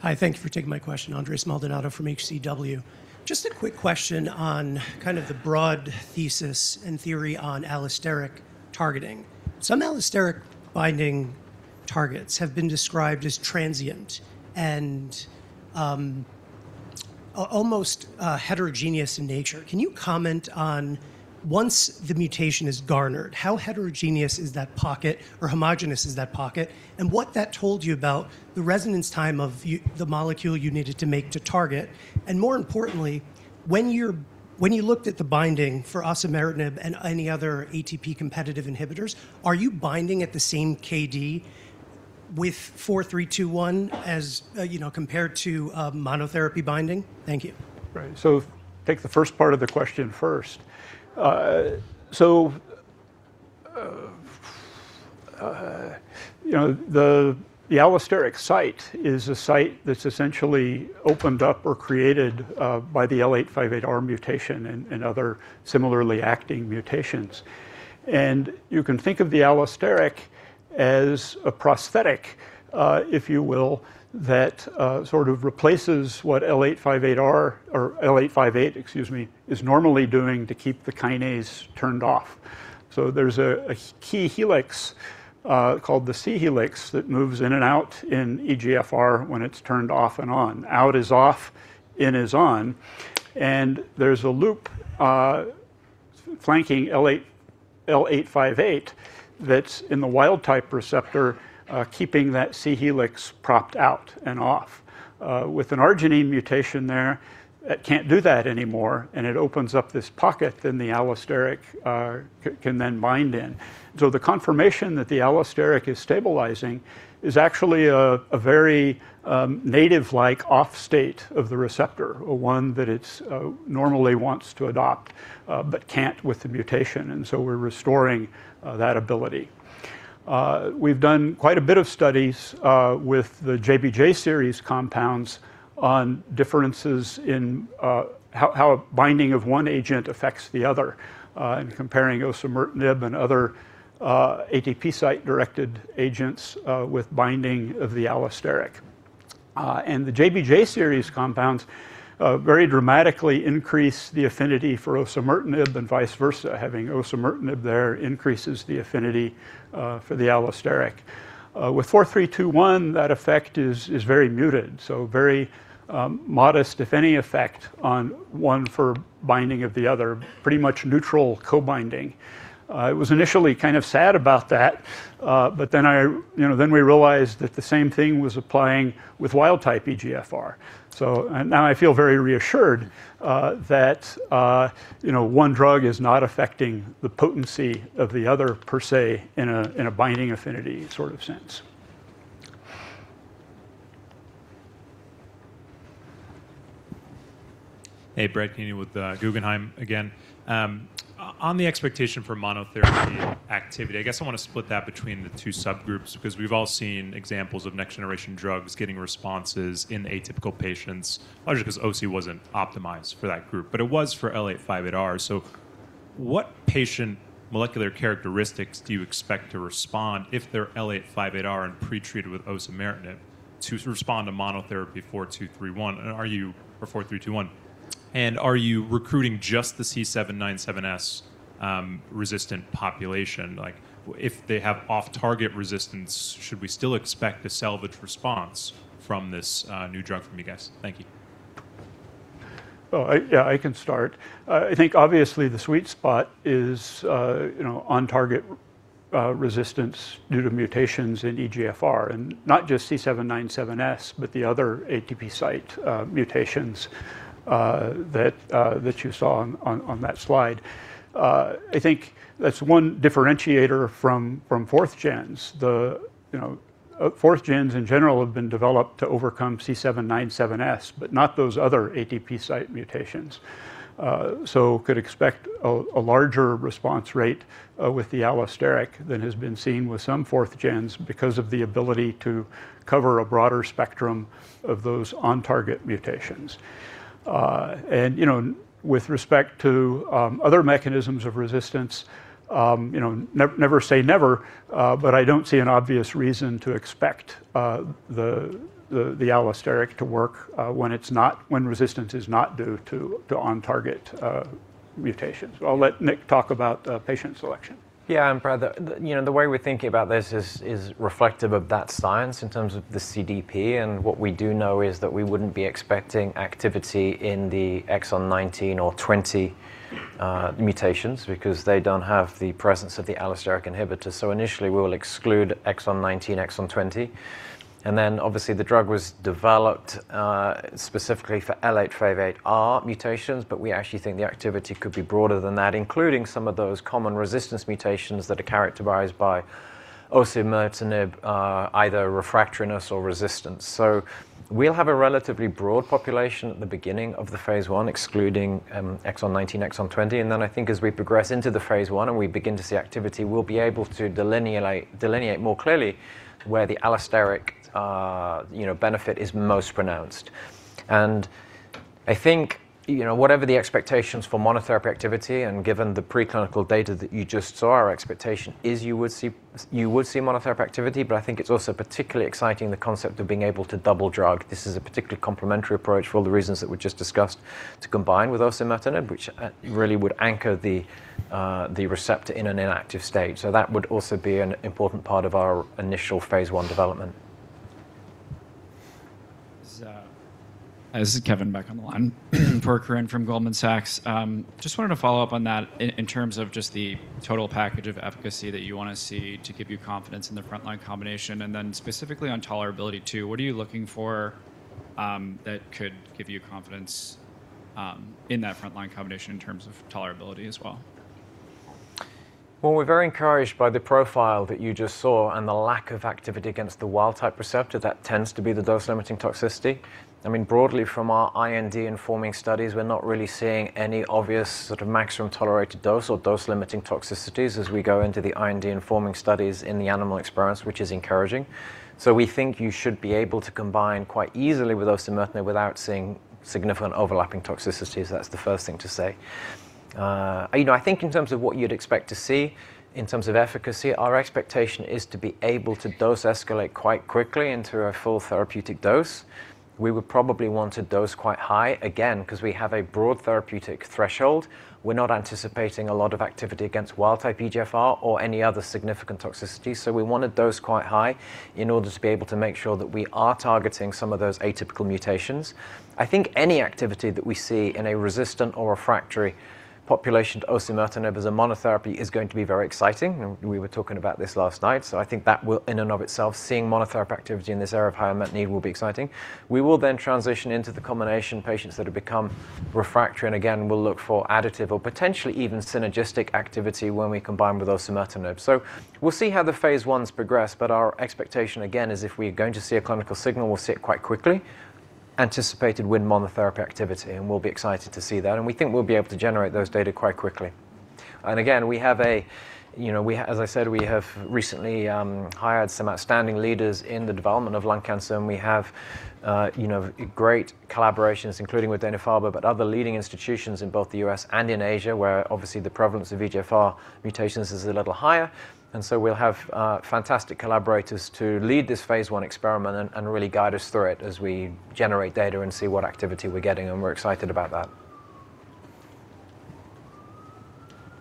Hi. Thank you. Steve. Hi. Thank you for taking my question. Andres Maldonado from HCW. Just a quick question on kind of the broad thesis and theory on allosteric targeting. Some allosteric binding targets have been described as transient and almost heterogeneous in nature. Can you comment on once the mutation is garnered, how heterogeneous is that pocket or homogeneous is that pocket, and what that told you about the resonance time of the molecule you needed to make to target? More importantly, when you looked at the binding for osimertinib and any other ATP competitive inhibitors, are you binding at the same KD with 4321 as compared to monotherapy binding? Thank you. Right. Take the first part of the question first. The allosteric site is a site that's essentially opened up or created by the L858R mutation and other similarly acting mutations. You can think of the allosteric as a prosthetic, if you will, that sort of replaces what L858R or L858, excuse me, is normally doing to keep the kinase turned off. There's a key helix called the C helix that moves in and out in EGFR when it's turned off and on. Out is off, in is on. There's a loop flanking L858 that's in the wild type receptor, keeping that C helix propped out and off. With an arginine mutation there, it can't do that anymore, and it opens up this pocket. The allosteric can then bind in. The confirmation that the allosteric is stabilizing is actually a very native-like off state of the receptor, or one that it normally wants to adopt but can't with the mutation. We're restoring that ability. We've done quite a bit of studies with the JBJ series compounds on differences in how a binding of one agent affects the other, comparing osimertinib and other ATP site-directed agents with binding of the allosteric. The JBJ series compounds very dramatically increase the affinity for osimertinib and vice versa. Having osimertinib there increases the affinity for the allosteric. With 4321, that effect is very muted. Very modest, if any, effect on one for binding of the other. Pretty much neutral co-binding. I was initially kind of sad about that. We realized that the same thing was applying with wild type EGFR. Now I feel very reassured that one drug is not affecting the potency of the other, per se, in a binding affinity sort of sense. Hey, Brad Canino with Guggenheim again. On the expectation for monotherapy activity, I guess I want to split that between the two subgroups because we've all seen examples of next-generation drugs getting responses in atypical patients, largely because OC wasn't optimized for that group, but it was for L858R. What patient molecular characteristics do you expect to respond if they're L858R and pre-treated with osimertinib to respond to monotherapy 4231 or 4321? Are you recruiting just the C797S resistant population? If they have off-target resistance, should we still expect a salvage response from this new drug from you guys? Thank you. Oh, yeah, I can start. I think obviously the sweet spot is on-target resistance due to mutations in EGFR and not just C797S, but the other ATP site mutations that you saw on that slide. I think that's one differentiator from fourth gens. The fourth gens in general have been developed to overcome C797S, but not those other ATP site mutations. Could expect a larger response rate with the allosteric than has been seen with some fourth gens because of the ability to cover a broader spectrum of those on-target mutations. With respect to other mechanisms of resistance, never say never, but I don't see an obvious reason to expect the allosteric to work when resistance is not due to on-target mutations. I'll let Nick talk about patient selection. Yeah. Brad, the way we're thinking about this is reflective of that science in terms of the CDP, and what we do know is that we wouldn't be expecting activity in the exon 19 or 20 mutations because they don't have the presence of the allosteric inhibitor. Initially we will exclude exon 19, exon 20, and then obviously the drug was developed specifically for L858R mutations, but we actually think the activity could be broader than that, including some of those common resistance mutations that are characterized by osimertinib, either refractoriness or resistance. We'll have a relatively broad population at the beginning of the phase I, excluding exon 19, exon 20. I think as we progress into the phase I and we begin to see activity, we'll be able to delineate more clearly where the allosteric benefit is most pronounced. I think whatever the expectations for monotherapy activity, and given the preclinical data that you just saw, our expectation is you would see monotherapy activity, but I think it's also particularly exciting the concept of being able to double drug. This is a particularly complementary approach for all the reasons that we just discussed to combine with osimertinib, which really would anchor the receptor in an inactive state. That would also be an important part of our initial phase I development. This is Kevin back on the line for Corinne from Goldman Sachs. Just wanted to follow up on that in terms of just the total package of efficacy that you want to see to give you confidence in the frontline combination, and then specifically on tolerability too. What are you looking for that could give you confidence in that frontline combination in terms of tolerability as well? Well, we are very encouraged by the profile that you just saw and the lack of activity against the wild-type receptor that tends to be the dose-limiting toxicity. Broadly from our IND-informing studies, we are not really seeing any obvious maximum tolerated dose or dose-limiting toxicities as we go into the IND-informing studies in the animal experiments, which is encouraging. We think you should be able to combine quite easily with osimertinib without seeing significant overlapping toxicities. That is the first thing to say. I think in terms of what you would expect to see in terms of efficacy, our expectation is to be able to dose escalate quite quickly into a full therapeutic dose. We would probably want a dose quite high, again, because we have a broad therapeutic threshold. We are not anticipating a lot of activity against wild-type EGFR or any other significant toxicity. We want a dose quite high in order to be able to make sure that we are targeting some of those atypical mutations. I think any activity that we see in a resistant or refractory population to osimertinib as a monotherapy is going to be very exciting, and we were talking about this last night. I think that will in and of itself, seeing monotherapy activity in this area of high unmet need will be exciting. We will then transition into the combination patients that have become refractory, again, we will look for additive or potentially even synergistic activity when we combine with osimertinib. We will see how the phase I progress, but our expectation, again, is if we are going to see a clinical signal, we will see it quite quickly, anticipated with monotherapy activity, and we will be excited to see that. We think we will be able to generate those data quite quickly. Again, as I said, we have recently hired some outstanding leaders in the development of lung cancer, we have great collaborations, including with Dana-Farber, but other leading institutions in both the U.S. and in Asia, where obviously the prevalence of EGFR mutations is a little higher. We will have fantastic collaborators to lead this phase I experiment and really guide us through it as we generate data and see what activity we are getting, and we are excited about that.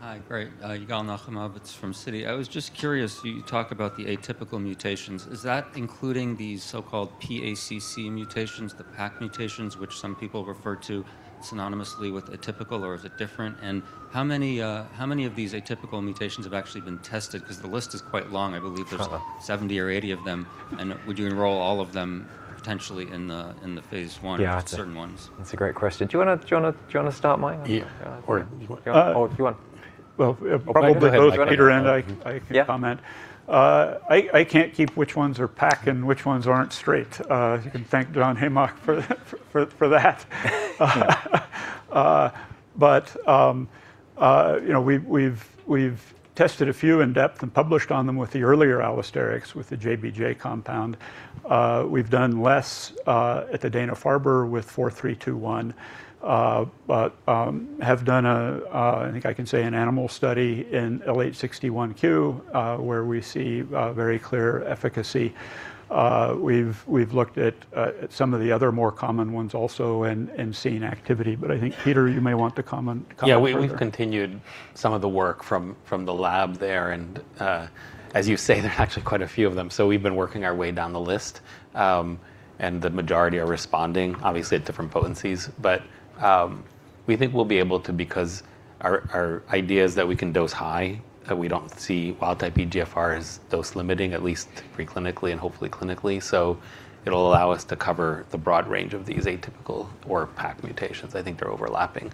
Hi, great. Yigal Nochomovitz from Citi. I was just curious, you talk about the atypical mutations. Is that including the so-called P-A-C-C mutations, the PACC mutations, which some people refer to synonymously with atypical, or is it different? How many of these atypical mutations have actually been tested? Because the list is quite long. I believe there is. 70 or 80 of them. Would you enroll all of them potentially in the phase I or just certain ones? Sure. Yeah. That's a great question. Do you want to start, Mike? Yeah. Do you want Well. Okay. Go ahead Both Peter and I can comment. Yeah. I can't keep which ones are PACC and which ones aren't straight. You can thank John Heymach for that. We've tested a few in depth and published on them with the earlier allosterics with the JBJ compound. We've done less at the Dana-Farber with 4321, but have done, I think I can say, an animal study in L861Q, where we see very clear efficacy. We've looked at some of the other more common ones also and seen activity. I think, Peter, you may want to comment further. Yeah. We've continued some of the work from the lab there, and as you say, there are actually quite a few of them. We've been working our way down the list, and the majority are responding, obviously at different potencies. We think we'll be able to because our idea is that we can dose high, that we don't see wild-type EGFR as dose-limiting, at least pre-clinically and hopefully clinically. It'll allow us to cover the broad range of these atypical or PACC mutations. I think they're overlapping.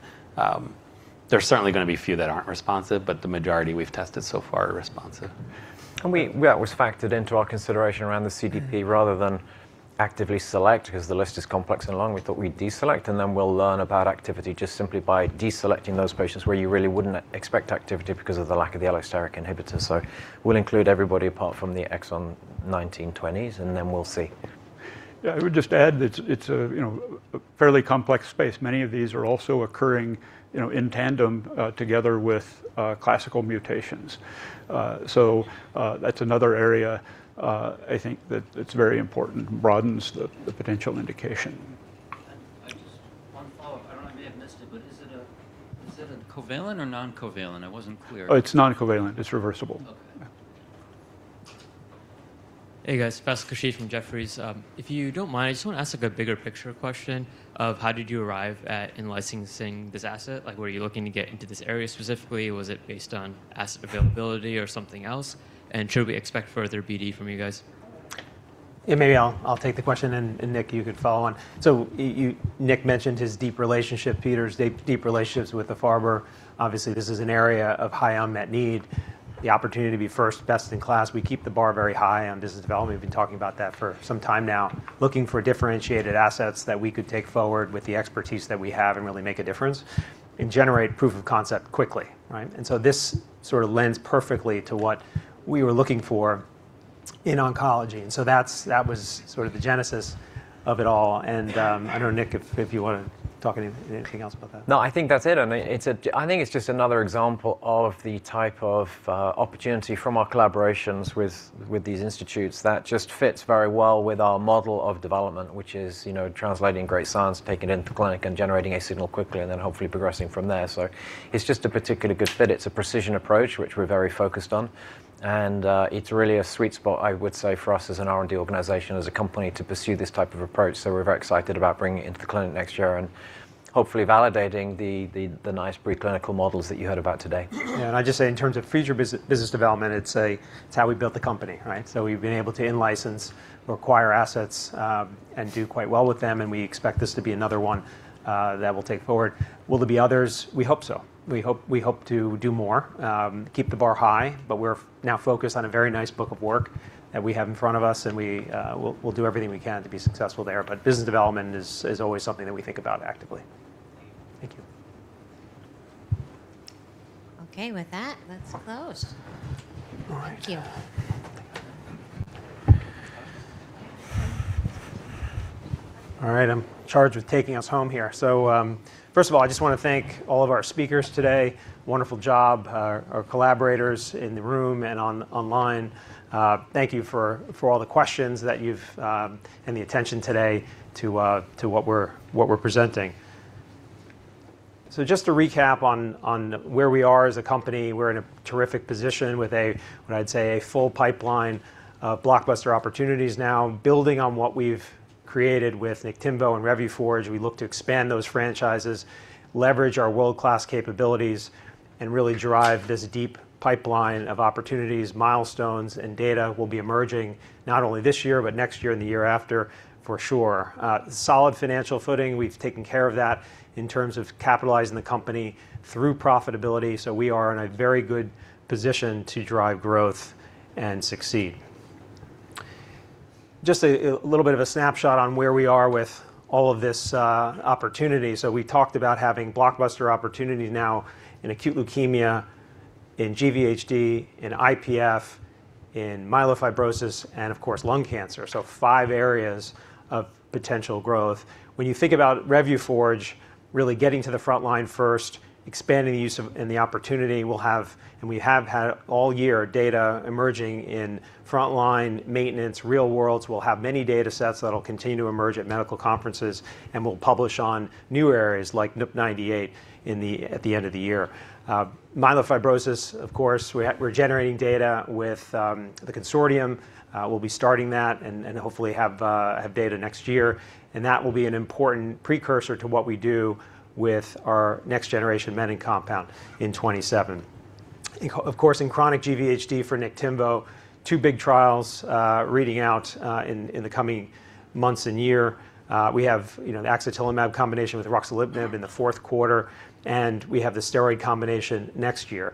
There's certainly going to be a few that aren't responsive, but the majority we've tested so far are responsive. That was factored into our consideration around the CDP rather than actively select, because the list is complex and long. We thought we'd deselect, and then we'll learn about activity just simply by deselecting those patients where you really wouldn't expect activity because of the lack of the allosteric inhibitor. We'll include everybody apart from the exon 19, 20s, and then we'll see. Yeah. I would just add that it's a fairly complex space. Many of these are also occurring in tandem together with classical mutations. That's another area I think that it's very important, broadens the potential indication. Just one follow-up. I don't know, I may have missed it, but is it a covalent or non-covalent? I wasn't clear. It's non-covalent. It's reversible. Okay. Yeah. Hey, guys. Fais Khurshid from Jefferies. If you don't mind, I just want to ask a bigger picture question of how did you arrive at in-licensing this asset? Were you looking to get into this area specifically? Was it based on asset availability or something else? Should we expect further BD from you guys? Maybe I'll take the question, and Nick, you could follow on. Nick mentioned his deep relationship, Peter's deep relationships with the Dana-Farber. Obviously, this is an area of high unmet need. The opportunity to be first best-in-class. We keep the bar very high on business development. We've been talking about that for some time now, looking for differentiated assets that we could take forward with the expertise that we have and really make a difference and generate proof of concept quickly, right? This sort of lends perfectly to what we were looking for in oncology. That was sort of the genesis of it all. I don't know, Nick, if you want to talk anything else about that. No, I think that's it. I think it's just another example of the type of opportunity from our collaborations with these institutes that just fits very well with our model of development, which is translating great science, taking it into clinic and generating a signal quickly, then hopefully progressing from there. It's just a particularly good fit. It's a precision approach, which we're very focused on. It's really a sweet spot, I would say, for us as an R&D organization, as a company to pursue this type of approach. We're very excited about bringing it into the clinic next year and hopefully validating the nice preclinical models that you heard about today. Yeah, I'd just say in terms of future business development, it's how we built the company, right? We've been able to in-license or acquire assets, and do quite well with them, and we expect this to be another one that we'll take forward. Will there be others? We hope so. We hope to do more, keep the bar high, we're now focused on a very nice book of work that we have in front of us, and we'll do everything we can to be successful there. Business development is always something that we think about actively. Thank you. Okay. With that, let's close. All right. Thank you. First of all, I just want to thank all of our speakers today. Wonderful job. Our collaborators in the room and online, thank you for all the questions and the attention today to what we're presenting. Just to recap on where we are as a company, we're in a terrific position with what I'd say a full pipeline of blockbuster opportunities now. Building on what we've created with Niktimvo and Revuforj, we look to expand those franchises, leverage our world-class capabilities, and really drive this deep pipeline of opportunities. Milestones and data will be emerging not only this year but next year and the year after for sure. Solid financial footing, we've taken care of that in terms of capitalizing the company through profitability. We are in a very good position to drive growth and succeed. Just a little bit of a snapshot on where we are with all of this opportunity. We talked about having blockbuster opportunities now in acute leukemia, in GVHD, in IPF, in myelofibrosis, and of course, lung cancer. Five areas of potential growth. When you think about Revuforj, really getting to the frontline first, expanding the use and the opportunity we'll have, and we have had all year data emerging in frontline maintenance, real worlds. We'll have many data sets that'll continue to emerge at medical conferences, and we'll publish on new areas like NUP98 at the end of the year. Myelofibrosis, of course, we're generating data with the Consortium. We'll be starting that and hopefully have data next year, and that will be an important precursor to what we do with our next-generation menin compound in 2027. In chronic GVHD for Niktimvo, two big trials reading out in the coming months and year. We have the axatilimab combination with ruxolitinib in the fourth quarter, and we have the steroid combination next year.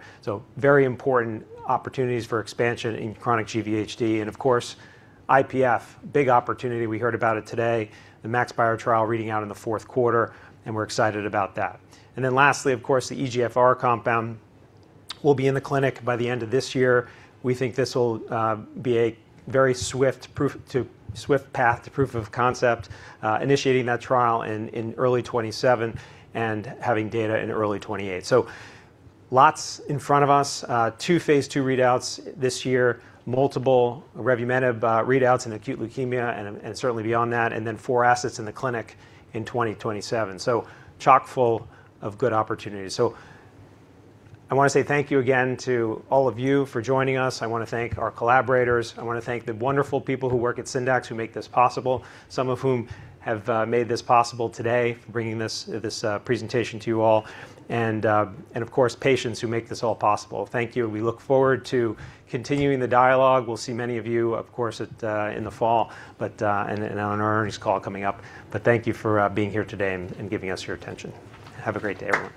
Very important opportunities for expansion in chronic GVHD. Of course, IPF, big opportunity. We heard about it today, the MAXPIRe trial reading out in the fourth quarter, and we're excited about that. Then lastly, of course, the EGFR compound will be in the clinic by the end of this year. We think this will be a very swift path to proof of concept, initiating that trial in early 2027 and having data in early 2028. Lots in front of us. Two Phase II readouts this year. Multiple revumenib readouts in acute leukemia and certainly beyond that, and then four assets in the clinic in 2027. Chock-full of good opportunities. I want to say thank you again to all of you for joining us. I want to thank our collaborators. I want to thank the wonderful people who work at Syndax who make this possible, some of whom have made this possible today for bringing this presentation to you all and, of course, patients who make this all possible. Thank you. We look forward to continuing the dialogue. We'll see many of you, of course, in the fall, and on our earnings call coming up. Thank you for being here today and giving us your attention. Have a great day, everyone.